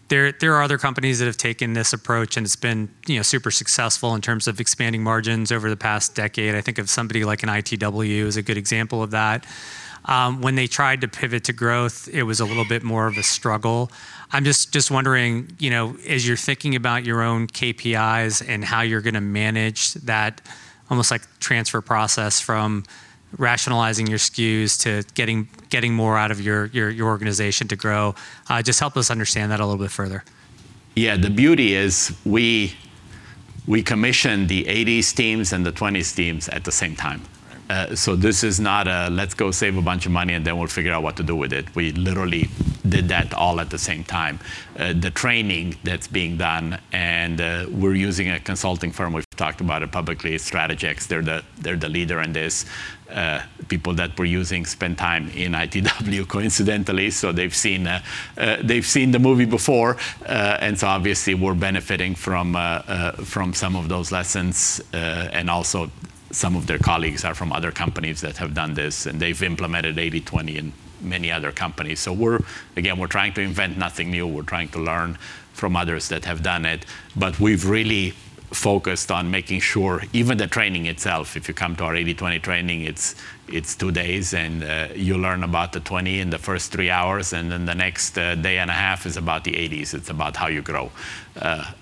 There are other companies that have taken this approach, and it's been super successful in terms of expanding margins over the past decade. I think of somebody like an ITW as a good example of that. When they tried to pivot to growth, it was a little bit more of a struggle. I'm just wondering, as you're thinking about your own KPIs and how you're going to manage that almost like transfer process from rationalizing your SKUs to getting more out of your organization to grow. Just help us understand that a little bit further. Yeah. The beauty is we commission the 80s teams and the 20s teams at the same time. Right. This is not a, let's go save a bunch of money and then we'll figure out what to do with it. We literally did that all at the same time. The training that's being done, and we're using a consulting firm, we've talked about it publicly, it's Strategex. They're the leader in this. People that we're using spend time in ITW coincidentally. They've seen the movie before. Obviously we're benefiting from some of those lessons. Also some of their colleagues are from other companies that have done this, and they've implemented 80/20 in many other companies. Again, we're trying to invent nothing new. We're trying to learn from others that have done it. We've really focused on making sure even the training itself, if you come to our 80/20 training, it's two days, and you learn about the 20 in the first three hours, and then the next day and a half is about the 80s. It's about how you grow.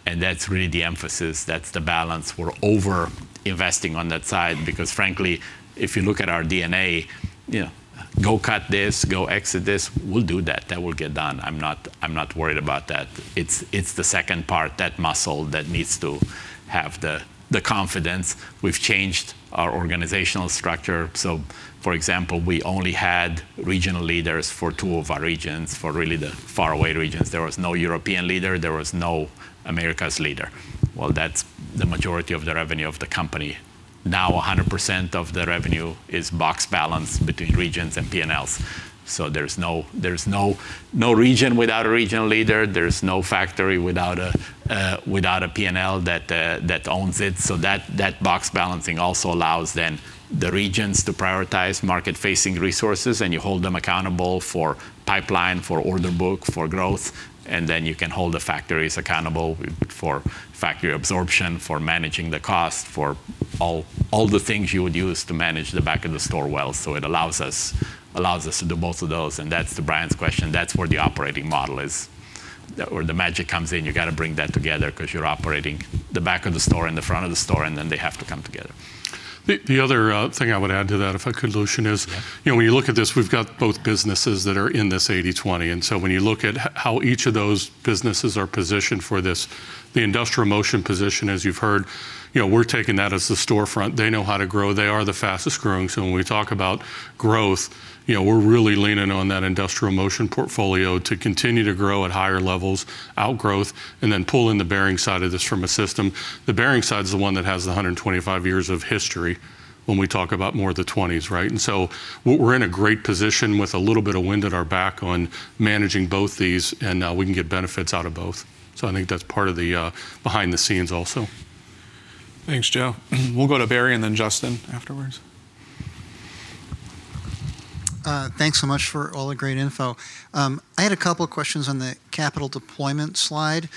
That's really the emphasis. That's the balance. We're over-investing on that side because frankly, if you look at our DNA, go cut this, go exit this, we'll do that. That will get done. I'm not worried about that. It's the second part, that muscle that needs to have the confidence. We've changed our organizational structure. For example, we only had regional leaders for two of our regions, for really the faraway regions. There was no European leader. There was no Americas leader. That's the majority of the revenue of the company. Now 100% of the revenue is box balance between regions and P&Ls. There's no region without a regional leader. There's no factory without a P&L that owns it. That box balancing also allows then the regions to prioritize market-facing resources, and you hold them accountable for pipeline, for order book, for growth. You can hold the factories accountable for factory absorption, for managing the cost, for all the things you would use to manage the back of the store well. It allows us to do both of those. To Bryan's question, that's where the operating model is or the magic comes in. You got to bring that together because you're operating the back of the store and the front of the store, and then they have to come together. The other thing I would add to that, if I could, Lucian, is when you look at this, we've got both businesses that are in this 80/20. When you look at how each of those businesses are positioned for this, the Industrial Motion position, as you've heard, we're taking that as the storefront. They know how to grow. They are the fastest-growing. When we talk about growth, we're really leaning on that Industrial Motion portfolio to continue to grow at higher levels, outgrowth, and then pull in the Bearing side of this from a system. The Bearing side is the one that has 125 years of history when we talk about more of the 20s, right? We're in a great position with a little bit of wind at our back on managing both these, and we can get benefits out of both. I think that's part of the behind the scenes also. Thanks, Joe. We'll go to Barry and then Justin afterwards. Thanks so much for all the great info. I had a couple of questions on the capital deployment slide.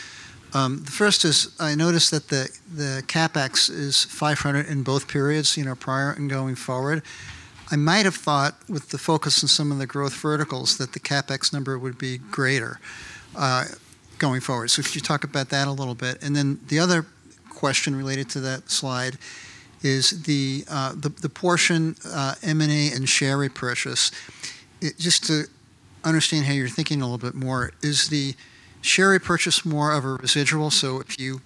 The first is, I noticed that the CapEx is $500 in both periods, prior and going forward. I might have thought with the focus on some of the growth verticals, that the CapEx number would be greater going forward. Could you talk about that a little bit? The other question related to that slide is the portion M&A and share repurchase. Just to understand how you're thinking a little bit more, is the share repurchase more of a residual? If you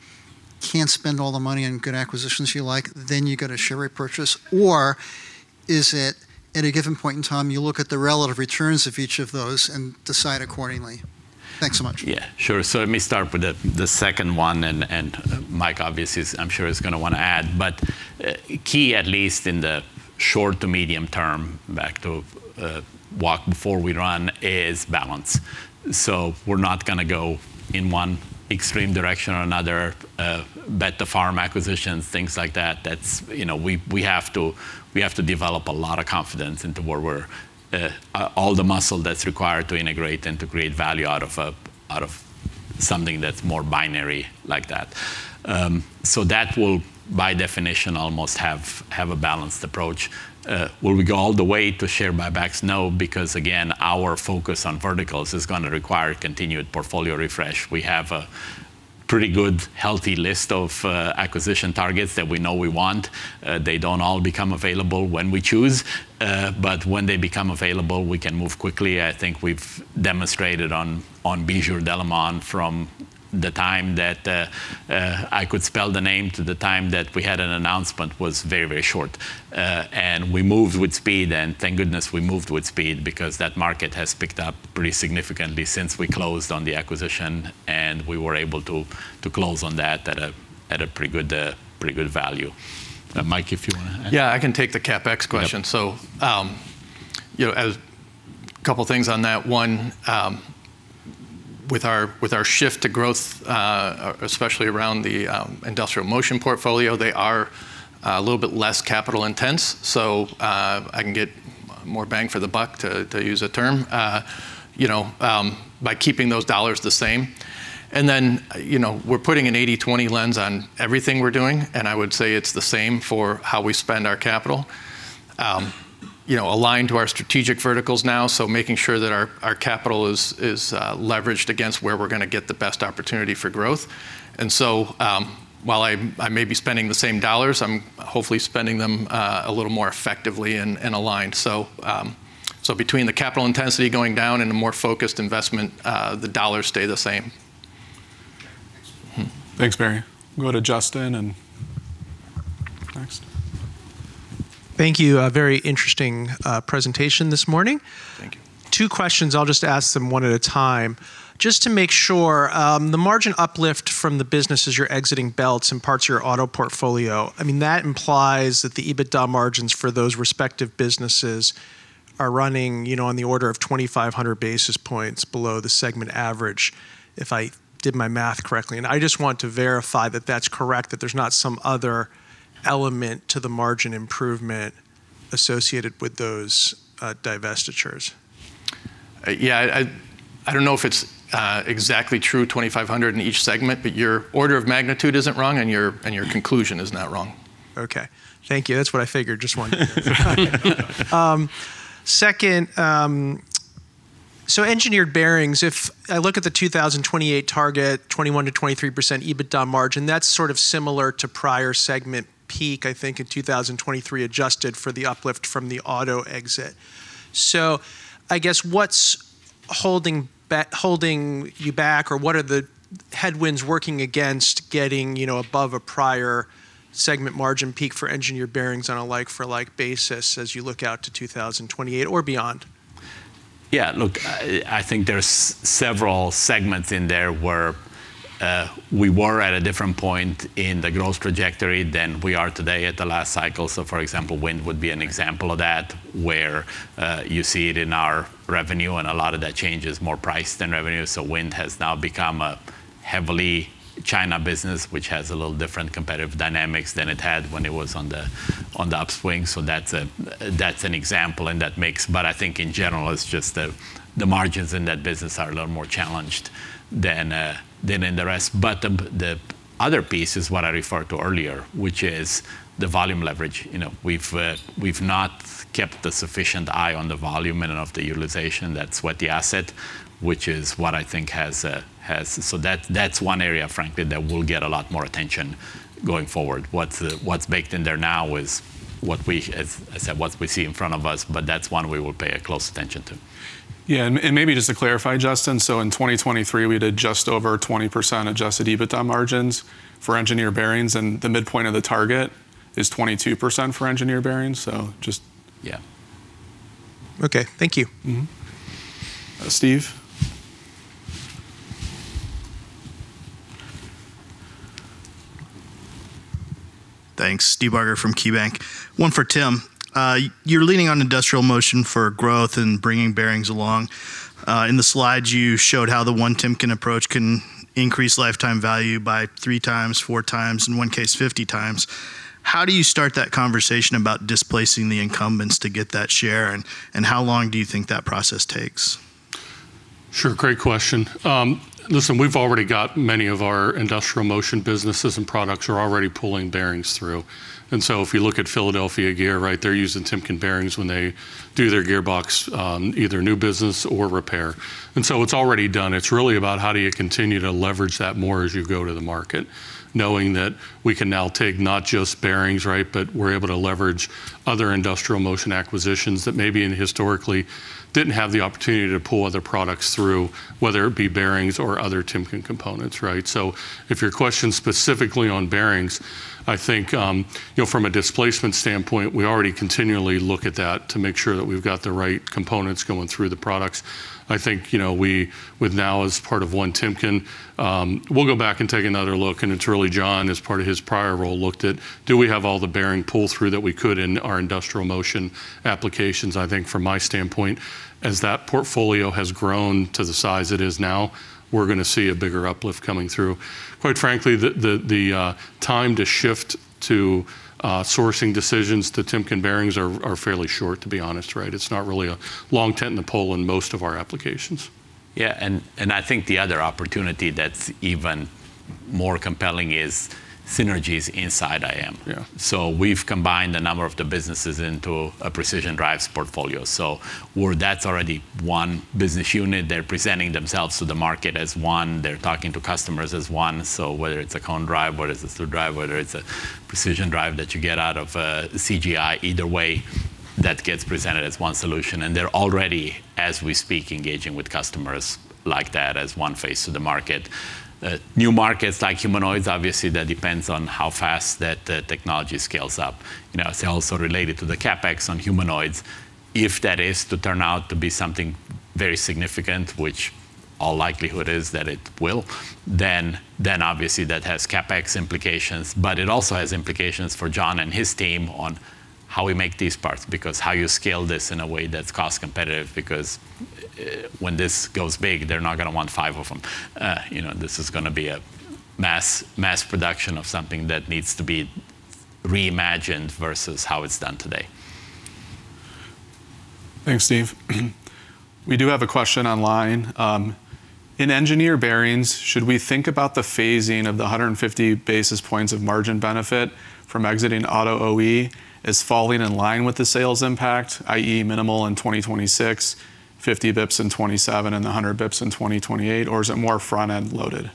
can't spend all the money on good acquisitions you like, then you go to share repurchase, or is it at a given point in time, you look at the relative returns of each of those and decide accordingly? Thanks so much. Yeah, sure. Let me start with the second one, and Mike obviously, I'm sure is going to want to add. Key, at least in the short to medium-term, back to walk before we run, is balance. We're not going to go in one extreme direction or another, bet the farm acquisitions, things like that. We have to develop a lot of confidence into all the muscle that's required to integrate and to create value out of something that's more binary like that. That will, by definition, almost have a balanced approach. Will we go all the way to share buybacks? No, because again, our focus on verticals is going to require continued portfolio refresh. We have a pretty good, healthy list of acquisition targets that we know we want. They don't all become available when we choose. When they become available, we can move quickly. I think we've demonstrated on Bijur Delimon from the time that I could spell the name to the time that we had an announcement was very short. We moved with speed, and thank goodness we moved with speed because that market has picked up pretty significantly since we closed on the acquisition, and we were able to close on that at a pretty good value. Mike, if you want to add? Yeah, I can take the CapEx question. Yeah. A couple of things on that. one, with our shift to growth, especially around the Industrial Motion portfolio, they are a little bit less capital intense, so I can get more bang for the buck, to use a term, by keeping those dollars the same. Then, we're putting an 80/20 lens on everything we're doing, and I would say it's the same for how we spend our capital. Aligned to our strategic verticals now, so making sure that our capital is leveraged against where we're going to get the best opportunity for growth. While I may be spending the same dollars, I'm hopefully spending them a little more effectively and aligned. Between the capital intensity going down and a more focused investment, the dollars stay the same. Okay, thanks. Thanks, Barry. Go to Justin and next. Thank you. A very interesting presentation this morning. Thank you. Two questions. I'll just ask them one at a time. Just to make sure, the margin uplift from the businesses you're exiting Belts and parts of your auto portfolio, that implies that the EBITDA margins for those respective businesses are running on the order of 2,500 basis points below the segment average, if I did my math correctly. I just want to verify that that's correct, that there's not some other element to the margin improvement associated with those divestitures. Yeah, I don't know if it's exactly true, 2,500 in each segment. Your order of magnitude isn't wrong. Your conclusion is not wrong. Okay. Thank you. That's what I figured. Second, engineered bearings, if I look at the 2028 target, 21%-23% EBITDA margin, that's sort of similar to prior segment peak, I think in 2023, adjusted for the uplift from the auto exit. I guess what's holding you back or what are the headwinds working against getting above a prior segment margin peak for engineered bearings on a like-for-like basis as you look out to 2028 or beyond? Yeah, look, I think there's several segments in there where we were at a different point in the growth trajectory than we are today at the last cycle. For example, Wind would be an example of that, where you see it in our revenue, and a lot of that change is more price than revenue. Wind has now become a heavily China business, which has a little different competitive dynamics than it had when it was on the upswing. That's an example, I think in general, it's just the margins in that business are a little more challenged than in the rest. The other piece is what I referred to earlier, which is the volume leverage. We've not kept a sufficient eye on the volume and of the utilization. That's one area, frankly, that will get a lot more attention going forward. What's baked in there now is what we, as I said, see in front of us. That's one we will pay a close attention to. Yeah, and maybe just to clarify, Justin, so in 2023, we did just over 20% adjusted EBITDA margins for engineered bearings, and the midpoint of the target is 22% for engineered bearings. Yeah. Okay. Thank you. Steve? Thanks. Steve Barger from KeyBank. One for Tim. You're leaning on Industrial Motion for growth and bringing bearings along. In the slides, you showed how the One Timken approach can increase lifetime value by three times, four times, in one case, 50 times. How do you start that conversation about displacing the incumbents to get that share, and how long do you think that process takes? Sure. Great question. Listen, we've already got many of our Industrial Motion businesses and products are already pulling bearings through. If you look at Philadelphia Gear, they're using Timken bearings when they do their gearbox, either new business or repair. It's already done. It's really about how do you continue to leverage that more as you go to the market, knowing that we can now take not just bearings, but we're able to leverage other Industrial Motion acquisitions that maybe historically didn't have the opportunity to pull other products through, whether it be bearings or other Timken components. If your question's specifically on bearings, I think from a displacement standpoint, we already continually look at that to make sure that we've got the right components going through the products. I think with now as part of One Timken, we'll go back and take another look, and it's really John, as part of his prior role, looked at, do we have all the bearing pull-through that we could in our Industrial Motion applications? I think from my standpoint, as that portfolio has grown to the size it is now, we're going to see a bigger uplift coming through. Quite frankly, the time to shift to sourcing decisions to Timken bearings are fairly short, to be honest. It's not really a long tent in the pole in most of our applications. Yeah, I think the other opportunity that's even more compelling is synergies inside IM. Yeah. We've combined a number of the businesses into a precision drives portfolio. Where that's already one business unit, they're presenting themselves to the market as one, they're talking to customers as one. Whether it's a Cone Drive, whether it's a through drive, whether it's a precision drive that you get out of CGI, either way, that gets presented as one solution, and they're already, as we speak, engaging with customers like that as one face to the market. New markets like humanoids, obviously, that depends on how fast that technology scales up. It's also related to the CapEx on humanoids. If that is to turn out to be something very significant, which all likelihood is that it will, obviously that has CapEx implications, but it also has implications for John and his team on how we make these parts, because how you scale this in a way that's cost competitive, because when this goes big, they're not going to want five of them. This is going to be a mass production of something that needs to be reimagined versus how it's done today. Thanks, Steve. We do have a question online. In engineered bearings, should we think about the phasing of the 150 basis points of margin benefit from exiting auto OE as falling in line with the sales impact, i.e., minimal in 2026, 50 basis points in 2027, and the 100 basis points in 2028, or is it more front-end loaded?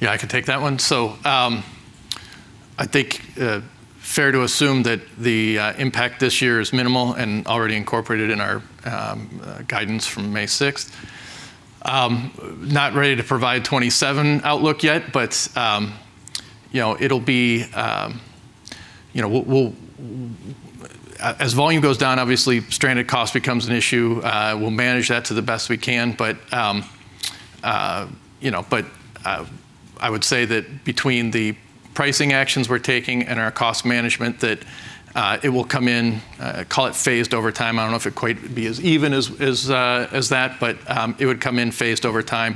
Yeah, I can take that one. I think fair to assume that the impact this year is minimal and already incorporated in our guidance from May 6th. Not ready to provide 2027 outlook yet, but as volume goes down, obviously stranded cost becomes an issue. We'll manage that to the best we can, but I would say that between the pricing actions we're taking and our cost management, that it will come in, call it phased over time. I don't know if it quite would be as even as that, but it would come in phased over time.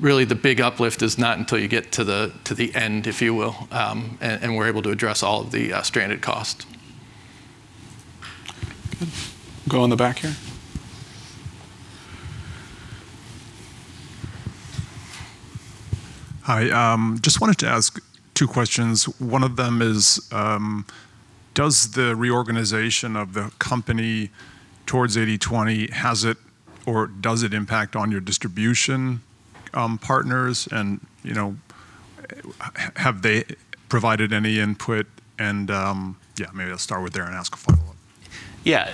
Really the big uplift is not until you get to the end, if you will, and we're able to address all of the stranded cost. Go on the back here. Hi. Just wanted to ask two questions. One of them is, does the reorganization of the company towards 80/20, has it or does it impact on your distribution partners? Have they provided any input? Maybe I'll start with there and ask a follow-up. Yeah.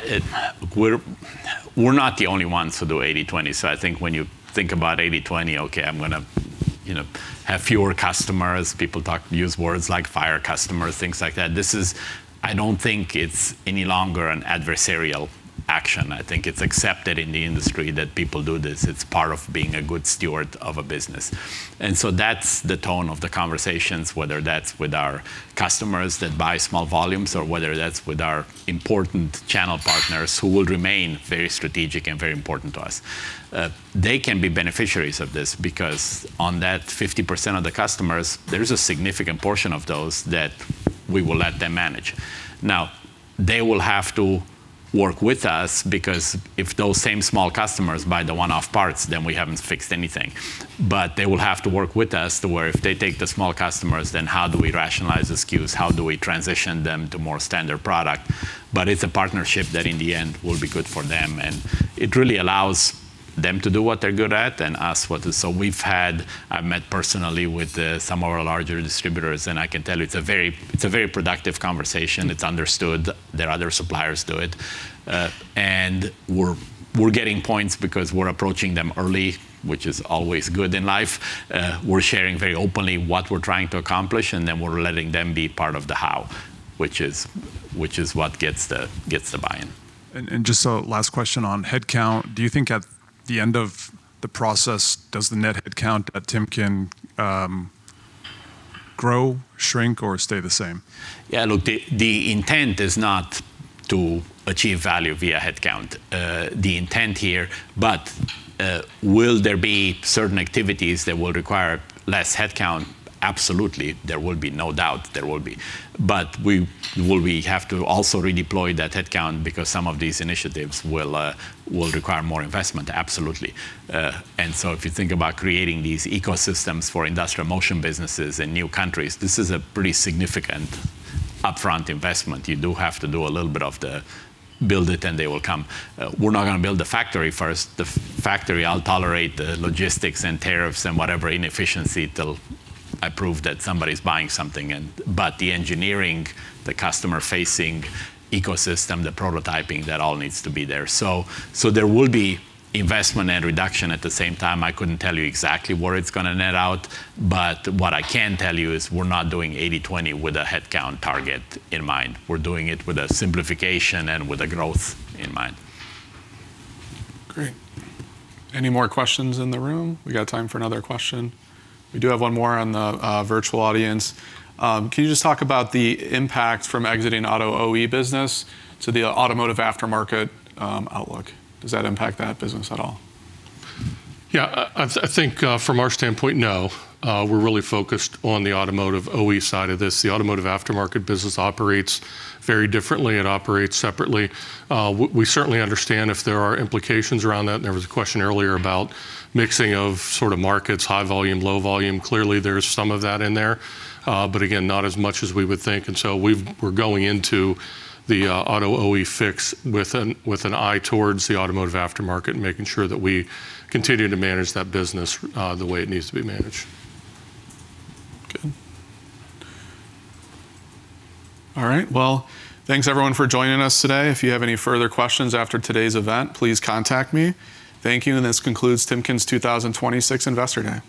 We're not the only ones to do 80/20. I think when you think about 80/20, I'm going to have fewer customers. People use words like fire customers, things like that. I don't think it's any longer an adversarial action. I think it's accepted in the industry that people do this. It's part of being a good steward of a business. That's the tone of the conversations, whether that's with our customers that buy small volumes or whether that's with our important channel partners who will remain very strategic and very important to us. They can be beneficiaries of this because on that 50% of the customers, there is a significant portion of those that we will let them manage. Now, they will have to work with us, because if those same small customers buy the one-off parts, then we haven't fixed anything. They will have to work with us to where if they take the small customers, then how do we rationalize SKUs? How do we transition them to more standard product? It's a partnership that in the end will be good for them, and it really allows them to do what they're good at and us what. I've met personally with some of our larger distributors, and I can tell you it's a very productive conversation. It's understood that other suppliers do it. We're getting points because we're approaching them early, which is always good in life. We're sharing very openly what we're trying to accomplish, and then we're letting them be part of the how, which is what gets the buy-in. Just a last question on headcount. Do you think at the end of the process, does the net headcount at Timken grow, shrink, or stay the same? Yeah, look, the intent is not to achieve value via headcount. Will there be certain activities that will require less headcount? Absolutely, there will be. No doubt there will be. Will we have to also redeploy that headcount because some of these initiatives will require more investment? Absolutely. If you think about creating these ecosystems for industrial motion businesses in new countries, this is a pretty significant upfront investment. You do have to do a little bit of the build it and they will come. We're not going to build the factory first. The factory, I'll tolerate the logistics and tariffs and whatever inefficiency till I prove that somebody's buying something. The engineering, the customer-facing ecosystem, the prototyping, that all needs to be there. There will be investment and reduction at the same time. I couldn't tell you exactly where it's gonna net out, but what I can tell you is we're not doing 80/20 with a headcount target in mind. We're doing it with a simplification and with a growth in mind. Great. Any more questions in the room? We got time for another question. We do have one more on the virtual audience. Can you just talk about the impact from exiting auto OE business to the automotive aftermarket outlook? Does that impact that business at all? I think from our standpoint, no. We're really focused on the automotive OE side of this. The automotive aftermarket business operates very differently. It operates separately. We certainly understand if there are implications around that, and there was a question earlier about mixing of sort of markets, high volume, low volume. Clearly, there is some of that in there. Again, not as much as we would think. We're going into the auto OE fix with an eye towards the automotive aftermarket and making sure that we continue to manage that business the way it needs to be managed. Good. All right, well, thanks everyone for joining us today. If you have any further questions after today's event, please contact me. Thank you, and this concludes Timken's 2026 Investor Day.